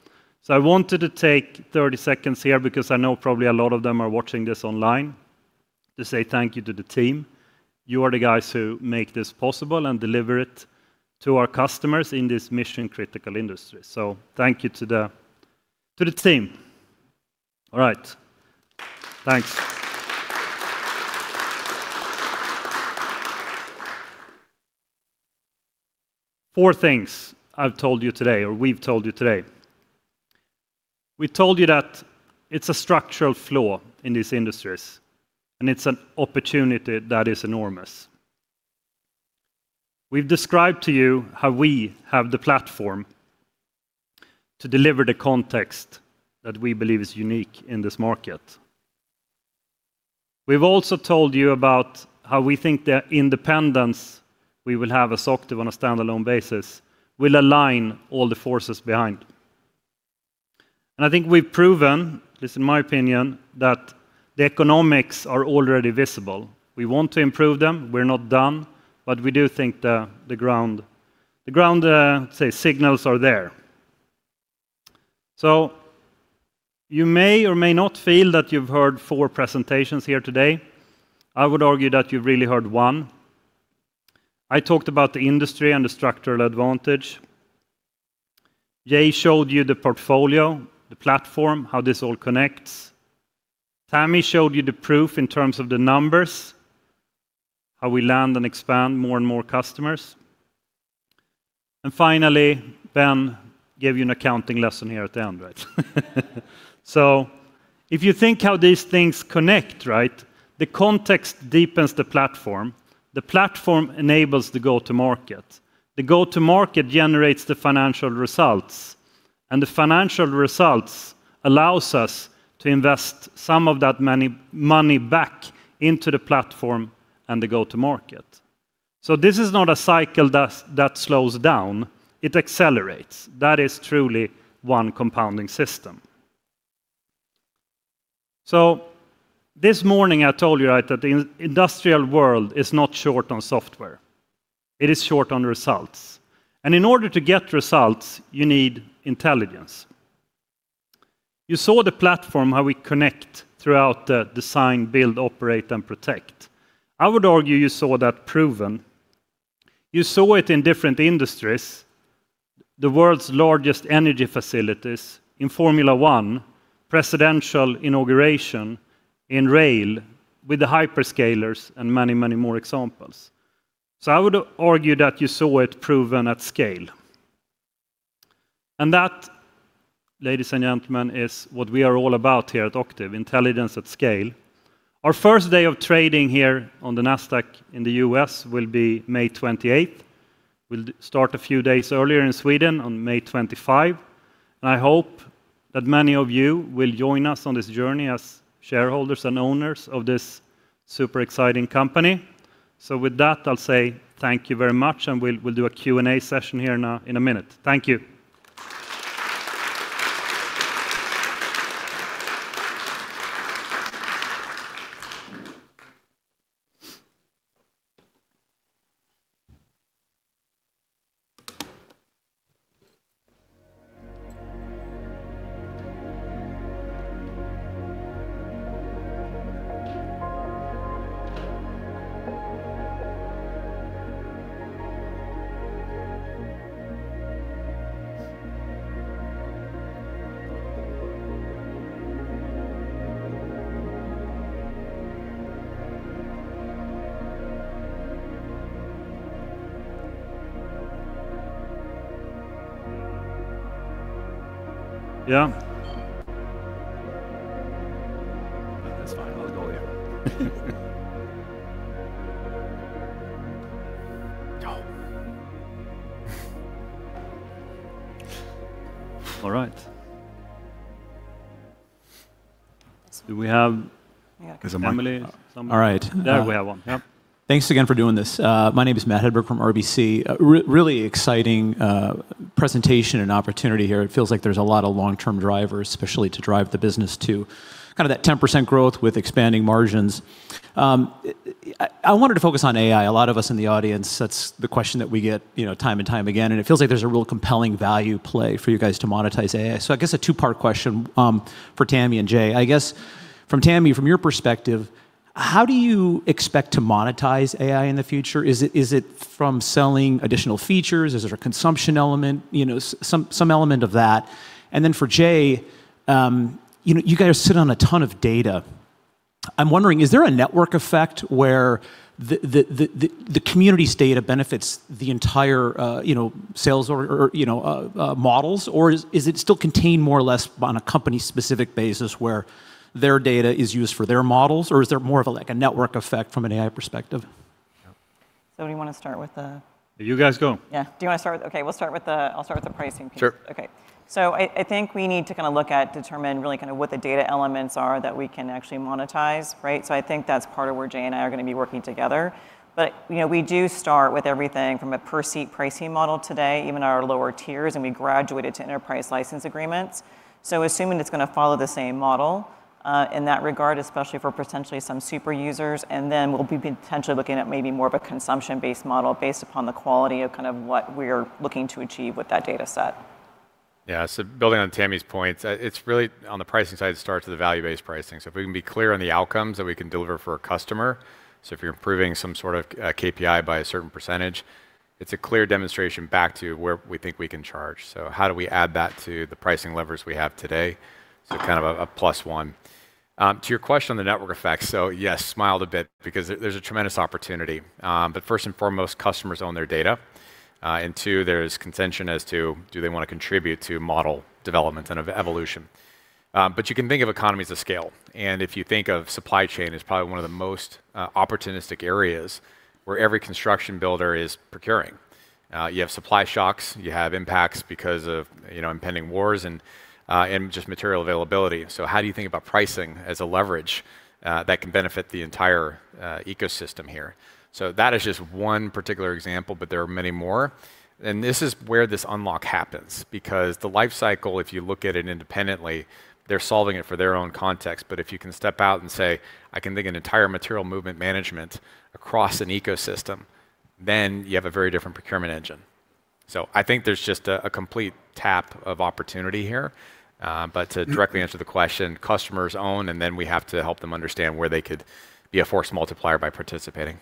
I wanted to take 30 seconds here because I know probably a lot of them are watching this online to say thank you to the team. You are the guys who make this possible and deliver it to our customers in this mission-critical industry. Thank you to the team. All right. Thanks. Four things I've told you today, or we've told you today. We told you that it's a structural flaw in these industries, and it's an opportunity that is enormous. We've described to you how we have the platform to deliver the context that we believe is unique in this market. We've also told you about how we think the independence we will have as Octave on a standalone basis will align all the forces behind. I think we've proven this in my opinion that the economics are already visible. We want to improve them. We're not done, but we do think the ground signals are there. You may or may not feel that you've heard four presentations here today. I would argue that you've really heard one. I talked about the industry and the structural advantage. Jay showed you the portfolio, the platform, how this all connects. Tammy showed you the proof in terms of the numbers, how we land and expand more and more customers. Finally, Ben gave you an accounting lesson here at the end, right? If you think how these things connect, right, the context deepens the platform, the platform enables the go-to market. The go-to market generates the financial results, and the financial results allows us to invest some of that money back into the platform and the go-to market. This is not a cycle that slows down. It accelerates. That is truly one compounding system. This morning I told you, right, that the industrial world is not short on software. It is short on results. In order to get results, you need intelligence. You saw the platform, how we connect throughout the design, build, operate, and protect. I would argue you saw that proven. You saw it in different industries, the world's largest energy facilities in Formula One, presidential inauguration, in rail, with the hyperscalers, and many, many more examples. I would argue that you saw it proven at scale. That, ladies and gentlemen, is what we are all about here at Octave, intelligence at scale. Our first day of trading here on the Nasdaq in the U.S. will be May 28. We'll start a few days earlier in Sweden on May 25. I hope that many of you will join us on this journey as shareholders and owners of this super exciting company. With that, I'll say thank you very much, and we'll do a Q&A session here in a minute. Thank you. Yeah. That's fine. I'll go here. Go. All right. Do we have? Yeah. Emily? All right. There we have one. Yep. Thanks again for doing this. My name is Matt Hedberg from RBC. A really exciting presentation and opportunity here. It feels like there's a lot of long-term drivers, especially to drive the business to kinda that 10% growth with expanding margins. I wanted to focus on AI. A lot of us in the audience, that's the question that we get, you know, time and time again, and it feels like there's a real compelling value play for you guys to monetize AI. I guess a two-part question for Tammy and Jay. I guess from Tammy, from your perspective- How do you expect to monetize AI in the future? Is it from selling additional features? Is it a consumption element? You know, some element of that. For Jay, you know, you guys sit on a ton of data. I'm wondering, is there a network effect where the community's data benefits the entire, you know, sales or models, or is it still contained more or less on a company-specific basis where their data is used for their models, or is there more of, like, a network effect from an AI perspective? Do you wanna start with the- You guys go. Yeah. Okay, I'll start with the pricing piece. Sure. Okay. I think we need to kinda look at, determine really kinda what the data elements are that we can actually monetize, right? I think that's part of where Jay and I are gonna be working together. You know, we do start with everything from a per-seat pricing model today, even our lower tiers, and we graduated to enterprise license agreements. Assuming it's gonna follow the same model, in that regard, especially for potentially some super users, and then we'll be potentially looking at maybe more of a consumption-based model based upon the quality of kind of what we're looking to achieve with that data set. Yeah, building on Tammy's points, it's really on the pricing side. It starts with the value-based pricing. If we can be clear on the outcomes that we can deliver for a customer, if you're improving some sort of KPI by a certain percentage, it's a clear demonstration back to where we think we can charge. How do we add that to the pricing levers we have today? Kind of a plus one. To your question on the network effect, yes, smiled a bit because there's a tremendous opportunity, but first and foremost, customers own their data, and two, there's contention as to do they wanna contribute to model development and evolution. You can think of economies of scale, and if you think of supply chain as probably one of the most opportunistic areas where every construction builder is procuring. You have supply shocks, you have impacts because of, you know, impending wars and just material availability. How do you think about pricing as a leverage that can benefit the entire ecosystem here? That is just one particular example, but there are many more, and this is where this unlock happens because the life cycle, if you look at it independently, they're solving it for their own context. If you can step out and say, "I can think an entire material movement management across an ecosystem," then you have a very different procurement engine. I think there's just a complete tapestry of opportunity here, but to directly answer the question, customers own, and then we have to help them understand where they could be a force multiplier by participating.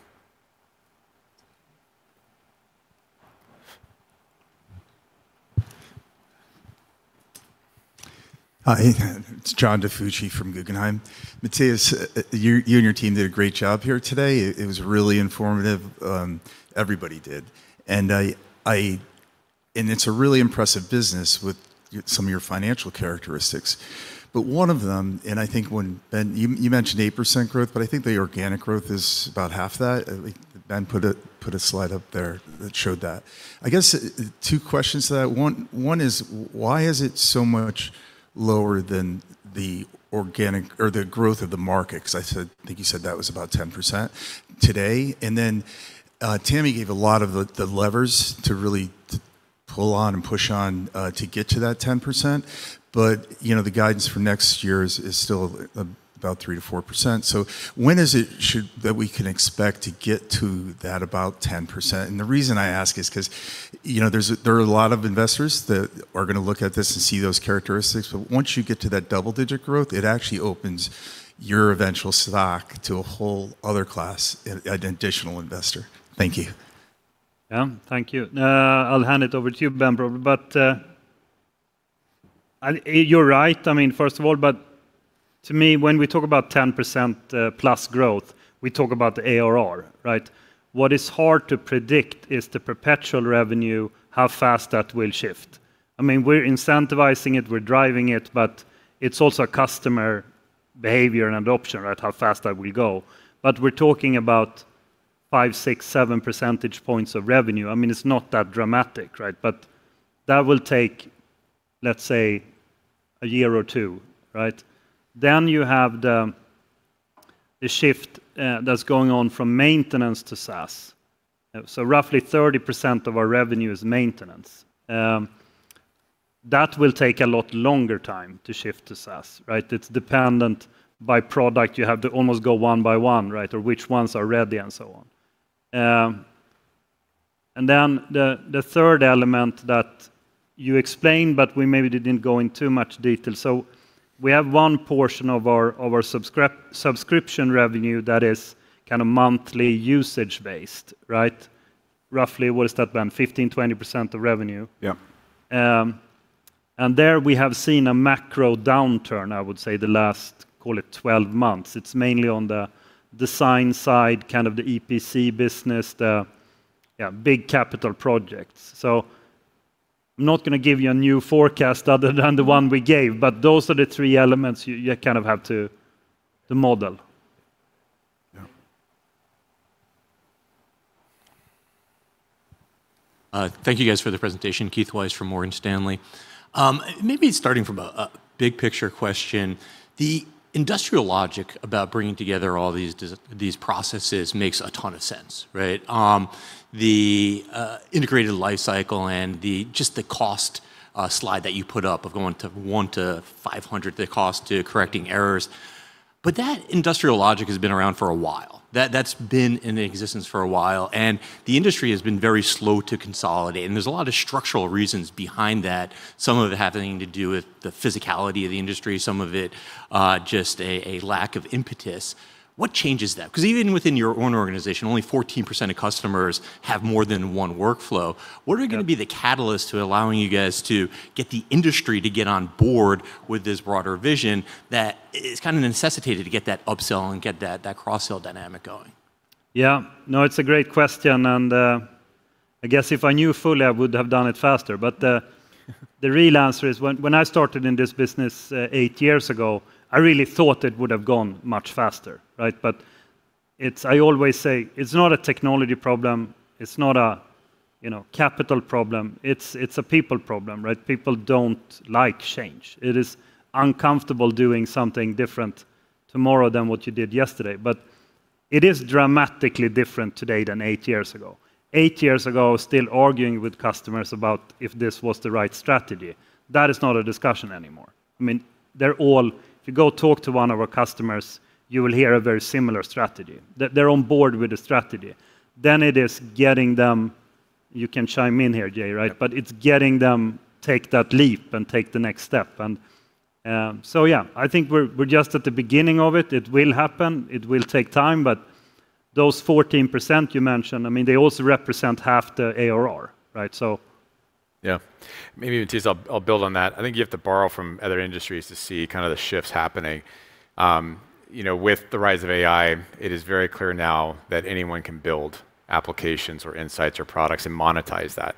Hi. It's John DiFucci from Guggenheim. Mattias, you and your team did a great job here today. It was really informative. Everybody did, and it's a really impressive business with some of your financial characteristics. One of them, I think when Ben you mentioned 8% growth, but I think the organic growth is about half that. Ben put a slide up there that showed that. I guess two questions to that. One is why is it so much lower than the organic or the growth of the market? I think you said that was about 10% today. Tammy gave a lot of the levers to really pull on and push on to get to that 10%, but you know, the guidance for next year is still about 3%-4%. So when is it that we can expect to get to that about 10%? The reason I ask is 'cause you know, there are a lot of investors that are gonna look at this and see those characteristics, but once you get to that double-digit growth, it actually opens your eventual stock to a whole other class and additional investor. Thank you. Thank you. I'll hand it over to you, Ben, probably. You're right. I mean, first of all, to me, when we talk about 10%+ growth, we talk about the ARR, right? What is hard to predict is the perpetual revenue, how fast that will shift. I mean, we're incentivizing it, we're driving it, but it's also a customer behavior and adoption, right, how fast that will go. We're talking about 5, 6, 7 percentage points of revenue. I mean, it's not that dramatic, right? That will take, let's say, a year or two, right? You have the shift that's going on from maintenance to SaaS. Roughly 30% of our revenue is maintenance. That will take a lot longer time to shift to SaaS, right? It's dependent by product. You have to almost go one by one, right? Or which ones are ready and so on. The third element that you explained, but we maybe didn't go in too much detail. We have one portion of our subscription revenue that is kinda monthly usage based, right? Roughly, what is that, Ben? 15%-20% of revenue. Yeah. There we have seen a macro downturn, I would say, the last, call it, 12 months. It's mainly on the design side, kind of the EPC business, big capital projects. I'm not gonna give you a new forecast other than the one we gave, but those are the three elements you kind of have to model. Yeah. Thank you guys for the presentation. Keith Weiss from Morgan Stanley. Maybe starting from a big picture question, the industrial logic about bringing together all these these processes makes a ton of sense, right? The integrated life cycle and just the cost slide that you put up of going to 1-500, the cost to correcting errors. That industrial logic has been around for a while. That's been in existence for a while, and the industry has been very slow to consolidate, and there's a lot of structural reasons behind that, some of it having to do with the physicality of the industry, some of it just a lack of impetus. What changes that? 'Cause even within your own organization, only 14% of customers have more than one workflow. What are gonna be the catalysts to allowing you guys to get the industry to get on board with this broader vision that is kind of necessitated to get that up-sell and get that cross-sell dynamic going? Yeah. No, it's a great question, and I guess if I knew fully I would have done it faster. The real answer is when I started in this business eight years ago, I really thought it would have gone much faster, right? It's. I always say it's not a technology problem, it's not a, you know, capital problem, it's a people problem, right? People don't like change. It is uncomfortable doing something different tomorrow than what you did yesterday. It is dramatically different today than eight years ago. Eight years ago, still arguing with customers about if this was the right strategy. That is not a discussion anymore. I mean, they're all. If you go talk to one of our customers, you will hear a very similar strategy. They're on board with the strategy. It is getting them. You can chime in here, Jay, right? Yeah. It's getting them take that leap and take the next step. Yeah, I think we're just at the beginning of it. It will happen. It will take time, but those 14% you mentioned, I mean, they also represent half the ARR, right, so. Yeah. Maybe, Mattias, I'll build on that. I think you have to borrow from other industries to see kinda the shifts happening. You know, with the rise of AI, it is very clear now that anyone can build applications or insights or products and monetize that.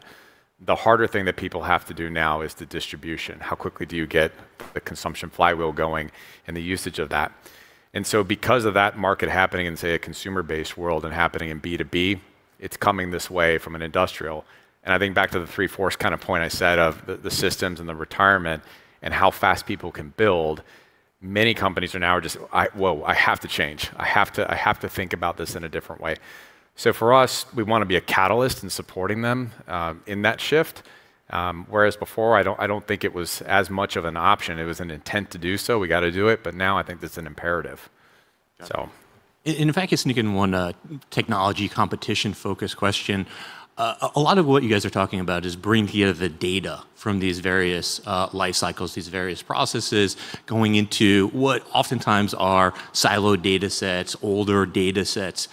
The harder thing that people have to do now is the distribution. How quickly do you get the consumption flywheel going and the usage of that? Because of that market happening in, say, a consumer-based world and happening in B2B, it's coming this way from an industrial. I think back to the 3/4 kind of point I said of the systems and the retirement and how fast people can build, many companies are now just, "Whoa. I have to change. I have to think about this in a different way." For us, we wanna be a catalyst in supporting them in that shift. Whereas before, I don't think it was as much of an option. It was an intent to do so, we gotta do it, but now I think it's an imperative. If I can sneak in one technology competition-focused question. A lot of what you guys are talking about is bringing together the data from these various life cycles, these various processes, going into what oftentimes are siloed datasets, older datasets.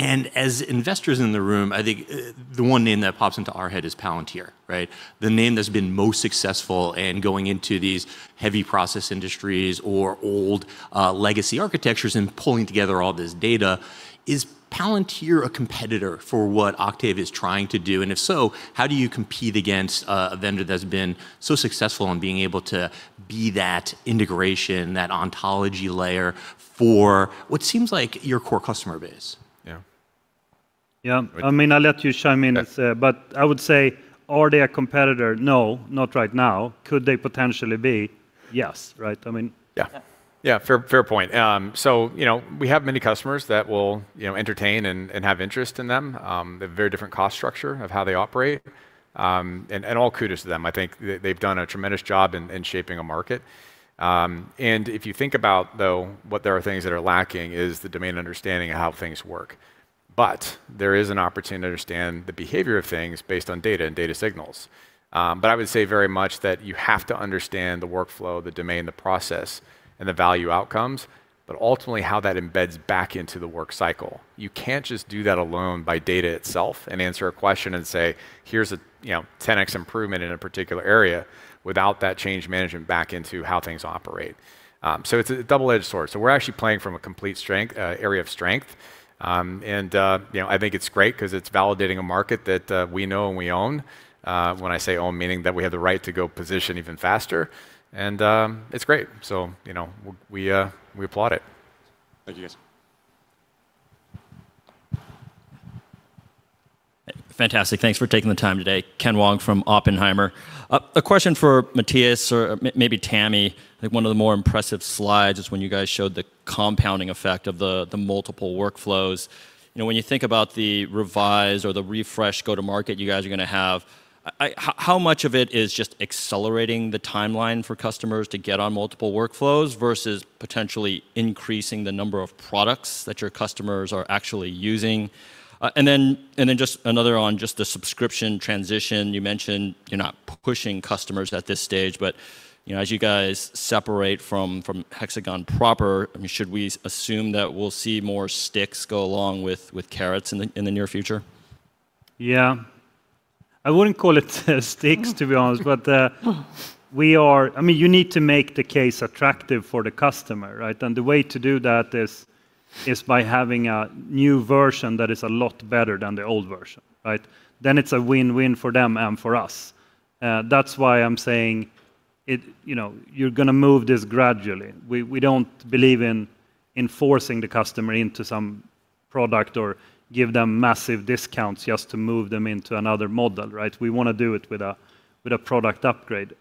As investors in the room, I think the one name that pops into our head is Palantir, right? The name that's been most successful in going into these heavy process industries or old legacy architectures and pulling together all this data. Is Palantir a competitor for what Octave is trying to do? If so, how do you compete against a vendor that's been so successful in being able to be that integration, that ontology layer for what seems like your core customer base? Yeah. Yeah. Right. I mean, I'll let you chime in. Yeah I would say, are they a competitor? No, not right now. Could they potentially be? Yes, right? I mean. Yeah. Yeah. Yeah, fair point. So, you know, we have many customers that will, you know, entertain and have interest in them. They have very different cost structure of how they operate. And all kudos to them. I think they've done a tremendous job in shaping a market. And if you think about, though, what there are things that are lacking is the domain understanding of how things work. But there is an opportunity to understand the behavior of things based on data and data signals. But I would say very much that you have to understand the workflow, the domain, the process, and the value outcomes, but ultimately how that embeds back into the work cycle. You can't just do that alone by data itself and answer a question and say, "Here's a, you know, 10X improvement in a particular area," without that change management back into how things operate. It's a double-edged sword. We're actually playing from a complete strength, area of strength. You know, I think it's great 'cause it's validating a market that, we know and we own. When I say own, meaning that we have the right to go position even faster. It's great. You know, we applaud it. Thank you, guys. Fantastic. Thanks for taking the time today. Ken Wong from Oppenheimer. A question for Mattias or maybe Tammy. I think one of the more impressive slides is when you guys showed the compounding effect of the multiple workflows. You know, when you think about the revised or the refresh go-to-market you guys are gonna have, how much of it is just accelerating the timeline for customers to get on multiple workflows versus potentially increasing the number of products that your customers are actually using? Just another on just the subscription transition. You mentioned you're not pushing customers at this stage, but, you know, as you guys separate from Hexagon proper, I mean, should we assume that we'll see more sticks go along with carrots in the near future? Yeah. I wouldn't call it sticks, to be honest. I mean, you need to make the case attractive for the customer, right? The way to do that is by having a new version that is a lot better than the old version, right? It's a win-win for them and for us. That's why I'm saying it, you know, you're gonna move this gradually. We don't believe in enforcing the customer into some product or give them massive discounts just to move them into another model, right? We wanna do it with a product upgrade.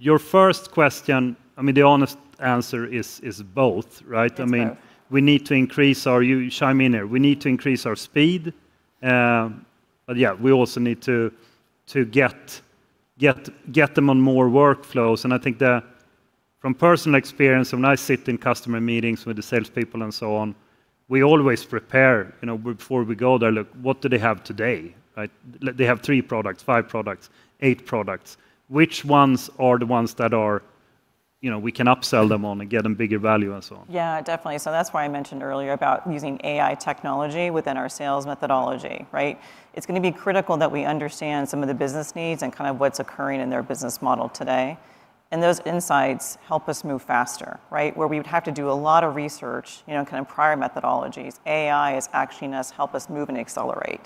Your first question, I mean, the honest answer is both, right? That's fair. I mean, you chime in there. We need to increase our speed. But yeah, we also need to get them on more workflows, and I think from personal experience, when I sit in customer meetings with the salespeople and so on, we always prepare, you know, before we go there, "Look, what do they have today?" Right? Like, they have three products, five products, eight products. Which ones are the ones that are, you know, we can upsell them on and get them bigger value and so on? Yeah, definitely. That's why I mentioned earlier about using AI technology within our sales methodology, right? It's gonna be critical that we understand some of the business needs and kind of what's occurring in their business model today, and those insights help us move faster, right? Where we would have to do a lot of research, you know, kind of prior methodologies, AI is actually gonna help us move and accelerate.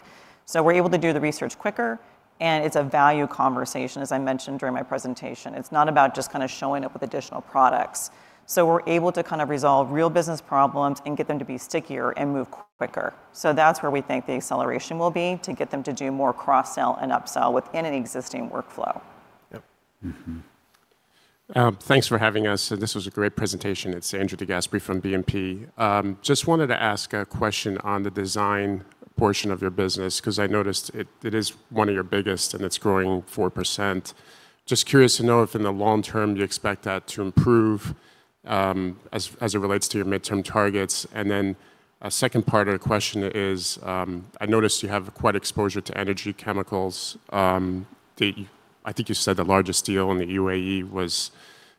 We're able to do the research quicker, and it's a value conversation, as I mentioned during my presentation. It's not about just kind of showing up with additional products. We're able to kind of resolve real business problems and get them to be stickier and move quicker. That's where we think the acceleration will be to get them to do more cross-sell and upsell within an existing workflow. Yep. Mm-hmm. Thanks for having us. This was a great presentation. It's Andrew DeGasperi from BNP. Just wanted to ask a question on the design portion of your business because I noticed it is one of your biggest, and it's growing 4%. Just curious to know if in the long term you expect that to improve, as it relates to your midterm targets. Then a second part of the question is, I noticed you have quite exposure to energy and chemicals. I think you said the largest deal in the UAE was-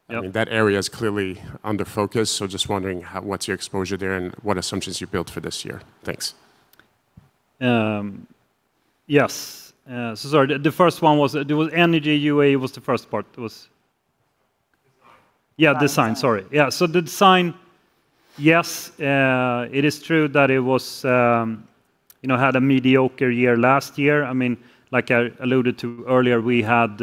Yep. I mean, that area is clearly under focus, so just wondering how, what's your exposure there and what assumptions you built for this year. Thanks. Yes. Sorry. The first one was energy, UAE, the first part. Design. Yeah, design. Sorry. Yeah, so the design, yes, it is true that it was, you know, had a mediocre year last year. I mean, like I alluded to earlier, we had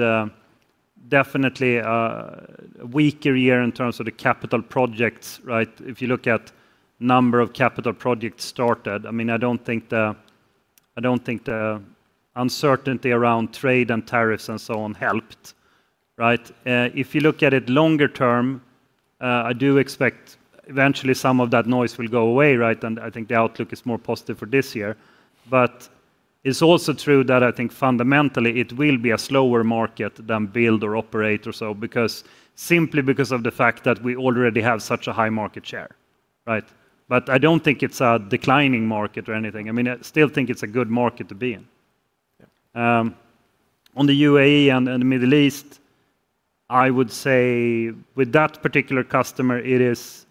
definitely a weaker year in terms of the capital projects, right? If you look at number of capital projects started, I mean, I don't think the uncertainty around trade and tariffs and so on helped, right? If you look at it longer term, I do expect eventually some of that noise will go away, right? I think the outlook is more positive for this year. But it's also true that I think fundamentally it will be a slower market than build or operate or so because simply because of the fact that we already have such a high market share, right? I don't think it's a declining market or anything. I mean, I still think it's a good market to be in. Yeah. On the UAE and the Middle East, I would say with that particular customer, it is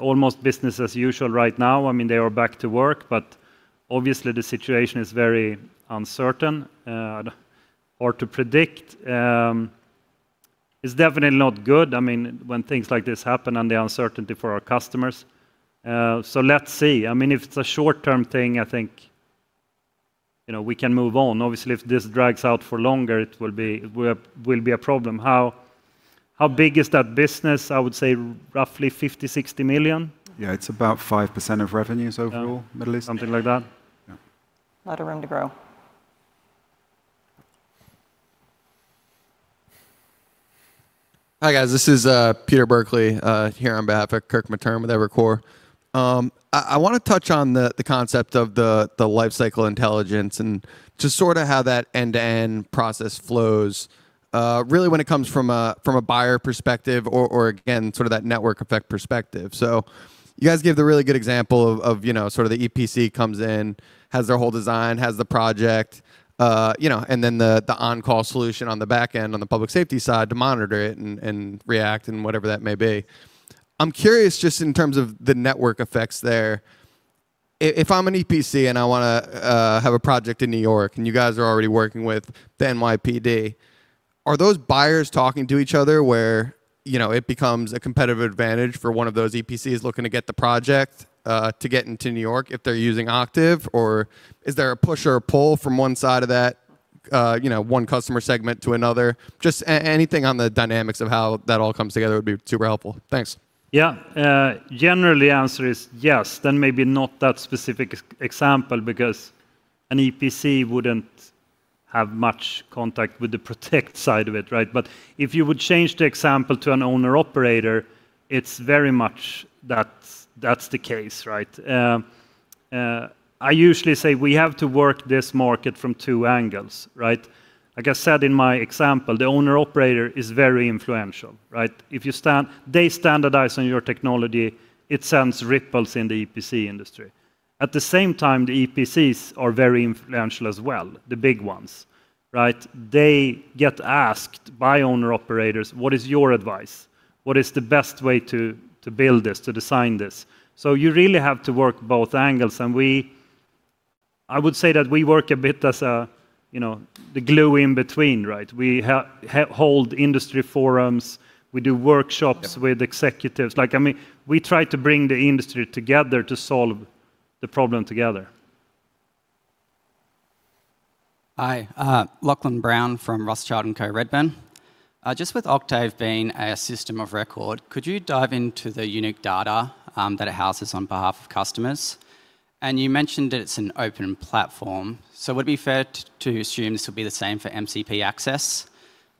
almost business as usual right now. I mean, they are back to work, but obviously the situation is very uncertain or to predict is definitely not good. I mean, when things like this happen and the uncertainty for our customers. Let's see. I mean, if it's a short-term thing, I think, you know, we can move on. Obviously, if this drags out for longer, it will be a problem. How big is that business? I would say roughly $50-$60 million. Yeah, it's about 5% of revenues overall, Middle East. Yeah. Something like that. Yeah. Lots of room to grow. Hi, guys. This is Peter Burkly here on behalf of Kirk Materne with Evercore. I wanna touch on the concept of the lifecycle intelligence and just sorta how that end-to-end process flows really when it comes from a buyer perspective or again sort of that network effect perspective. You guys gave the really good example of you know sort of the EPC comes in has their whole design has the project you know and then the on-call solution on the back end on the public safety side to monitor it and react and whatever that may be. I'm curious just in terms of the network effects there. If I'm an EPC and I wanna have a project in New York, and you guys are already working with the NYPD, are those buyers talking to each other where, you know, it becomes a competitive advantage for one of those EPCs looking to get the project to get into New York if they're using Octave? Or is there a push or a pull from one side of that, you know, one customer segment to another? Just anything on the dynamics of how that all comes together would be super helpful. Thanks. Yeah. The general answer is yes. Maybe not that specific example because an EPC wouldn't have much contact with the project side of it, right? If you would change the example to an owner/operator, it's very much that's the case, right? I usually say we have to work this market from two angles, right? Like I said in my example, the owner/operator is very influential, right? If they standardize on your technology, it sends ripples in the EPC industry. At the same time, the EPCs are very influential as well, the big ones, right? They get asked by owner/operators, "What is your advice? What is the best way to build this, to design this?" You really have to work both angles. I would say that we work a bit as a, you know, the glue in between, right? We hold industry forums, we do workshops. Yeah with executives. Like, I mean, we try to bring the industry together to solve the problem together. Hi. Lachlan Brown from Rothschild & Co Redburn. Just with Octave being a system of record, could you dive into the unique data that it houses on behalf of customers? You mentioned that it's an open platform, so would it be fair to assume this would be the same for MCP access?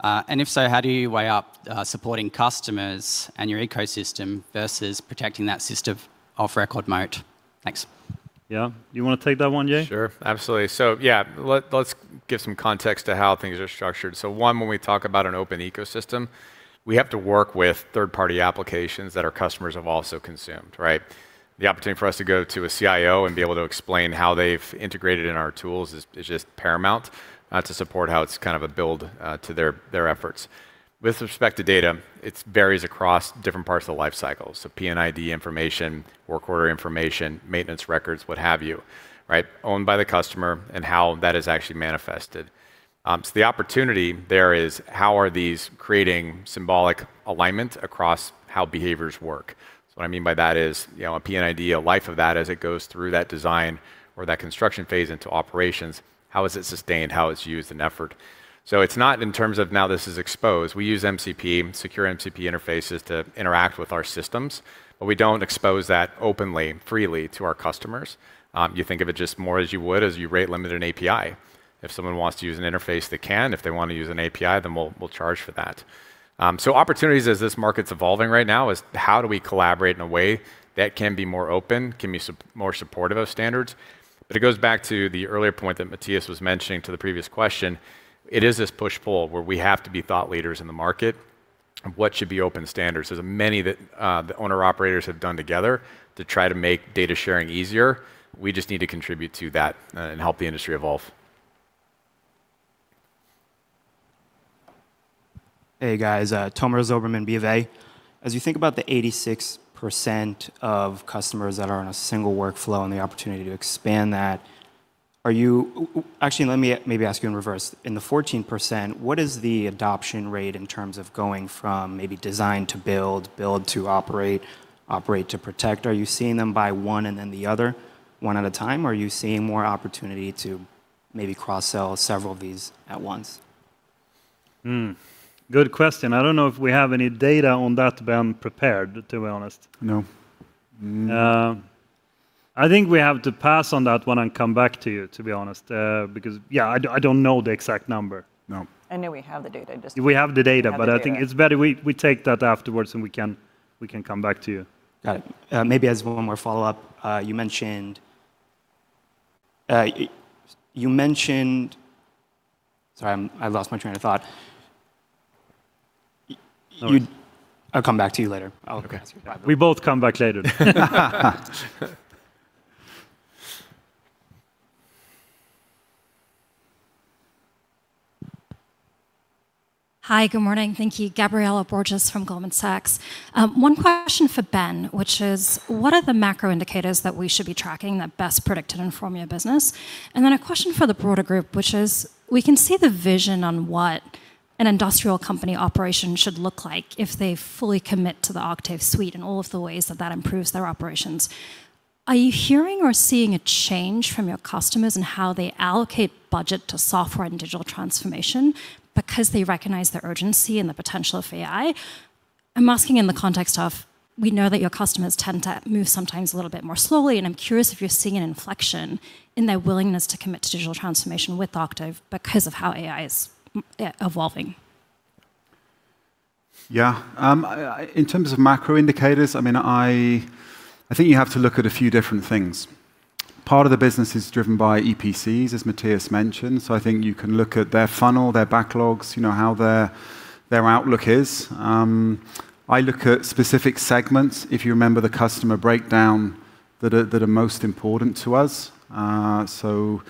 If so, how do you weigh up supporting customers and your ecosystem versus protecting that system of record moat? Thanks. Yeah. You wanna take that one, Jay? Sure. Absolutely. Yeah, let's give some context to how things are structured. One, when we talk about an open ecosystem, we have to work with third-party applications that our customers have also consumed, right? The opportunity for us to go to a CIO and be able to explain how they've integrated in our tools is just paramount to support how it's kind of a build to their efforts. With respect to data, it varies across different parts of the life cycle. P&ID information, work order information, maintenance records, what have you, right? Owned by the customer and how that is actually manifested. The opportunity there is how are these creating symbolic alignment across how behaviors work? What I mean by that is, you know, a P&ID, lifecycle of that as it goes through that design or that construction phase into operations, how is it sustained, how it's used in the field. It's not in terms of now this is exposed. We use MCP, secure MCP interfaces to interact with our systems, but we don't expose that openly, freely to our customers. You think of it just more as you would rate limit an API. If someone wants to use an interface, they can. If they wanna use an API, then we'll charge for that. Opportunities as this market's evolving right now is how do we collaborate in a way that can be more open, can be more supportive of standards? It goes back to the earlier point that Mattias was mentioning to the previous question. It is this push/pull where we have to be thought leaders in the market of what should be open standards. There's many that the owner-operators have done together to try to make data sharing easier. We just need to contribute to that and help the industry evolve. Hey guys, Tomer Zilberman, BofA. As you think about the 86% of customers that are in a single workflow and the opportunity to expand that, actually, let me maybe ask you in reverse. In the 14%, what is the adoption rate in terms of going from maybe design to build to operate to protect? Are you seeing them by one and then the other one at a time, or are you seeing more opportunity to maybe cross-sell several of these at once? Good question. I don't know if we have any data on that, Ben, prepared, to be honest. No. No. I think we have to pass on that one and come back to you, to be honest. Because yeah, I don't know the exact number. No. I know we have the data, but I think it's better we take that afterwards and we can come back to you. Got it. Maybe as one more follow-up, you mentioned. Sorry, I lost my train of thought. No worries. I'll come back to you later. I'll come back to you. Okay. We both come back later. Hi, good morning. Thank you. Gabriela Borges from Goldman Sachs. One question for Ben, which is, what are the macro indicators that we should be tracking that best predict and inform your business? A question for the broader group, which is, we can see the vision on what an industrial company operation should look like if they fully commit to the Octave suite and all of the ways that that improves their operations. Are you hearing or seeing a change from your customers in how they allocate budget to software and digital transformation because they recognize the urgency and the potential of AI? I'm asking in the context of we know that your customers tend to move sometimes a little bit more slowly, and I'm curious if you're seeing an inflection in their willingness to commit to digital transformation with Octave because of how AI is evolving. Yeah. In terms of macro indicators, I mean, I think you have to look at a few different things. Part of the business is driven by EPCs, as Mattias mentioned, so I think you can look at their funnel, their backlogs, you know, how their outlook is. I look at specific segments, if you remember the customer breakdown, that are most important to us. So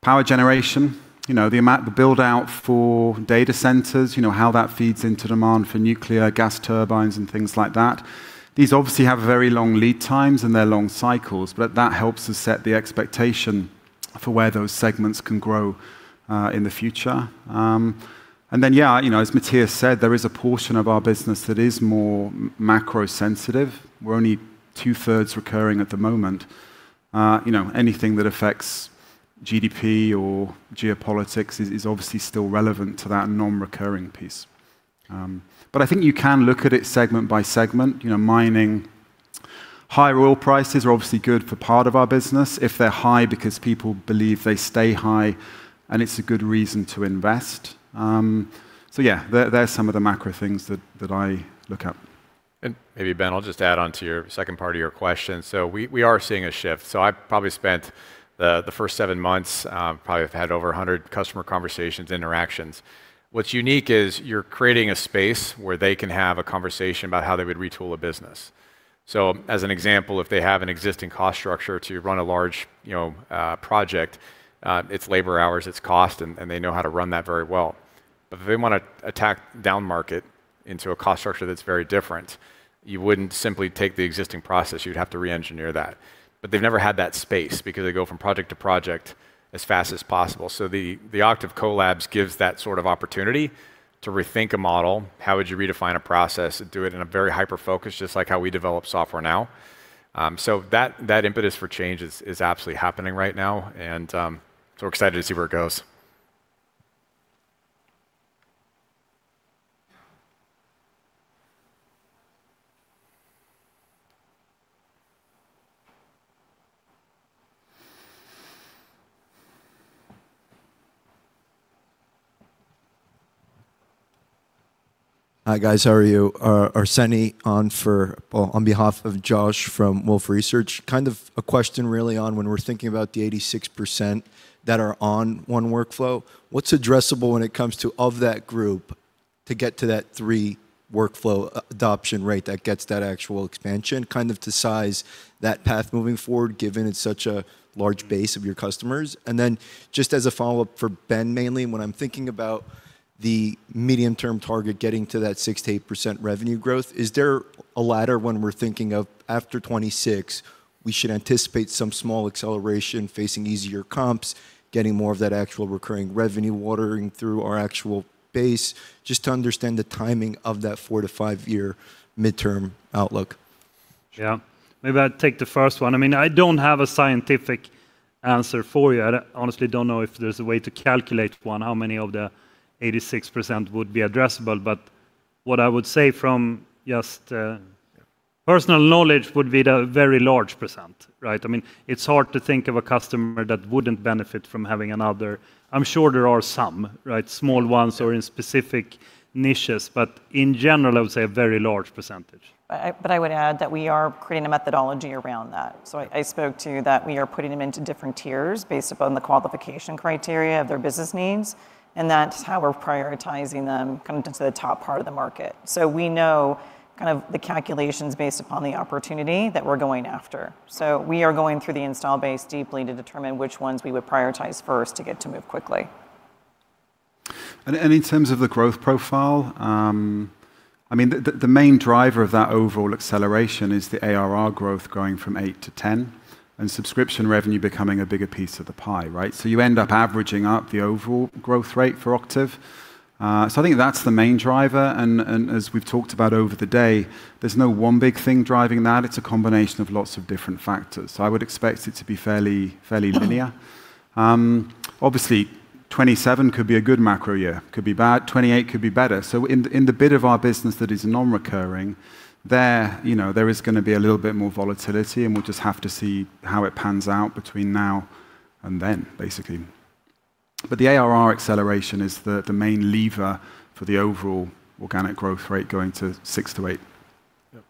power generation, you know, the amount, the build-out for data centers, you know, how that feeds into demand for nuclear, gas turbines, and things like that. These obviously have very long lead times and they're long cycles, but that helps us set the expectation for where those segments can grow in the future. Yeah, you know, as Mattias said, there is a portion of our business that is more macro sensitive. We're only two-thirds recurring at the moment. Anything that affects GDP or geopolitics is obviously still relevant to that non-recurring piece. I think you can look at it segment by segment. Mining, high oil prices are obviously good for part of our business if they're high because people believe they stay high and it's a good reason to invest. There are some of the macro things that I look at. Maybe, Ben, I'll just add onto your second part of your question. We are seeing a shift. I've probably spent the first seven months, probably have had over 100 customer conversations, interactions. What's unique is you're creating a space where they can have a conversation about how they would retool a business. As an example, if they have an existing cost structure to run a large, you know, project, it's labor hours, it's cost and they know how to run that very well. But if they wanna attack downmarket into a cost structure that's very different, you wouldn't simply take the existing process, you'd have to re-engineer that. But they've never had that space because they go from project to project as fast as possible. The Octave Collabs gives that sort of opportunity to rethink a model. How would you redefine a process and do it in a very hyper-focused, just like how we develop software now? That impetus for change is absolutely happening right now and we're excited to see where it goes. Hi, guys, how are you? Arsenije on behalf of Josh from Wolfe Research. Kind of a question really on when we're thinking about the 86% that are on one workflow, what's addressable when it comes to of that group to get to that three workflow adoption rate that gets that actual expansion? Kind of to size that path moving forward, given it's such a large base of your customers. Then just as a follow-up for Ben mainly, when I'm thinking about the medium-term target getting to that 6%-8% revenue growth, is there a ladder when we're thinking of after 2026 we should anticipate some small acceleration facing easier comps, getting more of that actual recurring revenue working through our actual base, just to understand the timing of that 4- to 5-year midterm outlook? Yeah. Maybe I'll take the first one. I mean, I don't have a scientific answer for you. I honestly don't know if there's a way to calculate one, how many of the 86% would be addressable. What I would say from just personal knowledge would be the very large percent, right? I mean, it's hard to think of a customer that wouldn't benefit from having another. I'm sure there are some, right? Small ones. Yeah In specific niches, but in general, I would say a very large percentage. I would add that we are creating a methodology around that. I spoke to you that we are putting them into different tiers based upon the qualification criteria of their business needs, and that's how we're prioritizing them coming into the top part of the market. We know kind of the calculations based upon the opportunity that we're going after. We are going through the install base deeply to determine which ones we would prioritize first to get to move quickly. In terms of the growth profile, I mean the main driver of that overall acceleration is the ARR growth growing from 8%-10% and subscription revenue becoming a bigger piece of the pie, right? You end up averaging up the overall growth rate for Octave. I think that's the main driver, and as we've talked about over the day, there's no one big thing driving that. It's a combination of lots of different factors. I would expect it to be fairly linear. Obviously, 2027 could be a good macro year, could be bad. 2028 could be better. In the bit of our business that is non-recurring, you know, there is gonna be a little bit more volatility, and we'll just have to see how it pans out between now and then, basically. The ARR acceleration is the main lever for the overall organic growth rate going to 6%-8%. Yeah.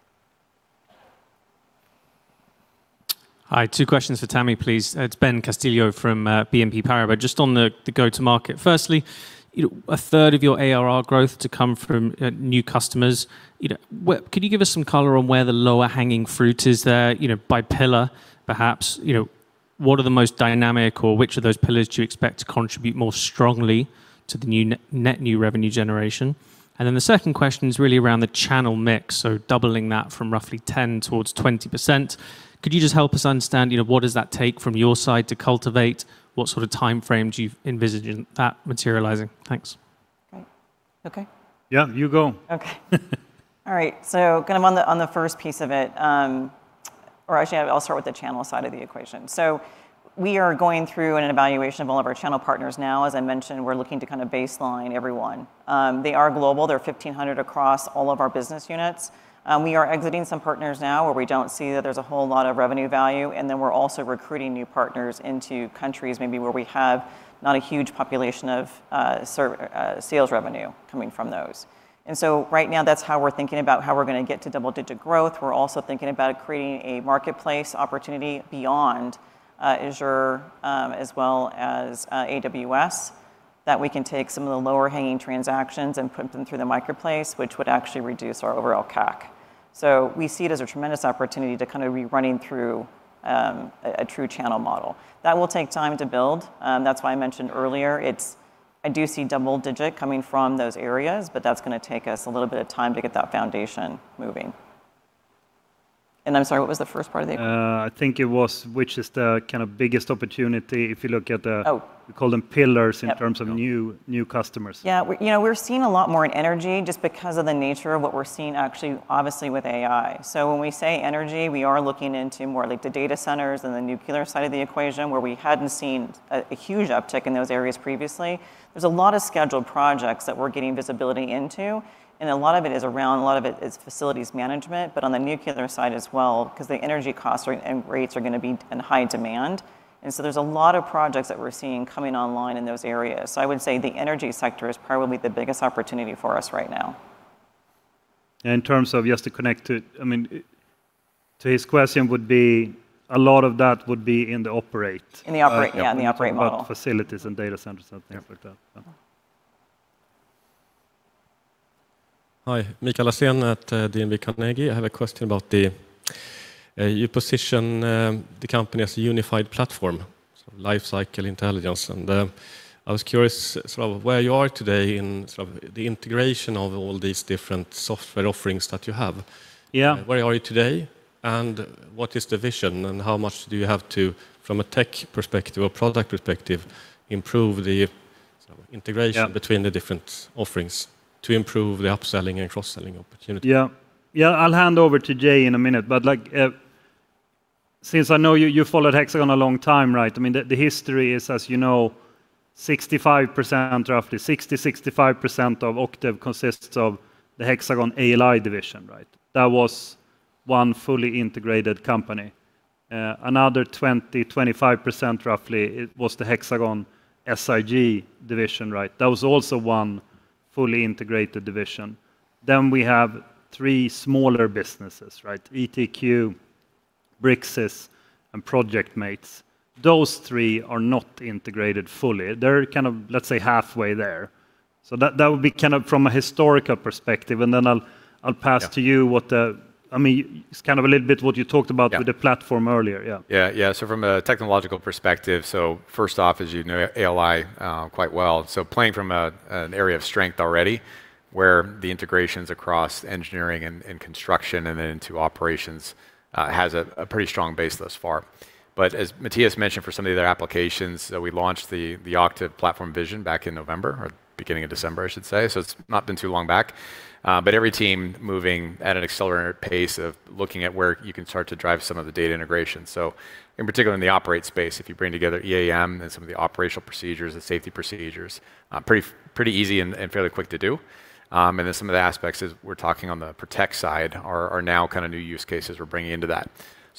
Hi, two questions for Tammy, please. It's Ben Castillo from BNP Paribas. Just on the go-to-market. First, you know, a third of your ARR growth to come from new customers. You know, could you give us some color on where the lower hanging fruit is there, you know, by pillar perhaps? You know, what are the most dynamic or which of those pillars do you expect to contribute more strongly to the new net new revenue generation? Then the second question is really around the channel mix, so doubling that from roughly 10% towards 20%. Could you just help us understand, you know, what does that take from your side to cultivate? What sort of time frames do you envisage in that materializing? Thanks. Great. Okay. Yeah, you go. Okay. All right, kind of on the first piece of it, or actually I'll start with the channel side of the equation. We are going through an evaluation of all of our channel partners now. As I mentioned, we're looking to kind of baseline everyone. They are global. There are 1,500 across all of our business units. We are exiting some partners now where we don't see that there's a whole lot of revenue value, and then we're also recruiting new partners into countries maybe where we have not a huge population of sales revenue coming from those. Right now that's how we're thinking about how we're gonna get to double-digit growth. We're also thinking about creating a marketplace opportunity beyond Azure, as well as AWS, that we can take some of the lower-hanging transactions and put them through the marketplace, which would actually reduce our overall CAC. We see it as a tremendous opportunity to kind of be running through a true channel model. That will take time to build, that's why I mentioned earlier. I do see double digit coming from those areas, but that's gonna take us a little bit of time to get that foundation moving. I'm sorry, what was the first part of the- I think it was which is the kind of biggest opportunity if you look at the. Oh We call them pillars. Yep... in terms of new customers. Yeah. We, you know, we're seeing a lot more in energy just because of the nature of what we're seeing actually obviously with AI. When we say energy, we are looking into more like the data centers and the nuclear side of the equation, where we hadn't seen a huge uptick in those areas previously. There's a lot of scheduled projects that we're getting visibility into, and a lot of it is around facilities management, but on the nuclear side as well, 'cause the energy costs and rates are gonna be in high demand. There's a lot of projects that we're seeing coming online in those areas. I would say the energy sector is probably the biggest opportunity for us right now. In terms of just to connect to his question, I mean, a lot of that would be in the operate- In the operate model. what, facilities and data centers and things like that. Yeah. Mm-hmm. Hi. Mikael Lassén at DNB Carnegie. I have a question about the you position the company as a unified platform, sort of lifecycle intelligence. I was curious sort of where you are today in sort of the integration of all these different software offerings that you have. Yeah. Where are you today, and what is the vision, and how much do you have to, from a tech perspective or product perspective, improve the sort of integration? Yeah between the different offerings to improve the upselling and cross-selling opportunity? Yeah, I'll hand over to Jay in a minute, but like, since I know you've followed Hexagon a long time, right? I mean, the history is, as you know, 65% roughly of Octave consists of the Hexagon ALI division, right? That was one fully integrated company. Another 20%-25% roughly, it was the Hexagon SIG division, right? That was also one fully integrated division. Then we have three smaller businesses, right? ETQ, Bricsys, and Projectmates. Those three are not integrated fully. They're kind of, let's say, halfway there. That would be kind of from a historical perspective, and then I'll pass. Yeah I mean, it's kind of a little bit what you talked about. Yeah with the platform earlier. Yeah. Yeah. Yeah, from a technological perspective. First off, as you know, ALI quite well. Playing from an area of strength already, where the integrations across engineering and construction, and then to operations, has a pretty strong base thus far. As Mattias mentioned for some of the other applications that we launched the Octave platform vision back in November or beginning of December, I should say, so it's not been too long back. Every team moving at an accelerated pace of looking at where you can start to drive some of the data integration. In particular, in the operate space, if you bring together EAM and some of the operational procedures and safety procedures, pretty easy and fairly quick to do. Some of the aspects, as we're talking on the protect side, are now kind of new use cases we're bringing into that.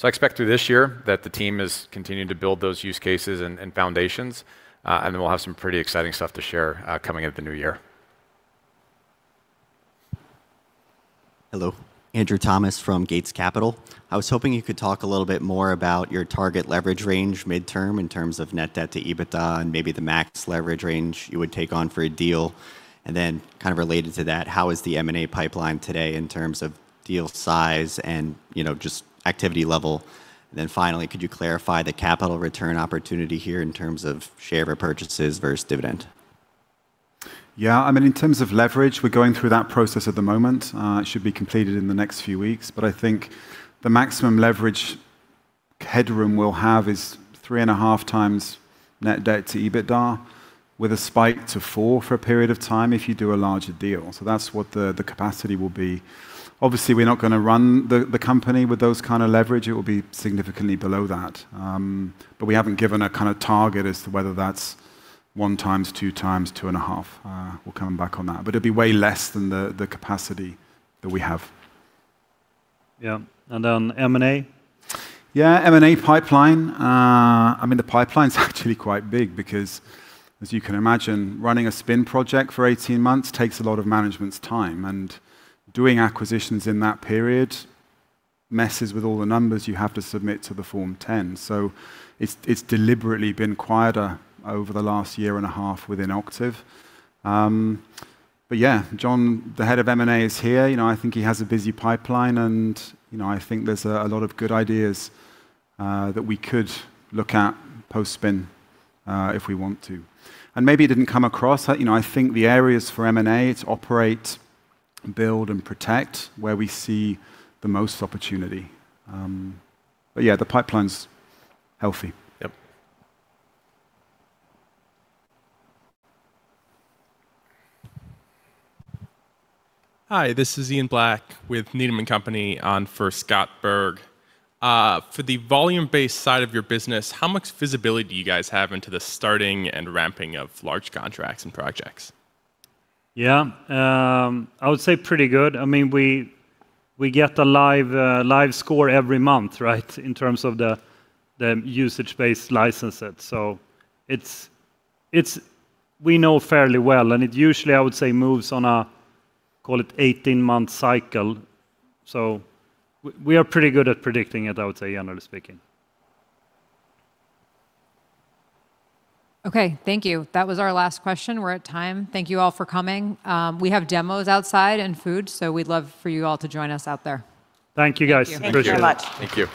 I expect through this year that the team is continuing to build those use cases and foundations, and then we'll have some pretty exciting stuff to share coming at the new year. Hello. Andrew Thomas from Gates Capital. I was hoping you could talk a little bit more about your target leverage range midterm in terms of net debt to EBITDA and maybe the max leverage range you would take on for a deal. Kind of related to that, how is the M&A pipeline today in terms of deal size and, you know, just activity level? Finally, could you clarify the capital return opportunity here in terms of share repurchases versus dividend? Yeah. I mean, in terms of leverage, we're going through that process at the moment. It should be completed in the next few weeks. I think the maximum leverage headroom we'll have is 3.5x net debt to EBITDA, with a spike to 4x for a period of time if you do a larger deal. That's what the capacity will be. Obviously, we're not gonna run the company with those kind of leverage. It will be significantly below that. We haven't given a kind of target as to whether that's 1x, 2x, 2.5x. We'll come back on that. It'll be way less than the capacity that we have. Yeah. On M&A? Yeah. M&A pipeline. I mean, the pipeline's actually quite big because, as you can imagine, running a spin project for 18 months takes a lot of management's time. Doing acquisitions in that period messes with all the numbers you have to submit to the Form 10. It's deliberately been quieter over the last year and a half within Octave. Yeah, John, the head of M&A, is here. You know, I think he has a busy pipeline and, you know, I think there's a lot of good ideas that we could look at post-spin, if we want to. Maybe it didn't come across that, you know, I think the areas for M&A to operate, build and protect where we see the most opportunity. Yeah, the pipeline's healthy. Yep. Hi, this is Ian Black with Needham & Company on for Scott Berg. For the volume-based side of your business, how much visibility do you guys have into the starting and ramping of large contracts and projects? Yeah. I would say pretty good. I mean, we get a live score every month, right? In terms of the usage-based license set. We know fairly well, and it usually, I would say, moves on a call it 18-month cycle. We are pretty good at predicting it, I would say, generally speaking. Okay. Thank you. That was our last question. We're at time. Thank you all for coming. We have demos outside and food, so we'd love for you all to join us out there. Thank you, guys. Thank you. Appreciate it. Thank you so much. Thank you.